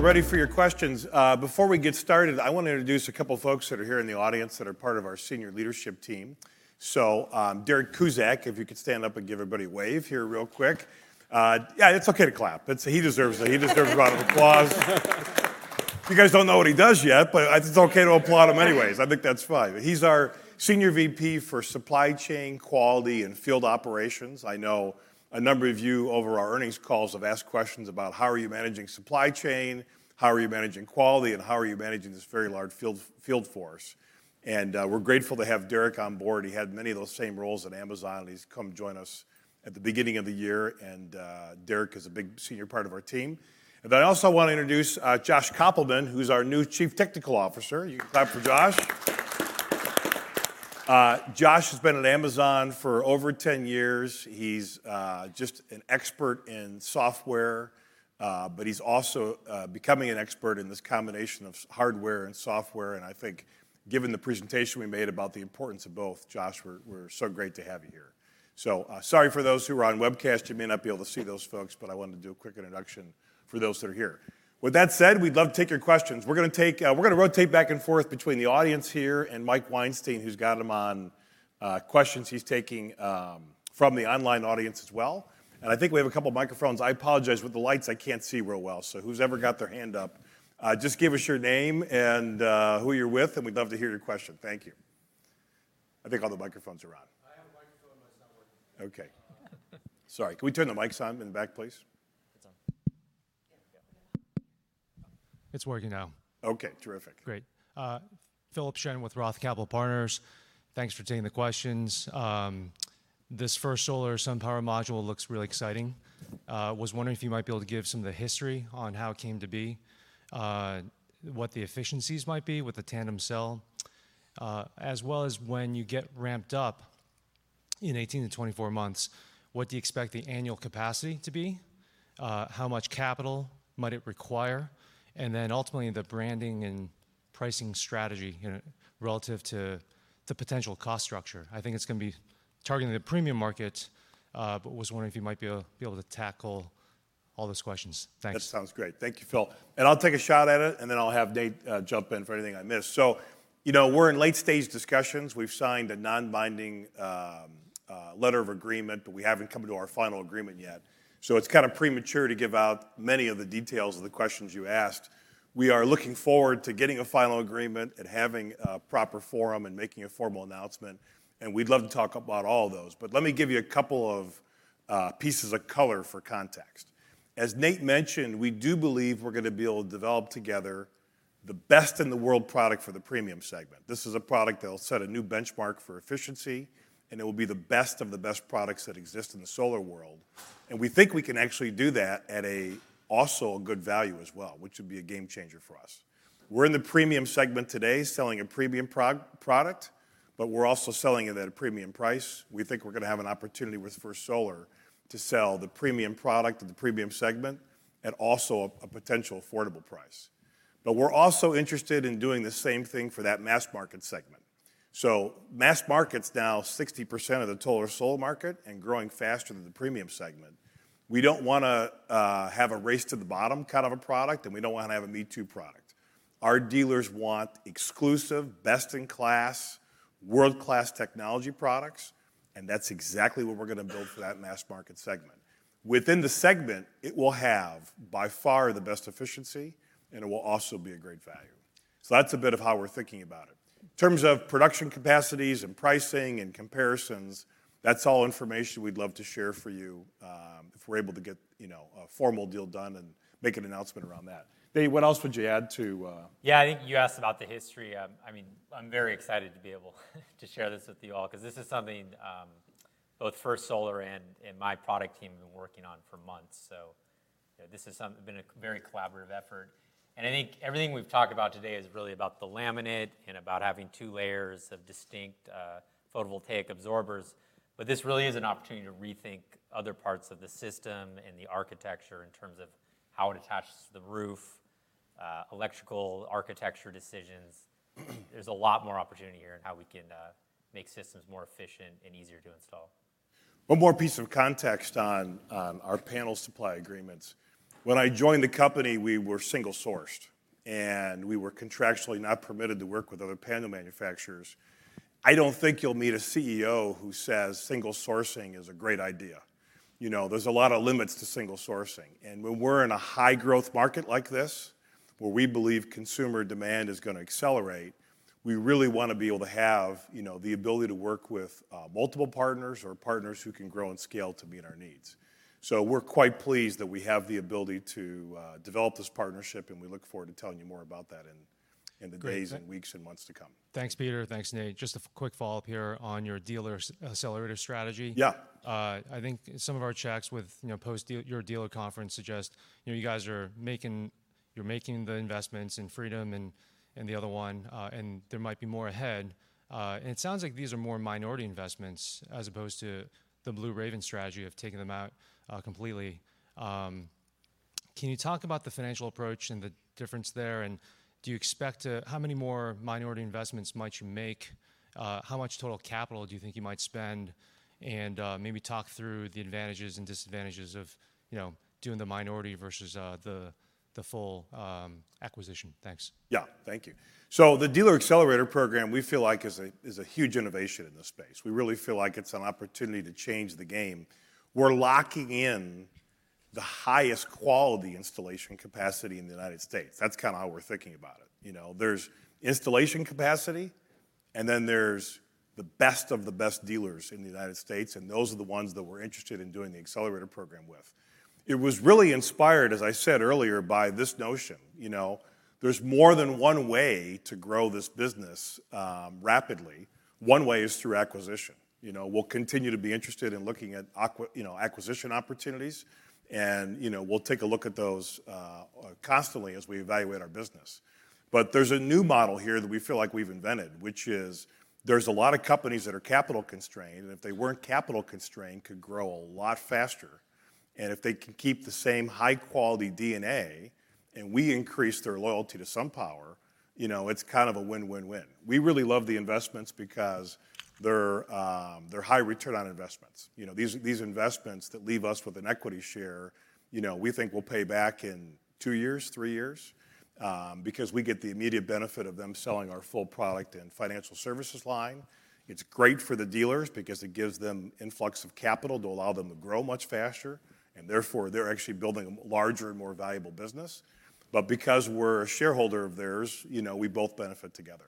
ready for your questions. Before we get started, I wanna introduce a couple folks that are here in the audience that are part of our senior leadership team. Derek Kuzak, if you could stand up and give everybody a wave here real quick. Yeah, it's okay to clap. He deserves it. He deserves a round of applause. You guys don't know what he does yet, but it's okay to applaud him anyways. I think that's fine. He's our Senior VP for Supply Chain, Quality & Field Operations. I know a number of you over our earnings calls have asked questions about how are you managing supply chain, how are you managing quality, and how are you managing this very large field force. We're grateful to have Derek on board. He had many of those same roles at Amazon. He's come join us at the beginning of the year, and Derek is a big senior part of our team. I also wanna introduce Josh Koppelman, who's our new Chief Technology Officer. You can clap for Josh. Josh has been at Amazon for over 10 years. He's just an expert in software, but he's also becoming an expert in this combination of hardware and software, and I think given the presentation we made about the importance of both, Josh, we're so great to have you here. Sorry for those who are on webcast, you may not be able to see those folks, but I wanted to do a quick introduction for those that are here. With that said, we'd love to take your questions. We're gonna rotate back and forth between the audience here and Mike Weinstein, who's got them on questions he's taking from the online audience as well. I think we have a couple microphones. I apologize. With the lights, I can't see real well, so whoever's got their hand up, just give us your name and who you're with, and we'd love to hear your question. Thank you. I think all the microphones are out. I have a microphone, but it's not working. Okay. Sorry. Can we turn the mics on in the back, please? It's on. Yeah. It's working now. Okay, terrific. Great. Philip Shen with Roth Capital Partners. Thanks for taking the questions. This First Solar SunPower module looks real exciting. Was wondering if you might be able to give some of the history on how it came to be, what the efficiencies might be with the tandem cell, as well as when you get ramped up in 18-24 months, what do you expect the annual capacity to be, how much capital might it require, and then ultimately the branding and pricing strategy, you know, relative to the potential cost structure. I think it's gonna be targeting the premium market, but was wondering if you might be able to tackle all those questions. Thanks. That sounds great. Thank you, Phil. I'll take a shot at it, and then I'll have Nate jump in for anything I miss. You know, we're in late stage discussions. We've signed a non-binding letter of agreement, but we haven't come to our final agreement yet. It's kinda premature to give out many of the details of the questions you asked. We are looking forward to getting a final agreement and having a proper forum and making a formal announcement, and we'd love to talk about all those. Let me give you a couple of pieces of color for context. As Nate mentioned, we do believe we're gonna be able to develop together the best in the world product for the premium segment. This is a product that'll set a new benchmark for efficiency, and it will be the best of the best products that exist in the solar world. We think we can actually do that at also a good value as well, which would be a game changer for us. We're in the premium segment today selling a premium product, but we're also selling it at a premium price. We think we're gonna have an opportunity with First Solar to sell the premium product at the premium segment at also a potential affordable price. We're also interested in doing the same thing for that mass market segment. Mass market's now 60% of the total solar market and growing faster than the premium segment. We don't wanna have a race to the bottom kind of a product, and we don't wanna have a me-too product. Our dealers want exclusive, best in class, world-class technology products, and that's exactly what we're gonna build for that mass market segment. Within the segment, it will have by far the best efficiency, and it will also be a great value. That's a bit of how we're thinking about it. In terms of production capacities and pricing and comparisons, that's all information we'd love to share for you. If we're able to get, you know, a formal deal done and make an announcement around that. Nate, what else would you add to. Yeah, I think you asked about the history. I mean, I'm very excited to be able to share this with you all, 'cause this is something both First Solar and my product team have been working on for months. You know, this has been a very collaborative effort. I think everything we've talked about today is really about the laminate and about having two layers of distinct photovoltaic absorbers. This really is an opportunity to rethink other parts of the system and the architecture in terms of how it attaches to the roof, electrical architecture decisions. There's a lot more opportunity here in how we can make systems more efficient and easier to install. One more piece of context on our panel supply agreements. When I joined the company, we were single-sourced, and we were contractually not permitted to work with other panel manufacturers. I don't think you'll meet a CEO who says single sourcing is a great idea. You know, there's a lot of limits to single sourcing, and when we're in a high growth market like this, where we believe consumer demand is gonna accelerate, we really wanna be able to have, you know, the ability to work with multiple partners or partners who can grow and scale to meet our needs. We're quite pleased that we have the ability to develop this partnership, and we look forward to telling you more about that in the days. Great, thank- Weeks and months to come. Thanks, Peter. Thanks, Nate. Just a quick follow-up here on your dealer accelerator strategy. Yeah. I think some of our checks with, you know, post deal, your dealer conference suggest, you know, you guys are making the investments in Freedom and the other one, and there might be more ahead. It sounds like these are more minority investments as opposed to the Blue Raven strategy of taking them out completely. Can you talk about the financial approach and the difference there? Do you expect. How many more minority investments might you make? How much total capital do you think you might spend? Maybe talk through the advantages and disadvantages of, you know, doing the minority versus the full acquisition. Thanks. Thank you. The Dealer Accelerator Program, we feel like is a huge innovation in this space. We really feel like it's an opportunity to change the game. We're locking in the highest quality installation capacity in the U.S. That's kinda how we're thinking about it. You know, there's installation capacity, and then there's the best of the best dealers in the U.S., and those are the ones that we're interested in doing the accelerator program with. It was really inspired, as I said earlier, by this notion, you know, there's more than one way to grow this business rapidly. One way is through acquisition. You know, we'll continue to be interested in looking at acquisition opportunities. We'll take a look at those constantly as we evaluate our business. There's a new model here that we feel like we've invented, which is, there's a lot of companies that are capital constrained, and if they weren't capital constrained, could grow a lot faster. If they can keep the same high quality DNA, and we increase their loyalty to SunPower, you know, it's kind of a win-win-win. We really love the investments because they're high return on investments. You know, these investments that leave us with an equity share, you know, we think will pay back in two years, three years, because we get the immediate benefit of them selling our full product and financial services line. It's great for the dealers because it gives them influx of capital to allow them to grow much faster, and therefore, they're actually building a larger and more valuable business. Because we're a shareholder of theirs, you know, we both benefit together.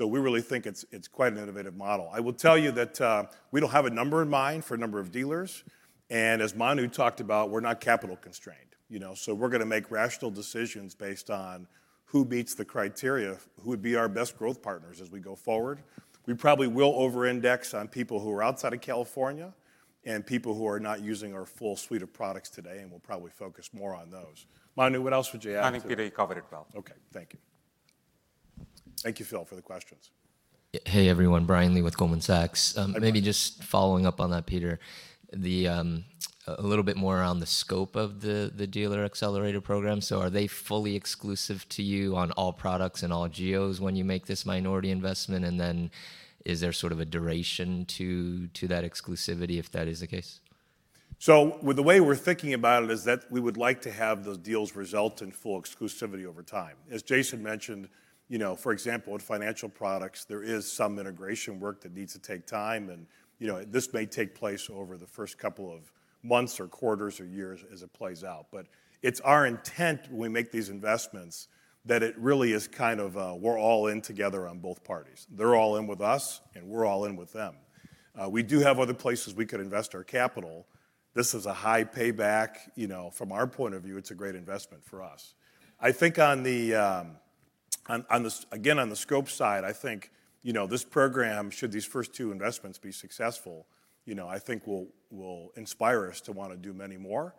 We really think it's quite an innovative model. I will tell you that, we don't have a number in mind for number of dealers. As Manu talked about, we're not capital constrained, you know. We're gonna make rational decisions based on who meets the criteria, who would be our best growth partners as we go forward. We probably will over-index on people who are outside of California and people who are not using our full suite of products today, and we'll probably focus more on those. Manu, what else would you add to- I think, Peter, you covered it well. Okay. Thank you. Thank you, Phil, for the questions. Hey, everyone, Brian Lee with Goldman Sachs. Hi, Brian. Maybe just following up on that, Peter. A little bit more around the scope of the Dealer Accelerator Program. Are they fully exclusive to you on all products and all geos when you make this minority investment? Is there sort of a duration to that exclusivity, if that is the case? With the way we're thinking about it is that we would like to have those deals result in full exclusivity over time. As Jason mentioned, you know, for example, with financial products, there is some integration work that needs to take time, and, you know, this may take place over the first couple of months or quarters or years as it plays out. It's our intent when we make these investments that it really is kind of a we're all in together on both parties. They're all in with us, and we're all in with them. We do have other places we could invest our capital. This is a high payback. You know, from our point of view, it's a great investment for us. I think on the scope side, I think this program, should these first two investments be successful, you know, I think will inspire us to wanna do many more.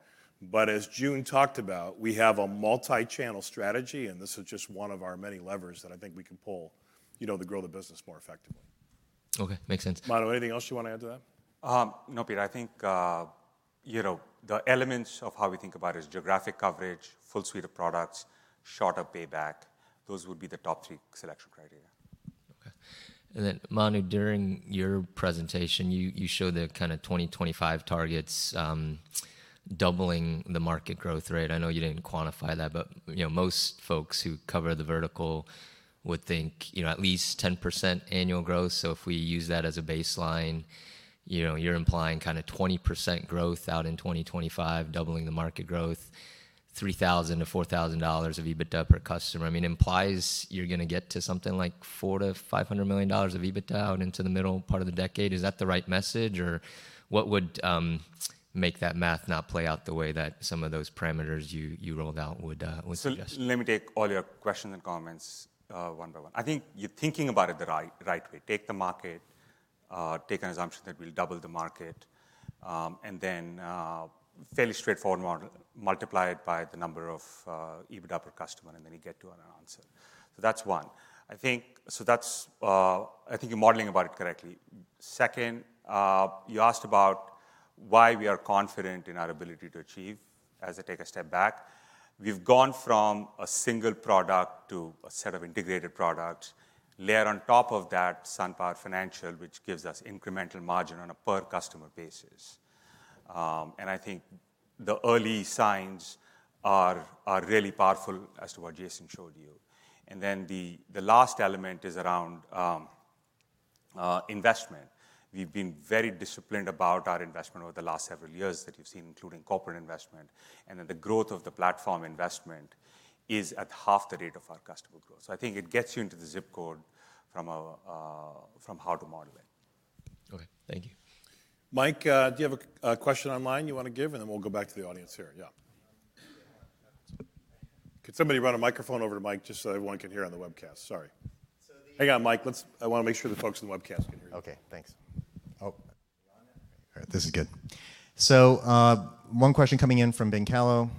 As June talked about, we have a multi-channel strategy, and this is just one of our many levers that I think we can pull, you know, to grow the business more effectively. Okay. Makes sense. Manu, anything else you wanna add to that? No, Peter. I think, you know, the elements of how we think about is geographic coverage, full suite of products, shorter payback. Those would be the top three selection criteria. Okay. Manu, during your presentation, you showed the kinda 2025 targets, doubling the market growth rate. I know you didn't quantify that, but, you know, most folks who cover the vertical would think, you know, at least 10% annual growth. If we use that as a baseline, you know, you're implying kinda 20% growth out in 2025, doubling the market growth. $3,000-$4,000 of EBITDA per customer, I mean, implies you're gonna get to something like $400 million-$500 million of EBITDA out into the middle part of the decade. Is that the right message? Or what would make that math not play out the way that some of those parameters you rolled out would suggest? Let me take all your questions and comments, one by one. I think you're thinking about it the right way. Take the market, take an assumption that we'll double the market, and then, fairly straightforward model, multiply it by the number of, EBITDA per customer, and then you get to an answer. That's one. That's, I think you're modeling about it correctly. Second, you asked about why we are confident in our ability to achieve. As I take a step back. We've gone from a single product to a set of integrated products. Layer on top of that SunPower Financial, which gives us incremental margin on a per customer basis. And I think the early signs are really powerful as to what Jason showed you. The last element is around investment. We've been very disciplined about our investment over the last several years that you've seen, including corporate investment and then the growth of the platform investment is at half the rate of our customer growth. I think it gets you into the zip code from how to model it. Okay, thank you. Mike, do you have a question online you wanna give? Then we'll go back to the audience here. Yeah. Could somebody run a microphone over to Mike just so everyone can hear on the webcast? Sorry. So the- Hang on, Mike. I wanna make sure the folks in the webcast can hear you. Okay, thanks. Oh, on it. All right, this is good. One question coming in from Ben Kallo.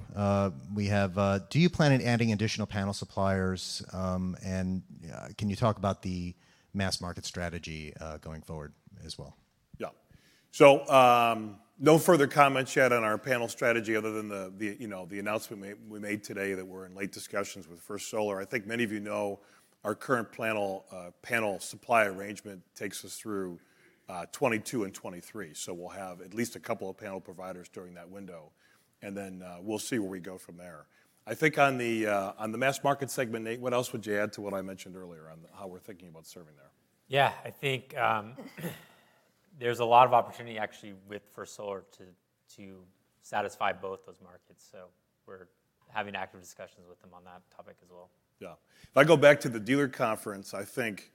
We have, do you plan on adding additional panel suppliers, and yeah, can you talk about the mass market strategy going forward as well? Yeah. No further comments yet on our panel strategy other than the you know the announcement we made today that we're in late discussions with First Solar. I think many of you know our current panel supply arrangement takes us through 2022 and 2023. We'll have at least a couple of panel providers during that window, and then we'll see where we go from there. I think on the mass market segment, Nate, what else would you add to what I mentioned earlier on how we're thinking about serving there? Yeah. I think, there's a lot of opportunity actually with First Solar to satisfy both those markets, so we're having active discussions with them on that topic as well. Yeah. If I go back to the dealer conference, I think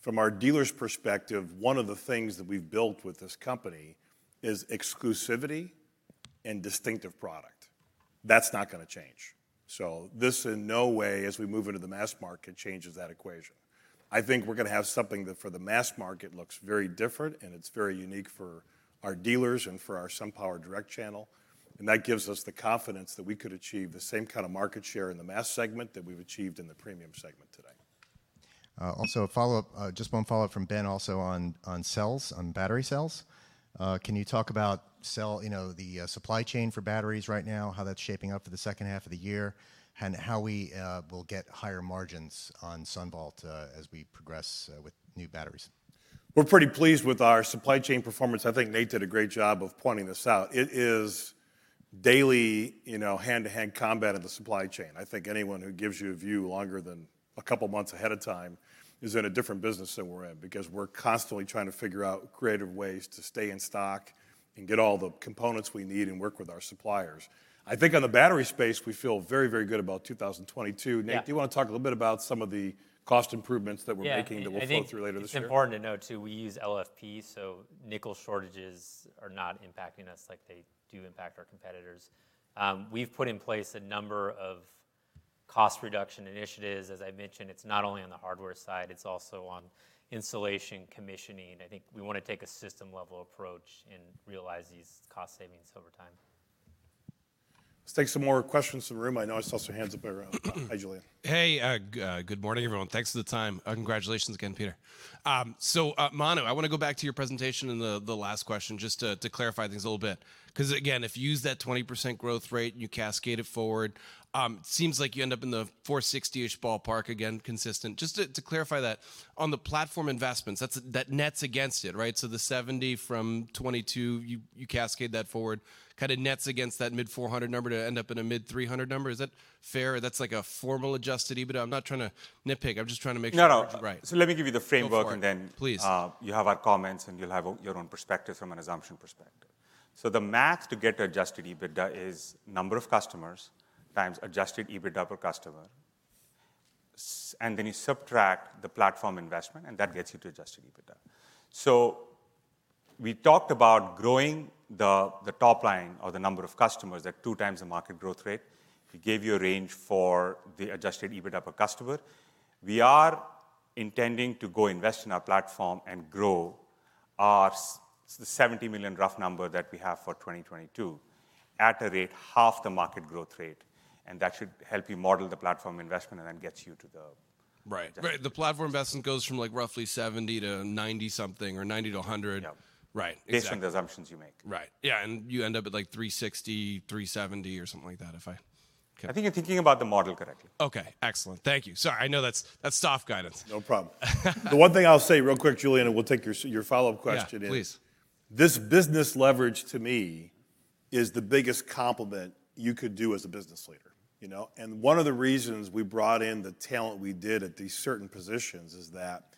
from our dealers' perspective, one of the things that we've built with this company is exclusivity and distinctive product. That's not gonna change. This in no way, as we move into the mass market, changes that equation. I think we're gonna have something that for the mass market looks very different, and it's very unique for our dealers and for our SunPower Direct channel, and that gives us the confidence that we could achieve the same kind of market share in the mass segment that we've achieved in the premium segment today. Also a follow-up, just one follow-up from Ben also on cells, on battery cells. Can you talk about cell, you know, the supply chain for batteries right now, how that's shaping up for the second half of the year, and how we will get higher margins on SunVault as we progress with new batteries? We're pretty pleased with our supply chain performance. I think Nate did a great job of pointing this out. It is daily, you know, hand-to-hand combat of the supply chain. I think anyone who gives you a view longer than a couple months ahead of time is in a different business than we're in because we're constantly trying to figure out creative ways to stay in stock and get all the components we need and work with our suppliers. I think on the battery space, we feel very, very good about 2022. Yeah. Nate, do you wanna talk a little bit about some of the cost improvements that we're making? Yeah that will flow through later this year? I think it's important to note too, we use LFP, so nickel shortages are not impacting us like they do impact our competitors. We've put in place a number of cost reduction initiatives. As I mentioned, it's not only on the hardware side, it's also on installation, commissioning. I think we wanna take a system level approach and realize these cost savings over time. Let's take some more questions from the room. I know I saw some hands up in the room. Hi, Julien. Hey. Good morning, everyone. Thanks for the time. Congratulations again, Peter. So, Manu, I wanna go back to your presentation and the last question just to clarify things a little bit because, again, if you use that 20% growth rate and you cascade it forward, seems like you end up in the $460-ish million ballpark again, consistent. Just to clarify that, on the platform investments, that nets against it, right? So the $70 million from 2022, you cascade that forward, kinda nets against that mid-$400 million number to end up in a mid-$300 million number. Is that fair? That's like a formal Adjusted EBITDA? I'm not trying to nitpick. I'm just trying to make sure- No, no. I'm right. Let me give you the framework, and then. Go for it, please. You have our comments, and you'll have your own perspective from an assumption perspective. The math to get Adjusted EBITDA is number of customers times Adjusted EBITDA per customer and then you subtract the platform investment, and that gets you to Adjusted EBITDA. We talked about growing the top line or the number of customers at 2x the market growth rate. We gave you a range for the Adjusted EBITDA per customer. We are intending to invest in our platform and grow our $70 million rough number that we have for 2022 at a rate half the market growth rate, and that should help you model the platform investment and then gets you to the... Right adjusted. Right. The platform investment goes from, like, roughly $70 million-$90 million-something or $90 million-$100 million. Yeah. Right, exactly. Based on the assumptions you make. Right. Yeah, you end up at, like, $360 million-$370 million or something like that. I think you're thinking about the model correctly. Okay, excellent. Thank you. Sorry, I know that's soft guidance. No problem. The one thing I'll say real quick, Julien, and we'll take your follow-up question is- Yeah, please. This business leverage to me is the biggest compliment you could do as a business leader, you know? One of the reasons we brought in the talent we did at these certain positions is that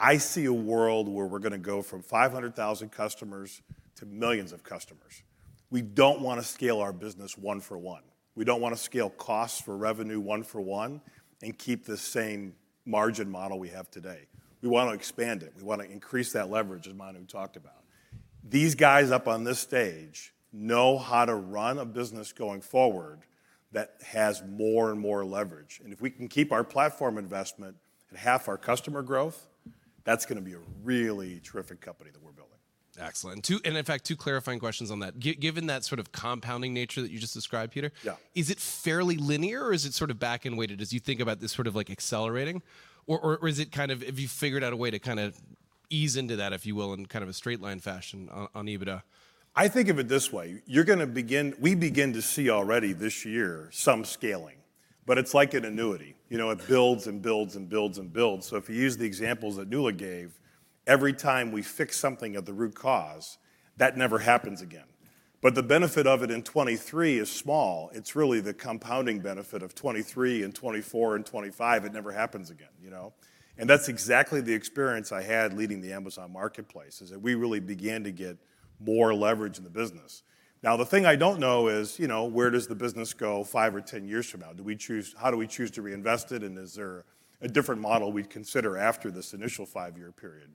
I see a world where we're gonna go from 500,000 customers to millions of customers. We don't wanna scale our business one for one. We don't wanna scale costs for revenue one for one and keep the same margin model we have today. We want to expand it. We want to increase that leverage as Manu talked about. These guys up on this stage know how to run a business going forward that has more and more leverage. If we can keep our platform investment at half our customer growth, that's gonna be a really terrific company that we're building. Excellent. In fact, two clarifying questions on that. Given that sort of compounding nature that you just described, Peter- Yeah... is it fairly linear, or is it sort of back-ended weighted as you think about this sort of like accelerating? Or have you figured out a way to kinda ease into that, if you will, in kind of a straight line fashion on EBITDA? I think of it this way. We begin to see already this year some scaling, but it's like an annuity. You know, it builds and builds and builds and builds. If you use the examples that Nuala gave, every time we fix something at the root cause, that never happens again. The benefit of it in 2023 is small. It's really the compounding benefit of 2023 and 2024 and 2025, it never happens again, you know? That's exactly the experience I had leading the Amazon Marketplace, is that we really began to get more leverage in the business. The thing I don't know is, you know, where does the business go five or 10 years from now? How do we choose to reinvest it, and is there a different model we'd consider after this initial five-year period?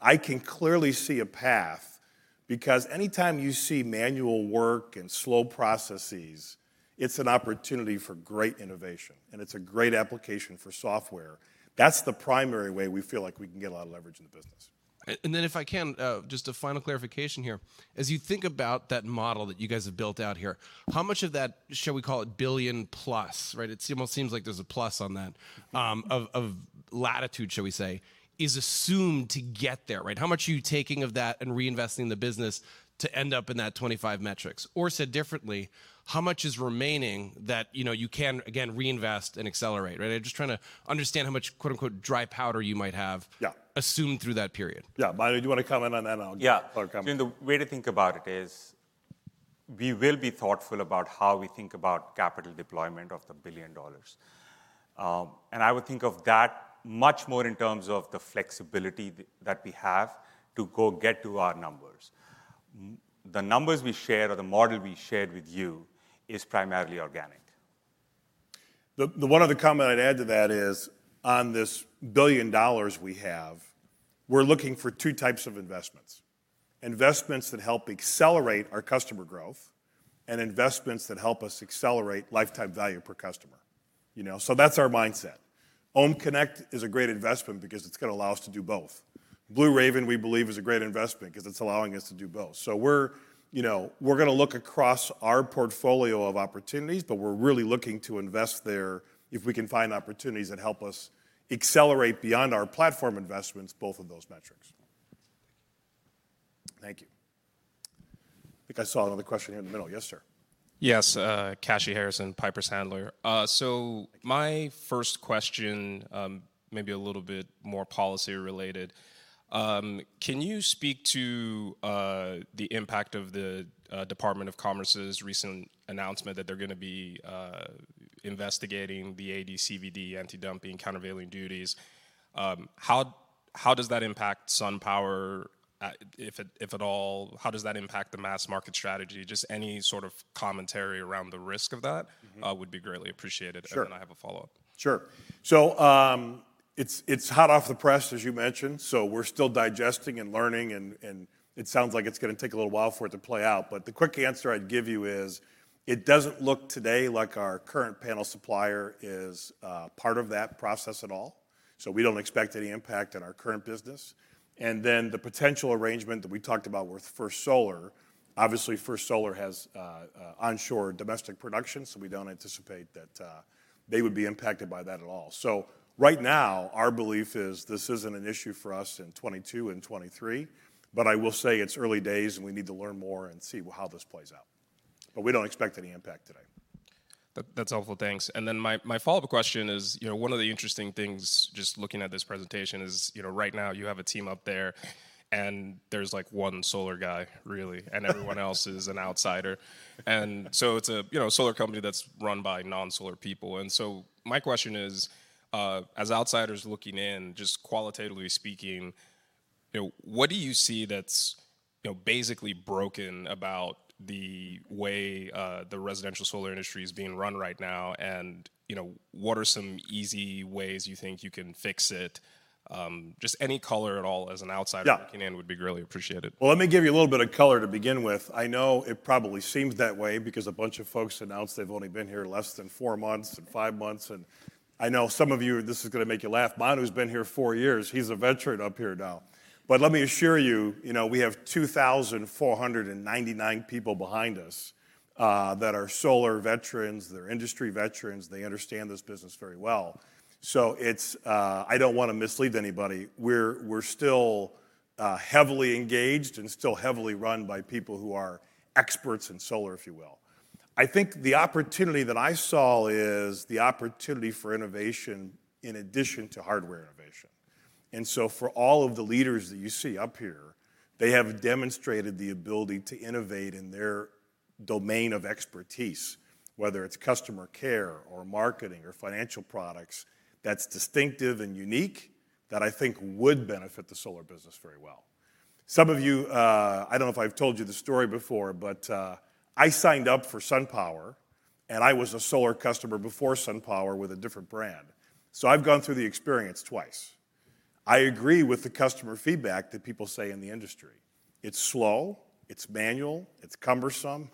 I can clearly see a path because anytime you see manual work and slow processes, it's an opportunity for great innovation, and it's a great application for software. That's the primary way we feel like we can get a lot of leverage in the business. If I can, just a final clarification here. As you think about that model that you guys have built out here, how much of that, shall we call it billion plus, right, almost seems like there's a plus on that, of latitude, shall we say, is assumed to get there, right? How much are you taking of that and reinvesting in the business to end up in that 25 metrics? Or said differently, how much is remaining that, you know, you can, again, reinvest and accelerate, right? I'm just trying to understand how much, quote unquote, dry powder you might have. Yeah Assumed through that period. Yeah. Manu, do you wanna comment on that? Yeah I'll comment. I mean, the way to think about it is we will be thoughtful about how we think about capital deployment of $1 billion. I would think of that much more in terms of the flexibility that we have to go get to our numbers. The numbers we shared or the model we shared with you is primarily organic. The one other comment I'd add to that is on this $1 billion we have. We're looking for two types of investments that help accelerate our customer growth and investments that help us accelerate lifetime value per customer, you know. That's our mindset. OhmConnect is a great investment because it's gonna allow us to do both. Blue Raven, we believe, is a great investment 'cause it's allowing us to do both. We're, you know, we're gonna look across our portfolio of opportunities, but we're really looking to invest there if we can find opportunities that help us accelerate beyond our platform investments, both of those metrics. Thank you. I think I saw another question here in the middle. Yes, sir. Yes. Kashy Harrison, Piper Sandler. My first question may be a little bit more policy related. Can you speak to the impact of the Department of Commerce's recent announcement that they're gonna be investigating the AD/CVD, anti-dumping and countervailing duties? How does that impact SunPower, if at all? How does that impact the mass market strategy? Just any sort of commentary around the risk of that. Mm-hmm would be greatly appreciated. Sure. I have a follow-up. Sure. It's hot off the press, as you mentioned, so we're still digesting and learning and it sounds like it's gonna take a little while for it to play out. The quick answer I'd give you is it doesn't look today like our current panel supplier is part of that process at all, so we don't expect any impact on our current business. The potential arrangement that we talked about with First Solar, obviously First Solar has onshore domestic production, so we don't anticipate that they would be impacted by that at all. Right now, our belief is this isn't an issue for us in 2022 and 2023, but I will say it's early days, and we need to learn more and see how this plays out. We don't expect any impact today. That's helpful. Thanks. My follow-up question is, you know, one of the interesting things just looking at this presentation is, you know, right now you have a team up there, and there's like one solar guy really, and everyone else is an outsider. It's a, you know, a solar company that's run by non-solar people. My question is, as outsiders looking in, just qualitatively speaking, you know, what do you see that's, you know, basically broken about the way, the residential solar industry is being run right now? You know, what are some easy ways you think you can fix it? Just any color at all as an outsider. Yeah Looking in would be greatly appreciated. Well, let me give you a little bit of color to begin with. I know it probably seems that way because a bunch of folks announced they've only been here less than four months and five months, and I know some of you, this is gonna make you laugh. Manu's been here four years. He's a veteran up here now. Let me assure you know, we have 2,499 people behind us that are solar veterans. They're industry veterans. They understand this business very well. It's, I don't wanna mislead anybody. We're still heavily engaged and still heavily run by people who are experts in solar, if you will. I think the opportunity that I saw is the opportunity for innovation in addition to hardware innovation. For all of the leaders that you see up here. They have demonstrated the ability to innovate in their domain of expertise, whether it's customer care or marketing or financial products that's distinctive and unique that I think would benefit the solar business very well. Some of you, I don't know if I've told you this story before, but, I signed up for SunPower, and I was a solar customer before SunPower with a different brand. I've gone through the experience twice. I agree with the customer feedback that people say in the industry. It's slow, it's manual, it's cumbersome.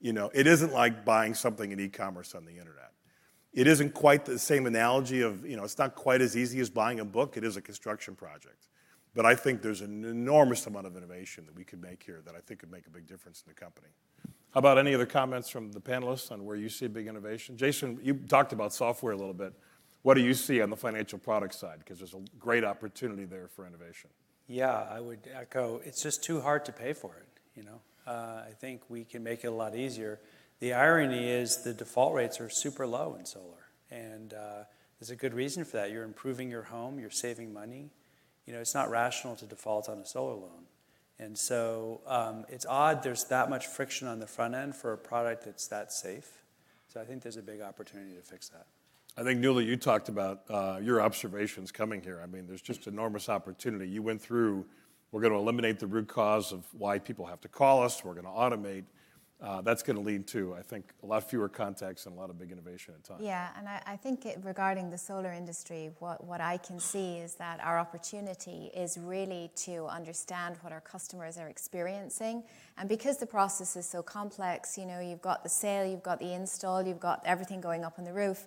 You know, it isn't like buying something in e-commerce on the internet. It isn't quite the same analogy of, you know, it's not quite as easy as buying a book. It is a construction project. I think there's an enormous amount of innovation that we could make here that I think could make a big difference in the company. How about any other comments from the panelists on where you see big innovation? Jason, you talked about software a little bit. What do you see on the financial product side? 'Cause there's a great opportunity there for innovation. Yeah. I would echo, it's just too hard to pay for it, you know? I think we can make it a lot easier. The irony is the default rates are super low in solar, and there's a good reason for that. You're improving your home. You're saving money. You know, it's not rational to default on a solar loan. It's odd there's that much friction on the front end for a product that's that safe. I think there's a big opportunity to fix that. I think, Nuala, you talked about your observations coming here. I mean, there's just enormous opportunity. You went through, we're gonna eliminate the root cause of why people have to call us. We're gonna automate. That's gonna lead to, I think, a lot fewer contacts and a lot of big innovation and time. I think, regarding the solar industry, what I can see is that our opportunity is really to understand what our customers are experiencing, and because the process is so complex, you know, you've got the sale, you've got the install, you've got everything going up on the roof,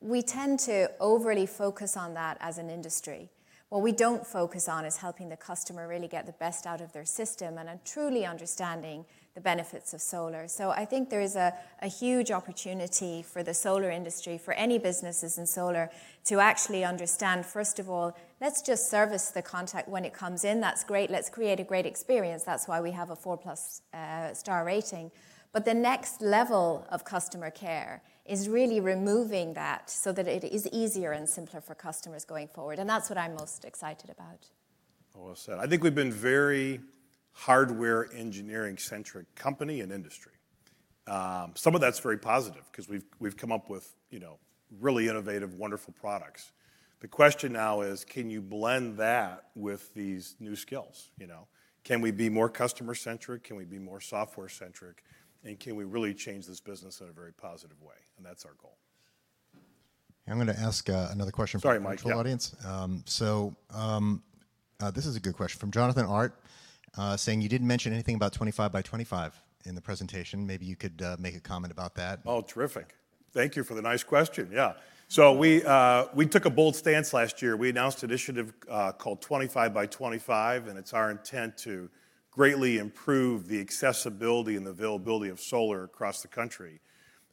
we tend to overly focus on that as an industry. What we don't focus on is helping the customer really get the best out of their system and truly understanding the benefits of solar. I think there is a huge opportunity for the solar industry, for any businesses in solar, to actually understand, first of all, let's just service the contact when it comes in. That's great. Let's create a great experience. That's why we have a 4+ star rating. The next level of customer care is really removing that so that it is easier and simpler for customers going forward, and that's what I'm most excited about. Well said. I think we've been very hardware engineering centric company and industry. Some of that's very positive 'cause we've come up with, you know, really innovative, wonderful products. The question now is, can you blend that with these new skills, you know? Can we be more customer centric? Can we be more software centric? Can we really change this business in a very positive way? That's our goal. I'm gonna ask another question. Sorry, Mike. Yeah from the virtual audience. This is a good question from Jonathan Hart, saying you didn't mention anything about 25 by 25 in the presentation. Maybe you could make a comment about that. Oh, terrific. Thank you for the nice question. Yeah. We took a bold stance last year. We announced an initiative called 25 by 25, and it's our intent to greatly improve the accessibility and the availability of solar across the country.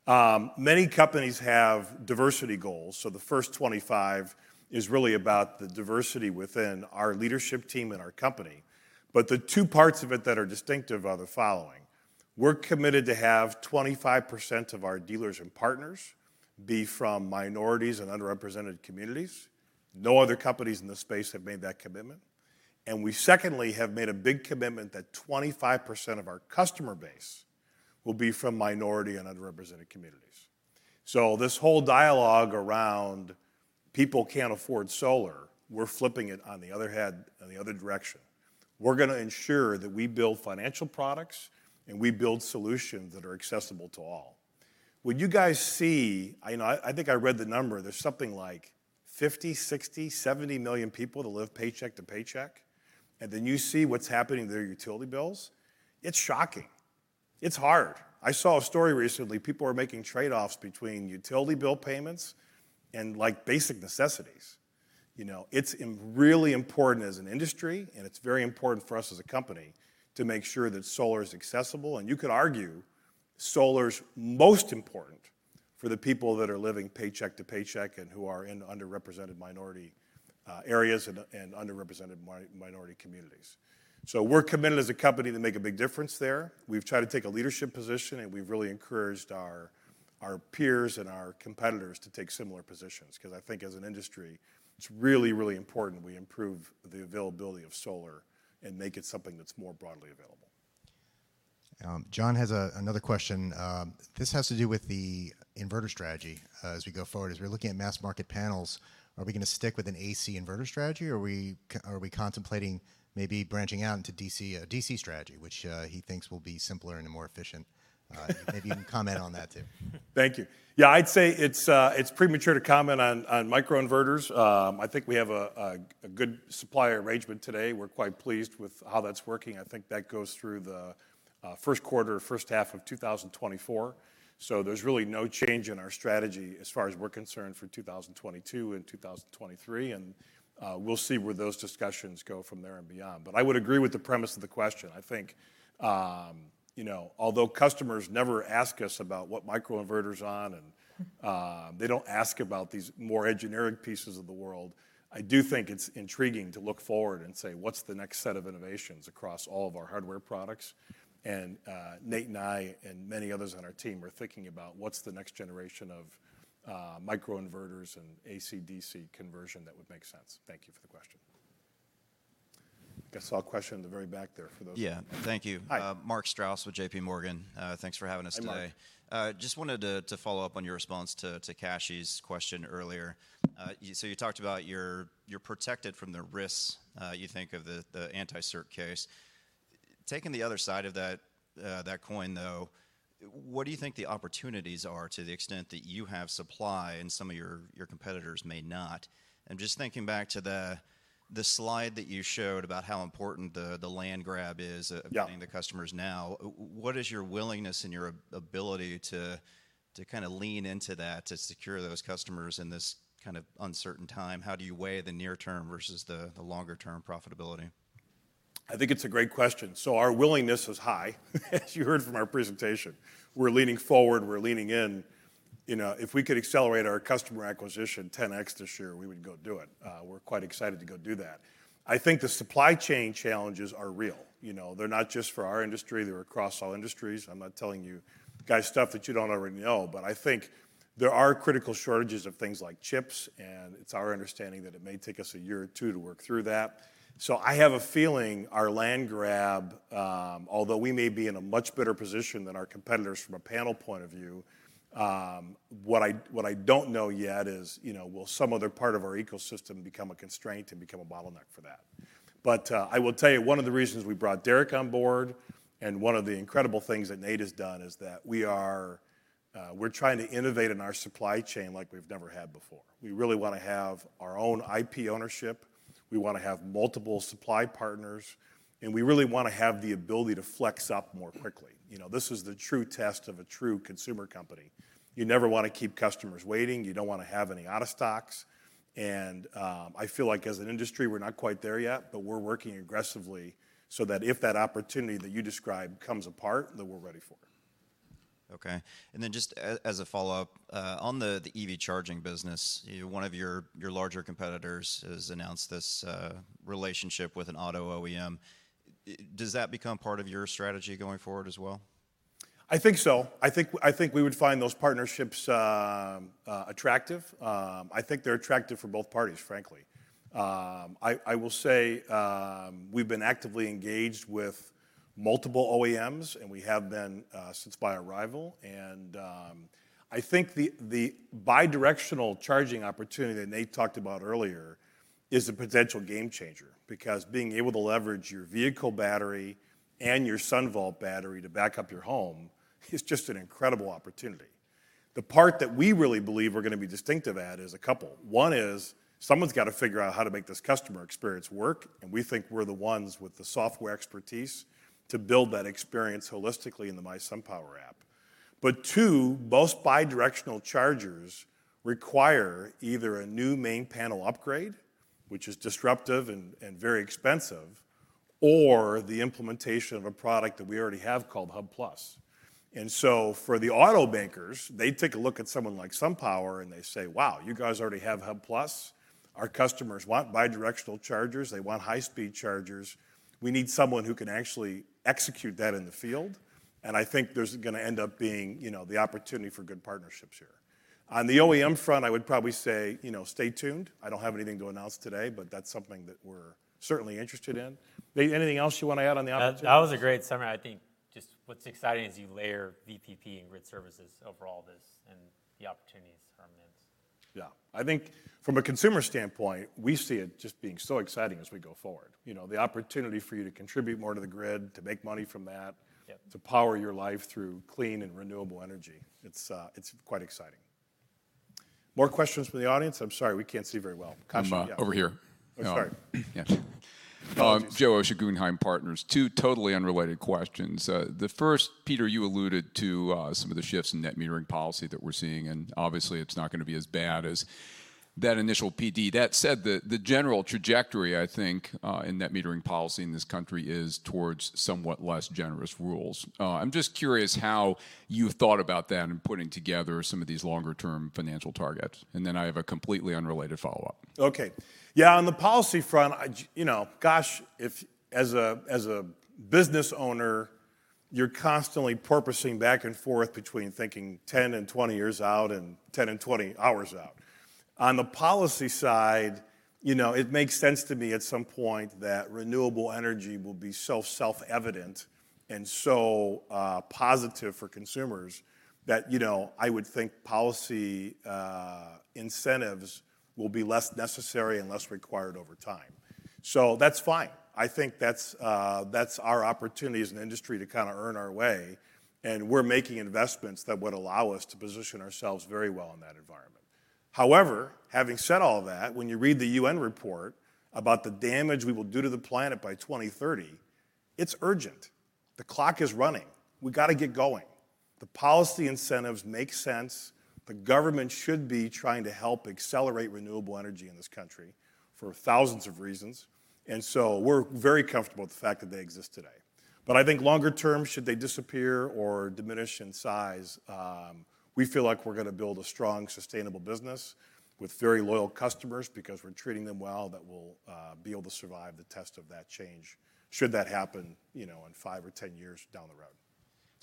Many companies have diversity goals, so the first 25% is really about the diversity within our leadership team and our company. The two parts of it that are distinctive are the following: We're committed to have 25% of our dealers and partners be from minorities and underrepresented communities. No other companies in this space have made that commitment. We secondly have made a big commitment that 25% of our customer base will be from minority and underrepresented communities. This whole dialogue around people can't afford solar, we're flipping it on its head, in the other direction. We're gonna ensure that we build financial products, and we build solutions that are accessible to all. When you guys see. You know, I think I read the number. There's something like 50 million, 60 million, 70 million people that live paycheck to paycheck, and then you see what's happening to their utility bills, it's shocking. It's hard. I saw a story recently. People are making trade-offs between utility bill payments and, like, basic necessities. You know, it's really important as an industry, and it's very important for us as a company to make sure that solar is accessible, and you could argue solar's most important for the people that are living paycheck to paycheck and who are in underrepresented minority areas and underrepresented minority communities. We're committed as a company to make a big difference there. We've tried to take a leadership position, and we've really encouraged our peers and our competitors to take similar positions 'cause I think, as an industry, it's really, really important we improve the availability of solar and make it something that's more broadly available. Jon has another question. This has to do with the inverter strategy, as we go forward. As we're looking at mass market panels, are we gonna stick with an AC inverter strategy, or are we contemplating maybe branching out into DC, a DC strategy? Which he thinks will be simpler and more efficient. Maybe you can comment on that too. Thank you. Yeah, I'd say it's premature to comment on microinverters. I think we have a good supplier arrangement today. We're quite pleased with how that's working. I think that goes through the first quarter, first half of 2024. There's really no change in our strategy as far as we're concerned for 2022 and 2023, and we'll see where those discussions go from there and beyond. But I would agree with the premise of the question. I think, you know, although customers never ask us about what microinverter's on and, they don't ask about these more engineering pieces of the world, I do think it's intriguing to look forward and say, "What's the next set of innovations across all of our hardware products?" Nate and I and many others on our team are thinking about what's the next generation of microinverters and AC/DC conversion that would make sense. Thank you for the question. I guess I'll take the question from the very back there for those- Yeah. Thank you. Hi. Mark Strouse with JPMorgan. Thanks for having us today. Hi, Mark. I just wanted to follow-up on your response to Kashy's question earlier. So you talked about you're protected from the risks you think of the anti-circumvention case. Taking the other side of that coin, though, what do you think the opportunities are to the extent that you have supply and some of your competitors may not? I'm just thinking back to the slide that you showed about how important the land grab is. Yeah... obtaining the customers now. What is your willingness and your ability to kinda lean into that to secure those customers in this kind of uncertain time? How do you weigh the near term versus the longer term profitability? I think it's a great question. Our willingness is high, as you heard from our presentation. We're leaning forward, we're leaning in. You know, if we could accelerate our customer acquisition 10x this year, we would go do it. We're quite excited to go do that. I think the supply chain challenges are real. You know, they're not just for our industry, they're across all industries. I'm not telling you guys stuff that you don't already know. I think there are critical shortages of things like chips, and it's our understanding that it may take us a year or two to work through that. I have a feeling our land grab, although we may be in a much better position than our competitors from a panel point of view, what I don't know yet is, you know, will some other part of our ecosystem become a constraint and become a bottleneck for that? I will tell you, one of the reasons we brought Derek on board and one of the incredible things that Nate has done is that we're trying to innovate in our supply chain like we've never had before. We really wanna have our own IP ownership, we wanna have multiple supply partners, and we really wanna have the ability to flex up more quickly. You know, this is the true test of a true consumer company. You never wanna keep customers waiting. You don't wanna have any out of stocks. I feel like as an industry we're not quite there yet, but we're working aggressively so that if that opportunity that you describe comes apart, then we're ready for it. Okay. Just as a follow-up on the EV charging business, you know, one of your larger competitors has announced this relationship with an auto OEM. Does that become part of your strategy going forward as well? I think so. I think we would find those partnerships attractive. I think they're attractive for both parties, frankly. I will say, we've been actively engaged with multiple OEMs, and we have been since my arrival. I think the bi-directional charging opportunity that Nate talked about earlier is a potential game changer, because being able to leverage your vehicle battery and your SunVault battery to back up your home is just an incredible opportunity. The part that we really believe we're gonna be distinctive at is a couple. One is, someone's gotta figure out how to make this customer experience work, and we think we're the ones with the software expertise to build that experience holistically in the mySunPower app. Two, most bi-directional chargers require either a new main panel upgrade, which is disruptive and very expensive, or the implementation of a product that we already have called Hub+. For the automakers, they take a look at someone like SunPower and they say, "Wow, you guys already have Hub+. Our customers want bi-directional chargers. They want high-speed chargers. We need someone who can actually execute that in the field." I think there's gonna end up being, you know, the opportunity for good partnerships here. On the OEM front, I would probably say, you know, stay tuned. I don't have anything to announce today, but that's something that we're certainly interested in. Nate, anything else you wanna add on the opportunity? That was a great summary. I think just what's exciting is you layer VPP and grid services over all this, and the opportunities are immense. Yeah. I think from a consumer standpoint, we see it just being so exciting as we go forward. You know, the opportunity for you to contribute more to the grid, to make money from that. Yep... to power your life through clean and renewable energy, it's quite exciting. More questions from the audience? I'm sorry, we can't see very well. Kashy, yeah. I'm over here. Oh, sorry. Yeah. Apologies. Joe Osha at Guggenheim Partners. Two totally unrelated questions. The first, Peter, you alluded to some of the shifts in net metering policy that we're seeing, and obviously it's not gonna be as bad as that initial PD. That said, the general trajectory, I think, in net metering policy in this country is towards somewhat less generous rules. I'm just curious how you thought about that in putting together some of these longer term financial targets. I have a completely unrelated follow-up. Okay. Yeah, on the policy front, you know, gosh, if as a, as a business owner, you're constantly pivoting back and forth between thinking 10 and 20 years out and 10 and 20 hours out. On the policy side, you know, it makes sense to me at some point that renewable energy will be so self-evident and so positive for consumers that, you know, I would think policy incentives will be less necessary and less required over time. That's fine. I think that's our opportunity as an industry to kinda earn our way, and we're making investments that would allow us to position ourselves very well in that environment. However, having said all that, when you read the UN report about the damage we will do to the planet by 2030, it's urgent. The clock is running. We gotta get going. The policy incentives make sense. The government should be trying to help accelerate renewable energy in this country for thousands of reasons, and so we're very comfortable with the fact that they exist today. I think longer term, should they disappear or diminish in size, we feel like we're gonna build a strong, sustainable business with very loyal customers because we're treating them well, that will be able to survive the test of that change should that happen, you know, in five or 10 years down the road.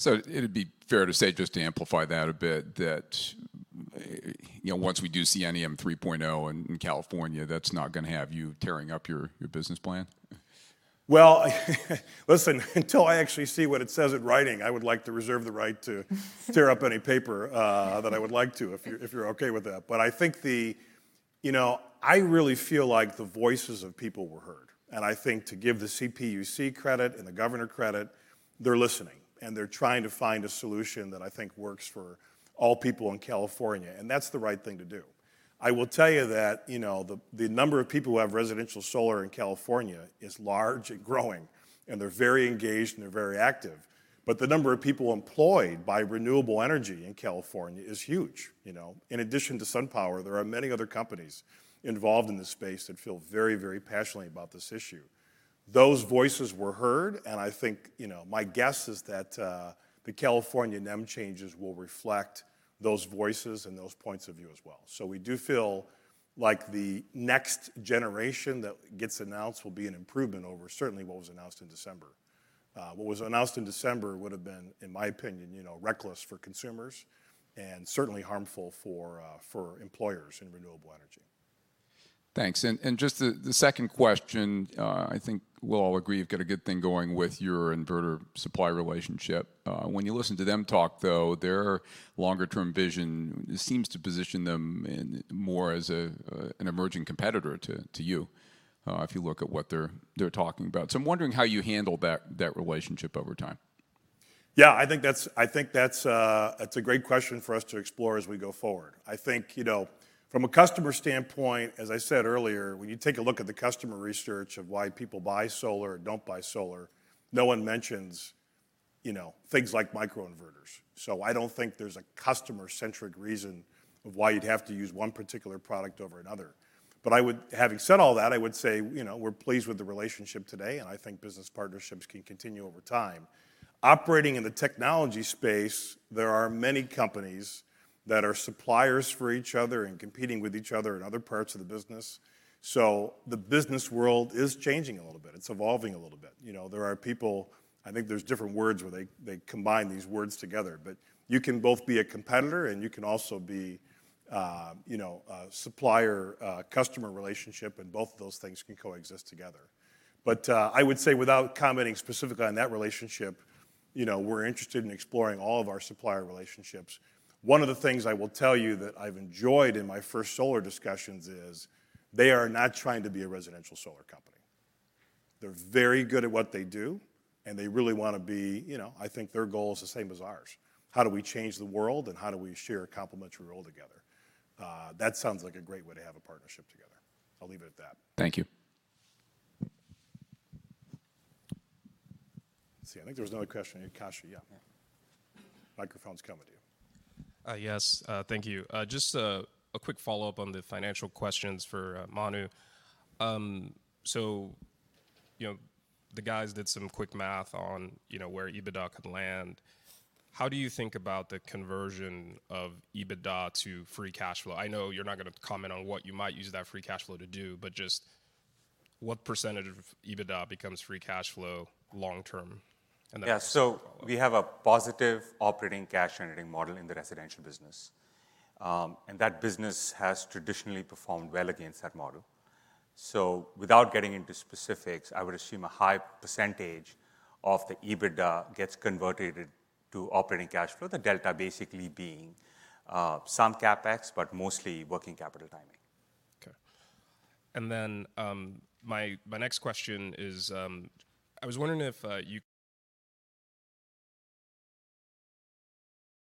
It'd be fair to say, just to amplify that a bit, that, you know, once we do see NEM 3.0 in California, that's not gonna have you tearing up your business plan? Well, listen, until I actually see what it says in writing, I would like to reserve the right to tear up any paper that I would like to, if you're okay with that. You know, I really feel like the voices of people were heard, and I think to give the CPUC credit and the Governor credit, they're listening, and they're trying to find a solution that I think works for all people in California, and that's the right thing to do. I will tell you that, you know, the number of people who have residential solar in California is large and growing, and they're very engaged, and they're very active, but the number of people employed by renewable energy in California is huge, you know. In addition to SunPower, there are many other companies involved in this space that feel very, very passionately about this issue. Those voices were heard, and I think, you know, my guess is that the California NEM changes will reflect those voices and those points of view as well. We do feel like the next generation that gets announced will be an improvement over certainly what was announced in December. What was announced in December would have been, in my opinion, you know, reckless for consumers and certainly harmful for employers in renewable energy. Thanks. Just the second question, I think we'll all agree you've got a good thing going with your inverter supplier relationship. When you listen to them talk, though, their long-term vision seems to position them more as an emerging competitor to you, if you look at what they're talking about. I'm wondering how you handle that relationship over time. Yeah, I think that's a great question for us to explore as we go forward. I think, you know, from a customer standpoint, as I said earlier, when you take a look at the customer research of why people buy solar or don't buy solar, no one mentions, you know, things like microinverters. I don't think there's a customer-centric reason of why you'd have to use one particular product over another. I would, having said all that, I would say, you know, we're pleased with the relationship today, and I think business partnerships can continue over time. Operating in the technology space, there are many companies that are suppliers for each other and competing with each other in other parts of the business, so the business world is changing a little bit. It's evolving a little bit. You know, there are people. I think there's different words where they combine these words together, but you can both be a competitor, and you can also be, you know, a supplier-customer relationship, and both of those things can coexist together. I would say, without commenting specifically on that relationship, you know, we're interested in exploring all of our supplier relationships. One of the things I will tell you that I've enjoyed in my first solar discussions is they are not trying to be a residential solar company. They're very good at what they do, and they really wanna be, you know, I think their goal is the same as ours. How do we change the world, and how do we share a complementary role together? That sounds like a great way to have a partnership together. I'll leave it at that. Thank you. Let's see. I think there was another question. Kashy, yeah. Microphone's coming to you. Yes, thank you. Just a quick follow-up on the financial questions for Manu. You know, the guys did some quick math on, you know, where EBITDA could land. How do you think about the conversion of EBITDA to free cash flow? I know you're not gonna comment on what you might use that free cash flow to do, but just what percentage of EBITDA becomes free cash flow long term? And then- We have a positive operating cash generating model in the residential business, and that business has traditionally performed well against that model. Without getting into specifics, I would assume a high percentage of the EBITDA gets converted to operating cash flow, the delta basically being some CapEx, but mostly working capital timing. Okay. My next question is, I was wondering if your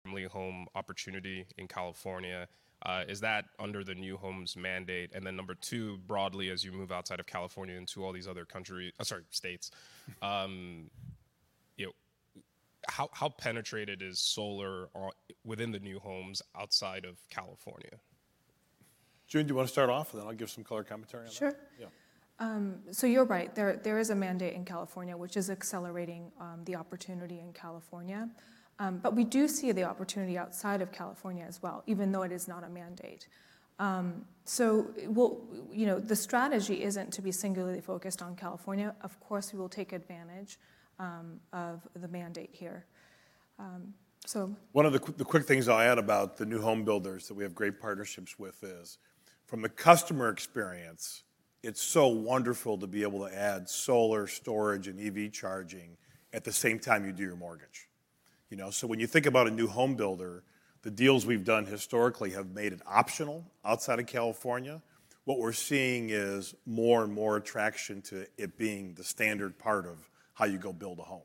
family home opportunity in California is that under the new homes mandate? Number two, broadly, as you move outside of California into all these other states, you know, how penetrated is solar within the new homes outside of California? June, do you wanna start off, and then I'll give some color commentary on that? Sure. Yeah. You're right. There is a mandate in California, which is accelerating the opportunity in California. We do see the opportunity outside of California as well, even though it is not a mandate. You know, the strategy isn't to be singularly focused on California. Of course, we will take advantage of the mandate here. One of the quick things I'll add about the new home builders that we have great partnerships with is, from the customer experience, it's so wonderful to be able to add solar storage and EV charging at the same time you do your mortgage. You know? When you think about a new home builder, the deals we've done historically have made it optional outside of California. What we're seeing is more and more attraction to it being the standard part of how you go build a home.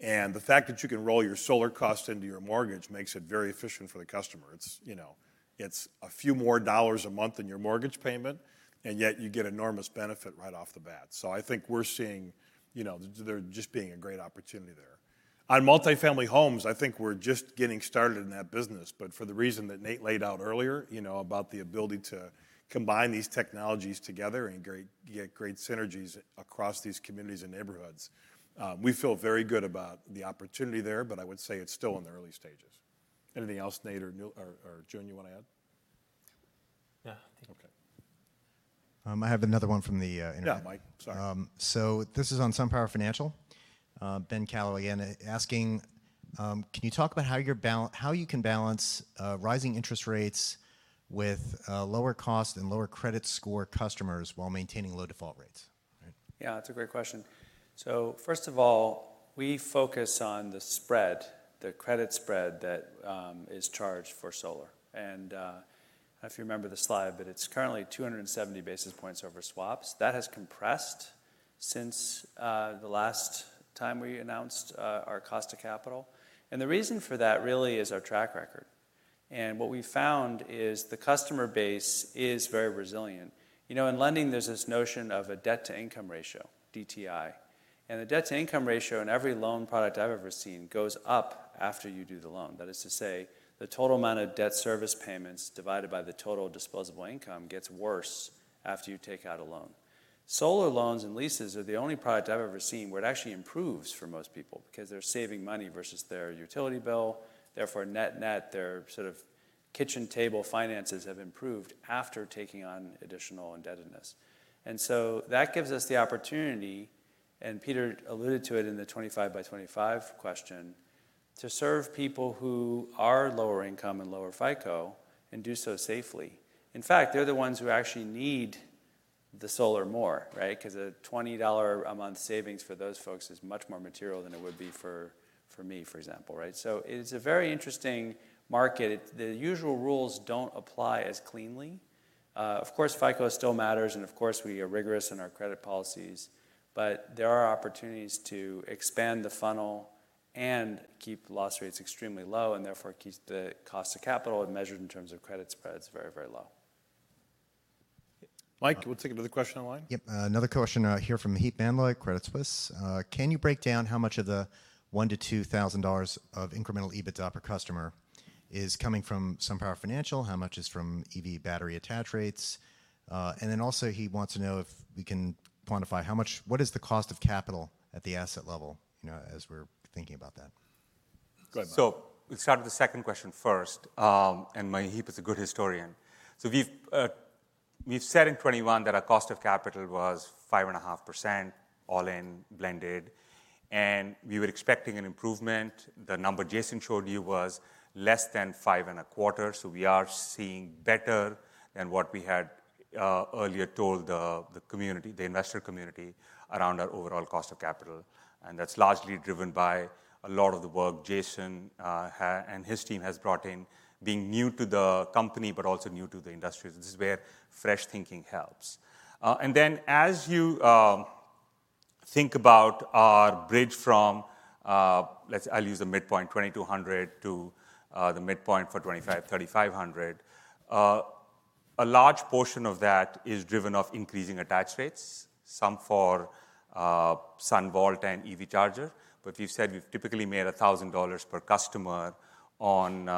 The fact that you can roll your solar cost into your mortgage makes it very efficient for the customer. It's, you know, it's a few more dollars a month in your mortgage payment, and yet you get enormous benefit right off the bat. I think we're seeing, you know, there just being a great opportunity there. On multifamily homes, I think we're just getting started in that business, but for the reason that Nate laid out earlier, you know, about the ability to combine these technologies together and get great synergies across these communities and neighborhoods, we feel very good about the opportunity there, but I would say it's still in the early stages. Anything else, Nate or Neil or June you wanna add? Yeah. Okay. I have another one from the internet. Yeah, Mike. Sorry. This is on SunPower Financial. Ben Kallo again, asking, can you talk about how you can balance rising interest rates with lower cost and lower credit score customers while maintaining low default rates? Yeah, that's a great question. First of all, we focus on the spread, the credit spread that is charged for solar. I don't know if you remember the slide, but it's currently 270 basis points over swaps. That has compressed since the last time we announced our cost to capital. The reason for that really is our track record. What we've found is the customer base is very resilient. You know, in lending, there's this notion of a debt-to-income ratio, DTI. The debt-to-income ratio in every loan product I've ever seen goes up after you do the loan. That is to say, the total amount of debt service payments divided by the total disposable income gets worse after you take out a loan. Solar loans and leases are the only product I've ever seen where it actually improves for most people because they're saving money versus their utility bill, therefore net-net, their sort of kitchen table finances have improved after taking on additional indebtedness. That gives us the opportunity, and Peter alluded to it in the 25 by 25 question, to serve people who are lower income and lower FICO and do so safely. In fact, they're the ones who actually need the solar more, right? 'Cause a $20 a month savings for those folks is much more material than it would be for me, for example, right? It is a very interesting market. The usual rules don't apply as cleanly. Of course, FICO still matters, and of course, we are rigorous in our credit policies, but there are opportunities to expand the funnel and keep loss rates extremely low, and therefore it keeps the cost of capital, when measured in terms of credit spreads, very, very low. Mike, we'll take another question online. Yep. Another question here from Maheep Mandloi at Credit Suisse. Can you break down how much of the $1,000-$2,000 of incremental EBITDA per customer is coming from SunPower Financial? How much is from EV battery attach rates? And then also he wants to know if we can quantify what is the cost of capital at the asset level, you know, as we're thinking about that? Go ahead, Mike. We'll start with the second question first. Maheep is a good historian. We've said in 2021 that our cost of capital was 5.5%, all in, blended, and we were expecting an improvement. The number Jason showed you was less than 5.25%. We are seeing better than what we had earlier told the community, the investor community around our overall cost of capital. That's largely driven by a lot of the work Jason and his team has brought in, being new to the company but also new to the industry. This is where fresh thinking helps. As you think about our bridge from, I'll use the midpoint, $2,200 to the midpoint for 2025, $3,500, a large portion of that is driven off increasing attach rates, some for SunVault and EV charger. We've said we've typically made $1,000 per customer on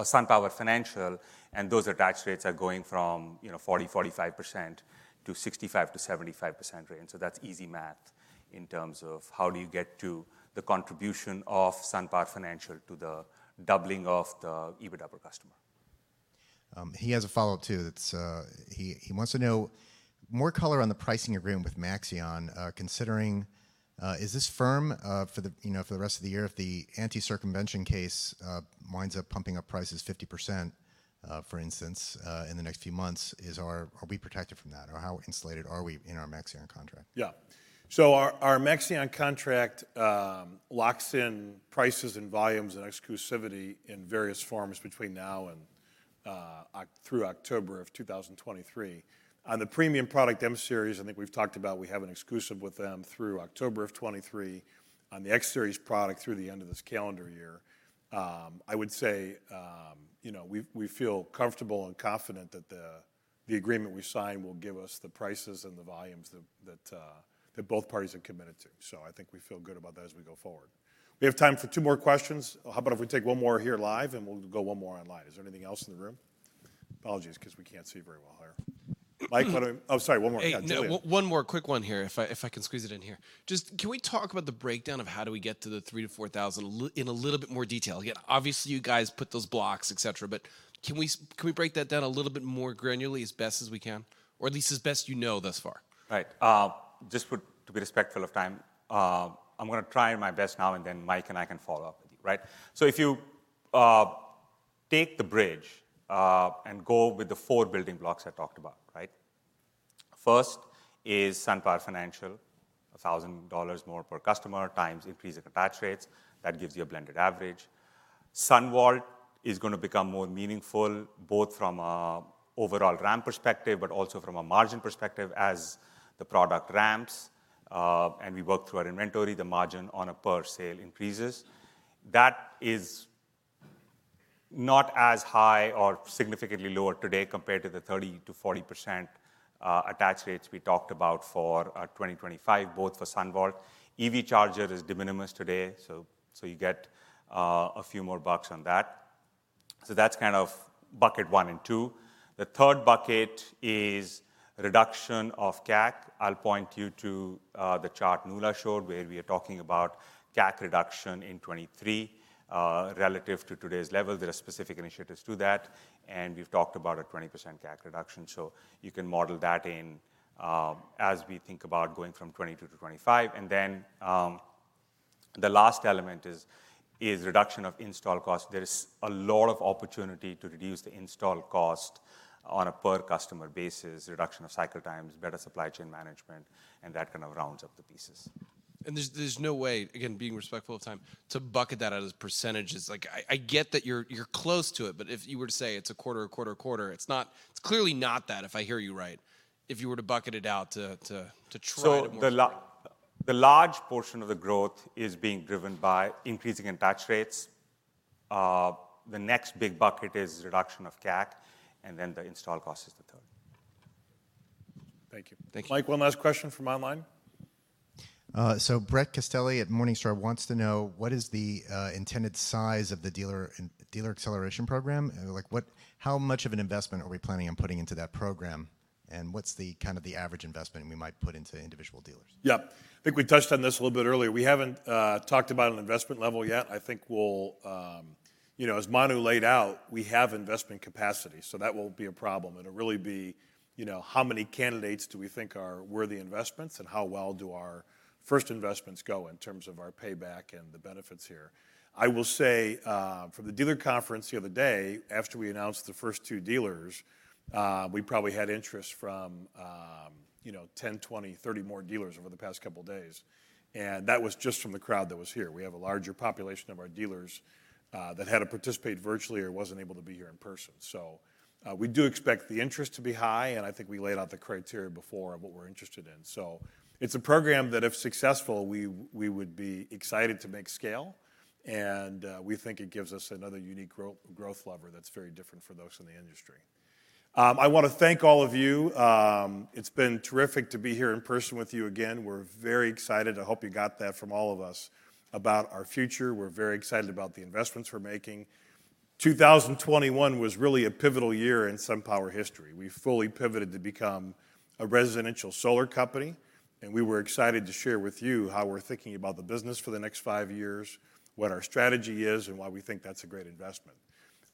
SunPower Financial, and those attach rates are going from, you know, 40%-45% to 65%-75% range. That's easy math in terms of how do you get to the contribution of SunPower Financial to the doubling of the EBITDA per customer. He has a follow-up too. He wants to know more color on the pricing agreement with Maxeon, considering is this fixed, you know, for the rest of the year if the anti-circumvention case winds up pumping up prices 50%, for instance, in the next few months. Are we protected from that? Or how insulated are we in our Maxeon contract? Yeah. Our Maxeon contract locks in prices and volumes and exclusivity in various forms between now and through October 2023. On the premium product M-Series, I think we've talked about we have an exclusive with them through October 2023. On the X-Series product through the end of this calendar year. I would say, you know, we feel comfortable and confident that the agreement we signed will give us the prices and the volumes that that both parties are committed to. I think we feel good about that as we go forward. We have time for two more questions. How about if we take one more here live and we'll go one more online. Is there anything else in the room? Apologies, 'cause we can't see very well here. Mike, oh, sorry, one more. Yeah. One more quick one here, if I can squeeze it in here. Just can we talk about the breakdown of how do we get to the $3,000-$4,000 in a little bit more detail? Again, obviously, you guys put those blocks, et cetera, but can we break that down a little bit more granularly as best as we can, or at least as best you know thus far? Right. Just to be respectful of time, I'm gonna try my best now and then Mike and I can follow-up with you, right? If you take the bridge and go with the four building blocks I talked about, right? First is SunPower Financial, $1,000 more per customer times increase in attach rates. That gives you a blended average. SunVault is gonna become more meaningful, both from a overall ramp perspective, but also from a margin perspective. As the product ramps and we work through our inventory, the margin on a per sale increases. That is not as high or significantly lower today compared to the 30%-40% attach rates we talked about for 2025, both for SunVault. EV charger is de minimis today, so you get a few more bucks on that. That's kind of bucket one and two. The third bucket is reduction of CAC. I'll point you to the chart Nuala showed where we are talking about CAC reduction in 2023 relative to today's level. There are specific initiatives to that, and we've talked about a 20% CAC reduction. You can model that in as we think about going from 2022-2025. The last element is reduction of install cost. There is a lot of opportunity to reduce the install cost on a per-customer basis, reduction of cycle times, better supply chain management, and that kind of rounds up the pieces. There's no way, again, being respectful of time, to bucket that out as percentages. Like, I get that you're close to it, but if you were to say it's a quarter, it's not. It's clearly not that, if I hear you right. If you were to bucket it out to try to more- The large portion of the growth is being driven by increasing attach rates. The next big bucket is reduction of CAC, and then the install cost is the third. Thank you. Thank you. Mike, one last question from online. Brett Castelli at Morningstar wants to know what is the intended size of the Dealer Accelerator Program? Like how much of an investment are we planning on putting into that program, and what's the kind of the average investment we might put into individual dealers? Yeah. I think we touched on this a little bit earlier. We haven't talked about an investment level yet. I think we'll, you know, as Manu laid out, we have investment capacity, so that won't be a problem, and it'll really be, you know, how many candidates do we think are worthy investments and how well do our first investments go in terms of our payback and the benefits here. I will say, from the dealer conference the other day, after we announced the first two dealers, we probably had interest from, you know, 10, 20, 30 more dealers over the past couple days. That was just from the crowd that was here. We have a larger population of our dealers that had to participate virtually or wasn't able to be here in person. We do expect the interest to be high, and I think we laid out the criteria before of what we're interested in. It's a program that, if successful, we would be excited to make scale, and we think it gives us another unique growth lever that's very different from those in the industry. I wanna thank all of you. It's been terrific to be here in person with you again. We're very excited. I hope you got that from all of us about our future. We're very excited about the investments we're making. 2021 was really a pivotal year in SunPower history. We fully pivoted to become a residential solar company, and we were excited to share with you how we're thinking about the business for the next five years, what our strategy is, and why we think that's a great investment.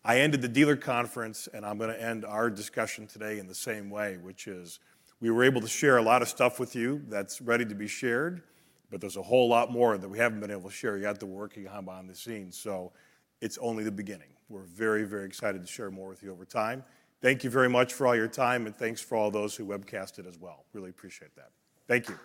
I ended the dealer conference and I'm gonna end our discussion today in the same way, which is we were able to share a lot of stuff with you that's ready to be shared, but there's a whole lot more that we haven't been able to share yet, the work behind the scenes. It's only the beginning. We're very, very excited to share more with you over time. Thank you very much for all your time, and thanks for all those who webcasted as well. Really appreciate that. Thank you.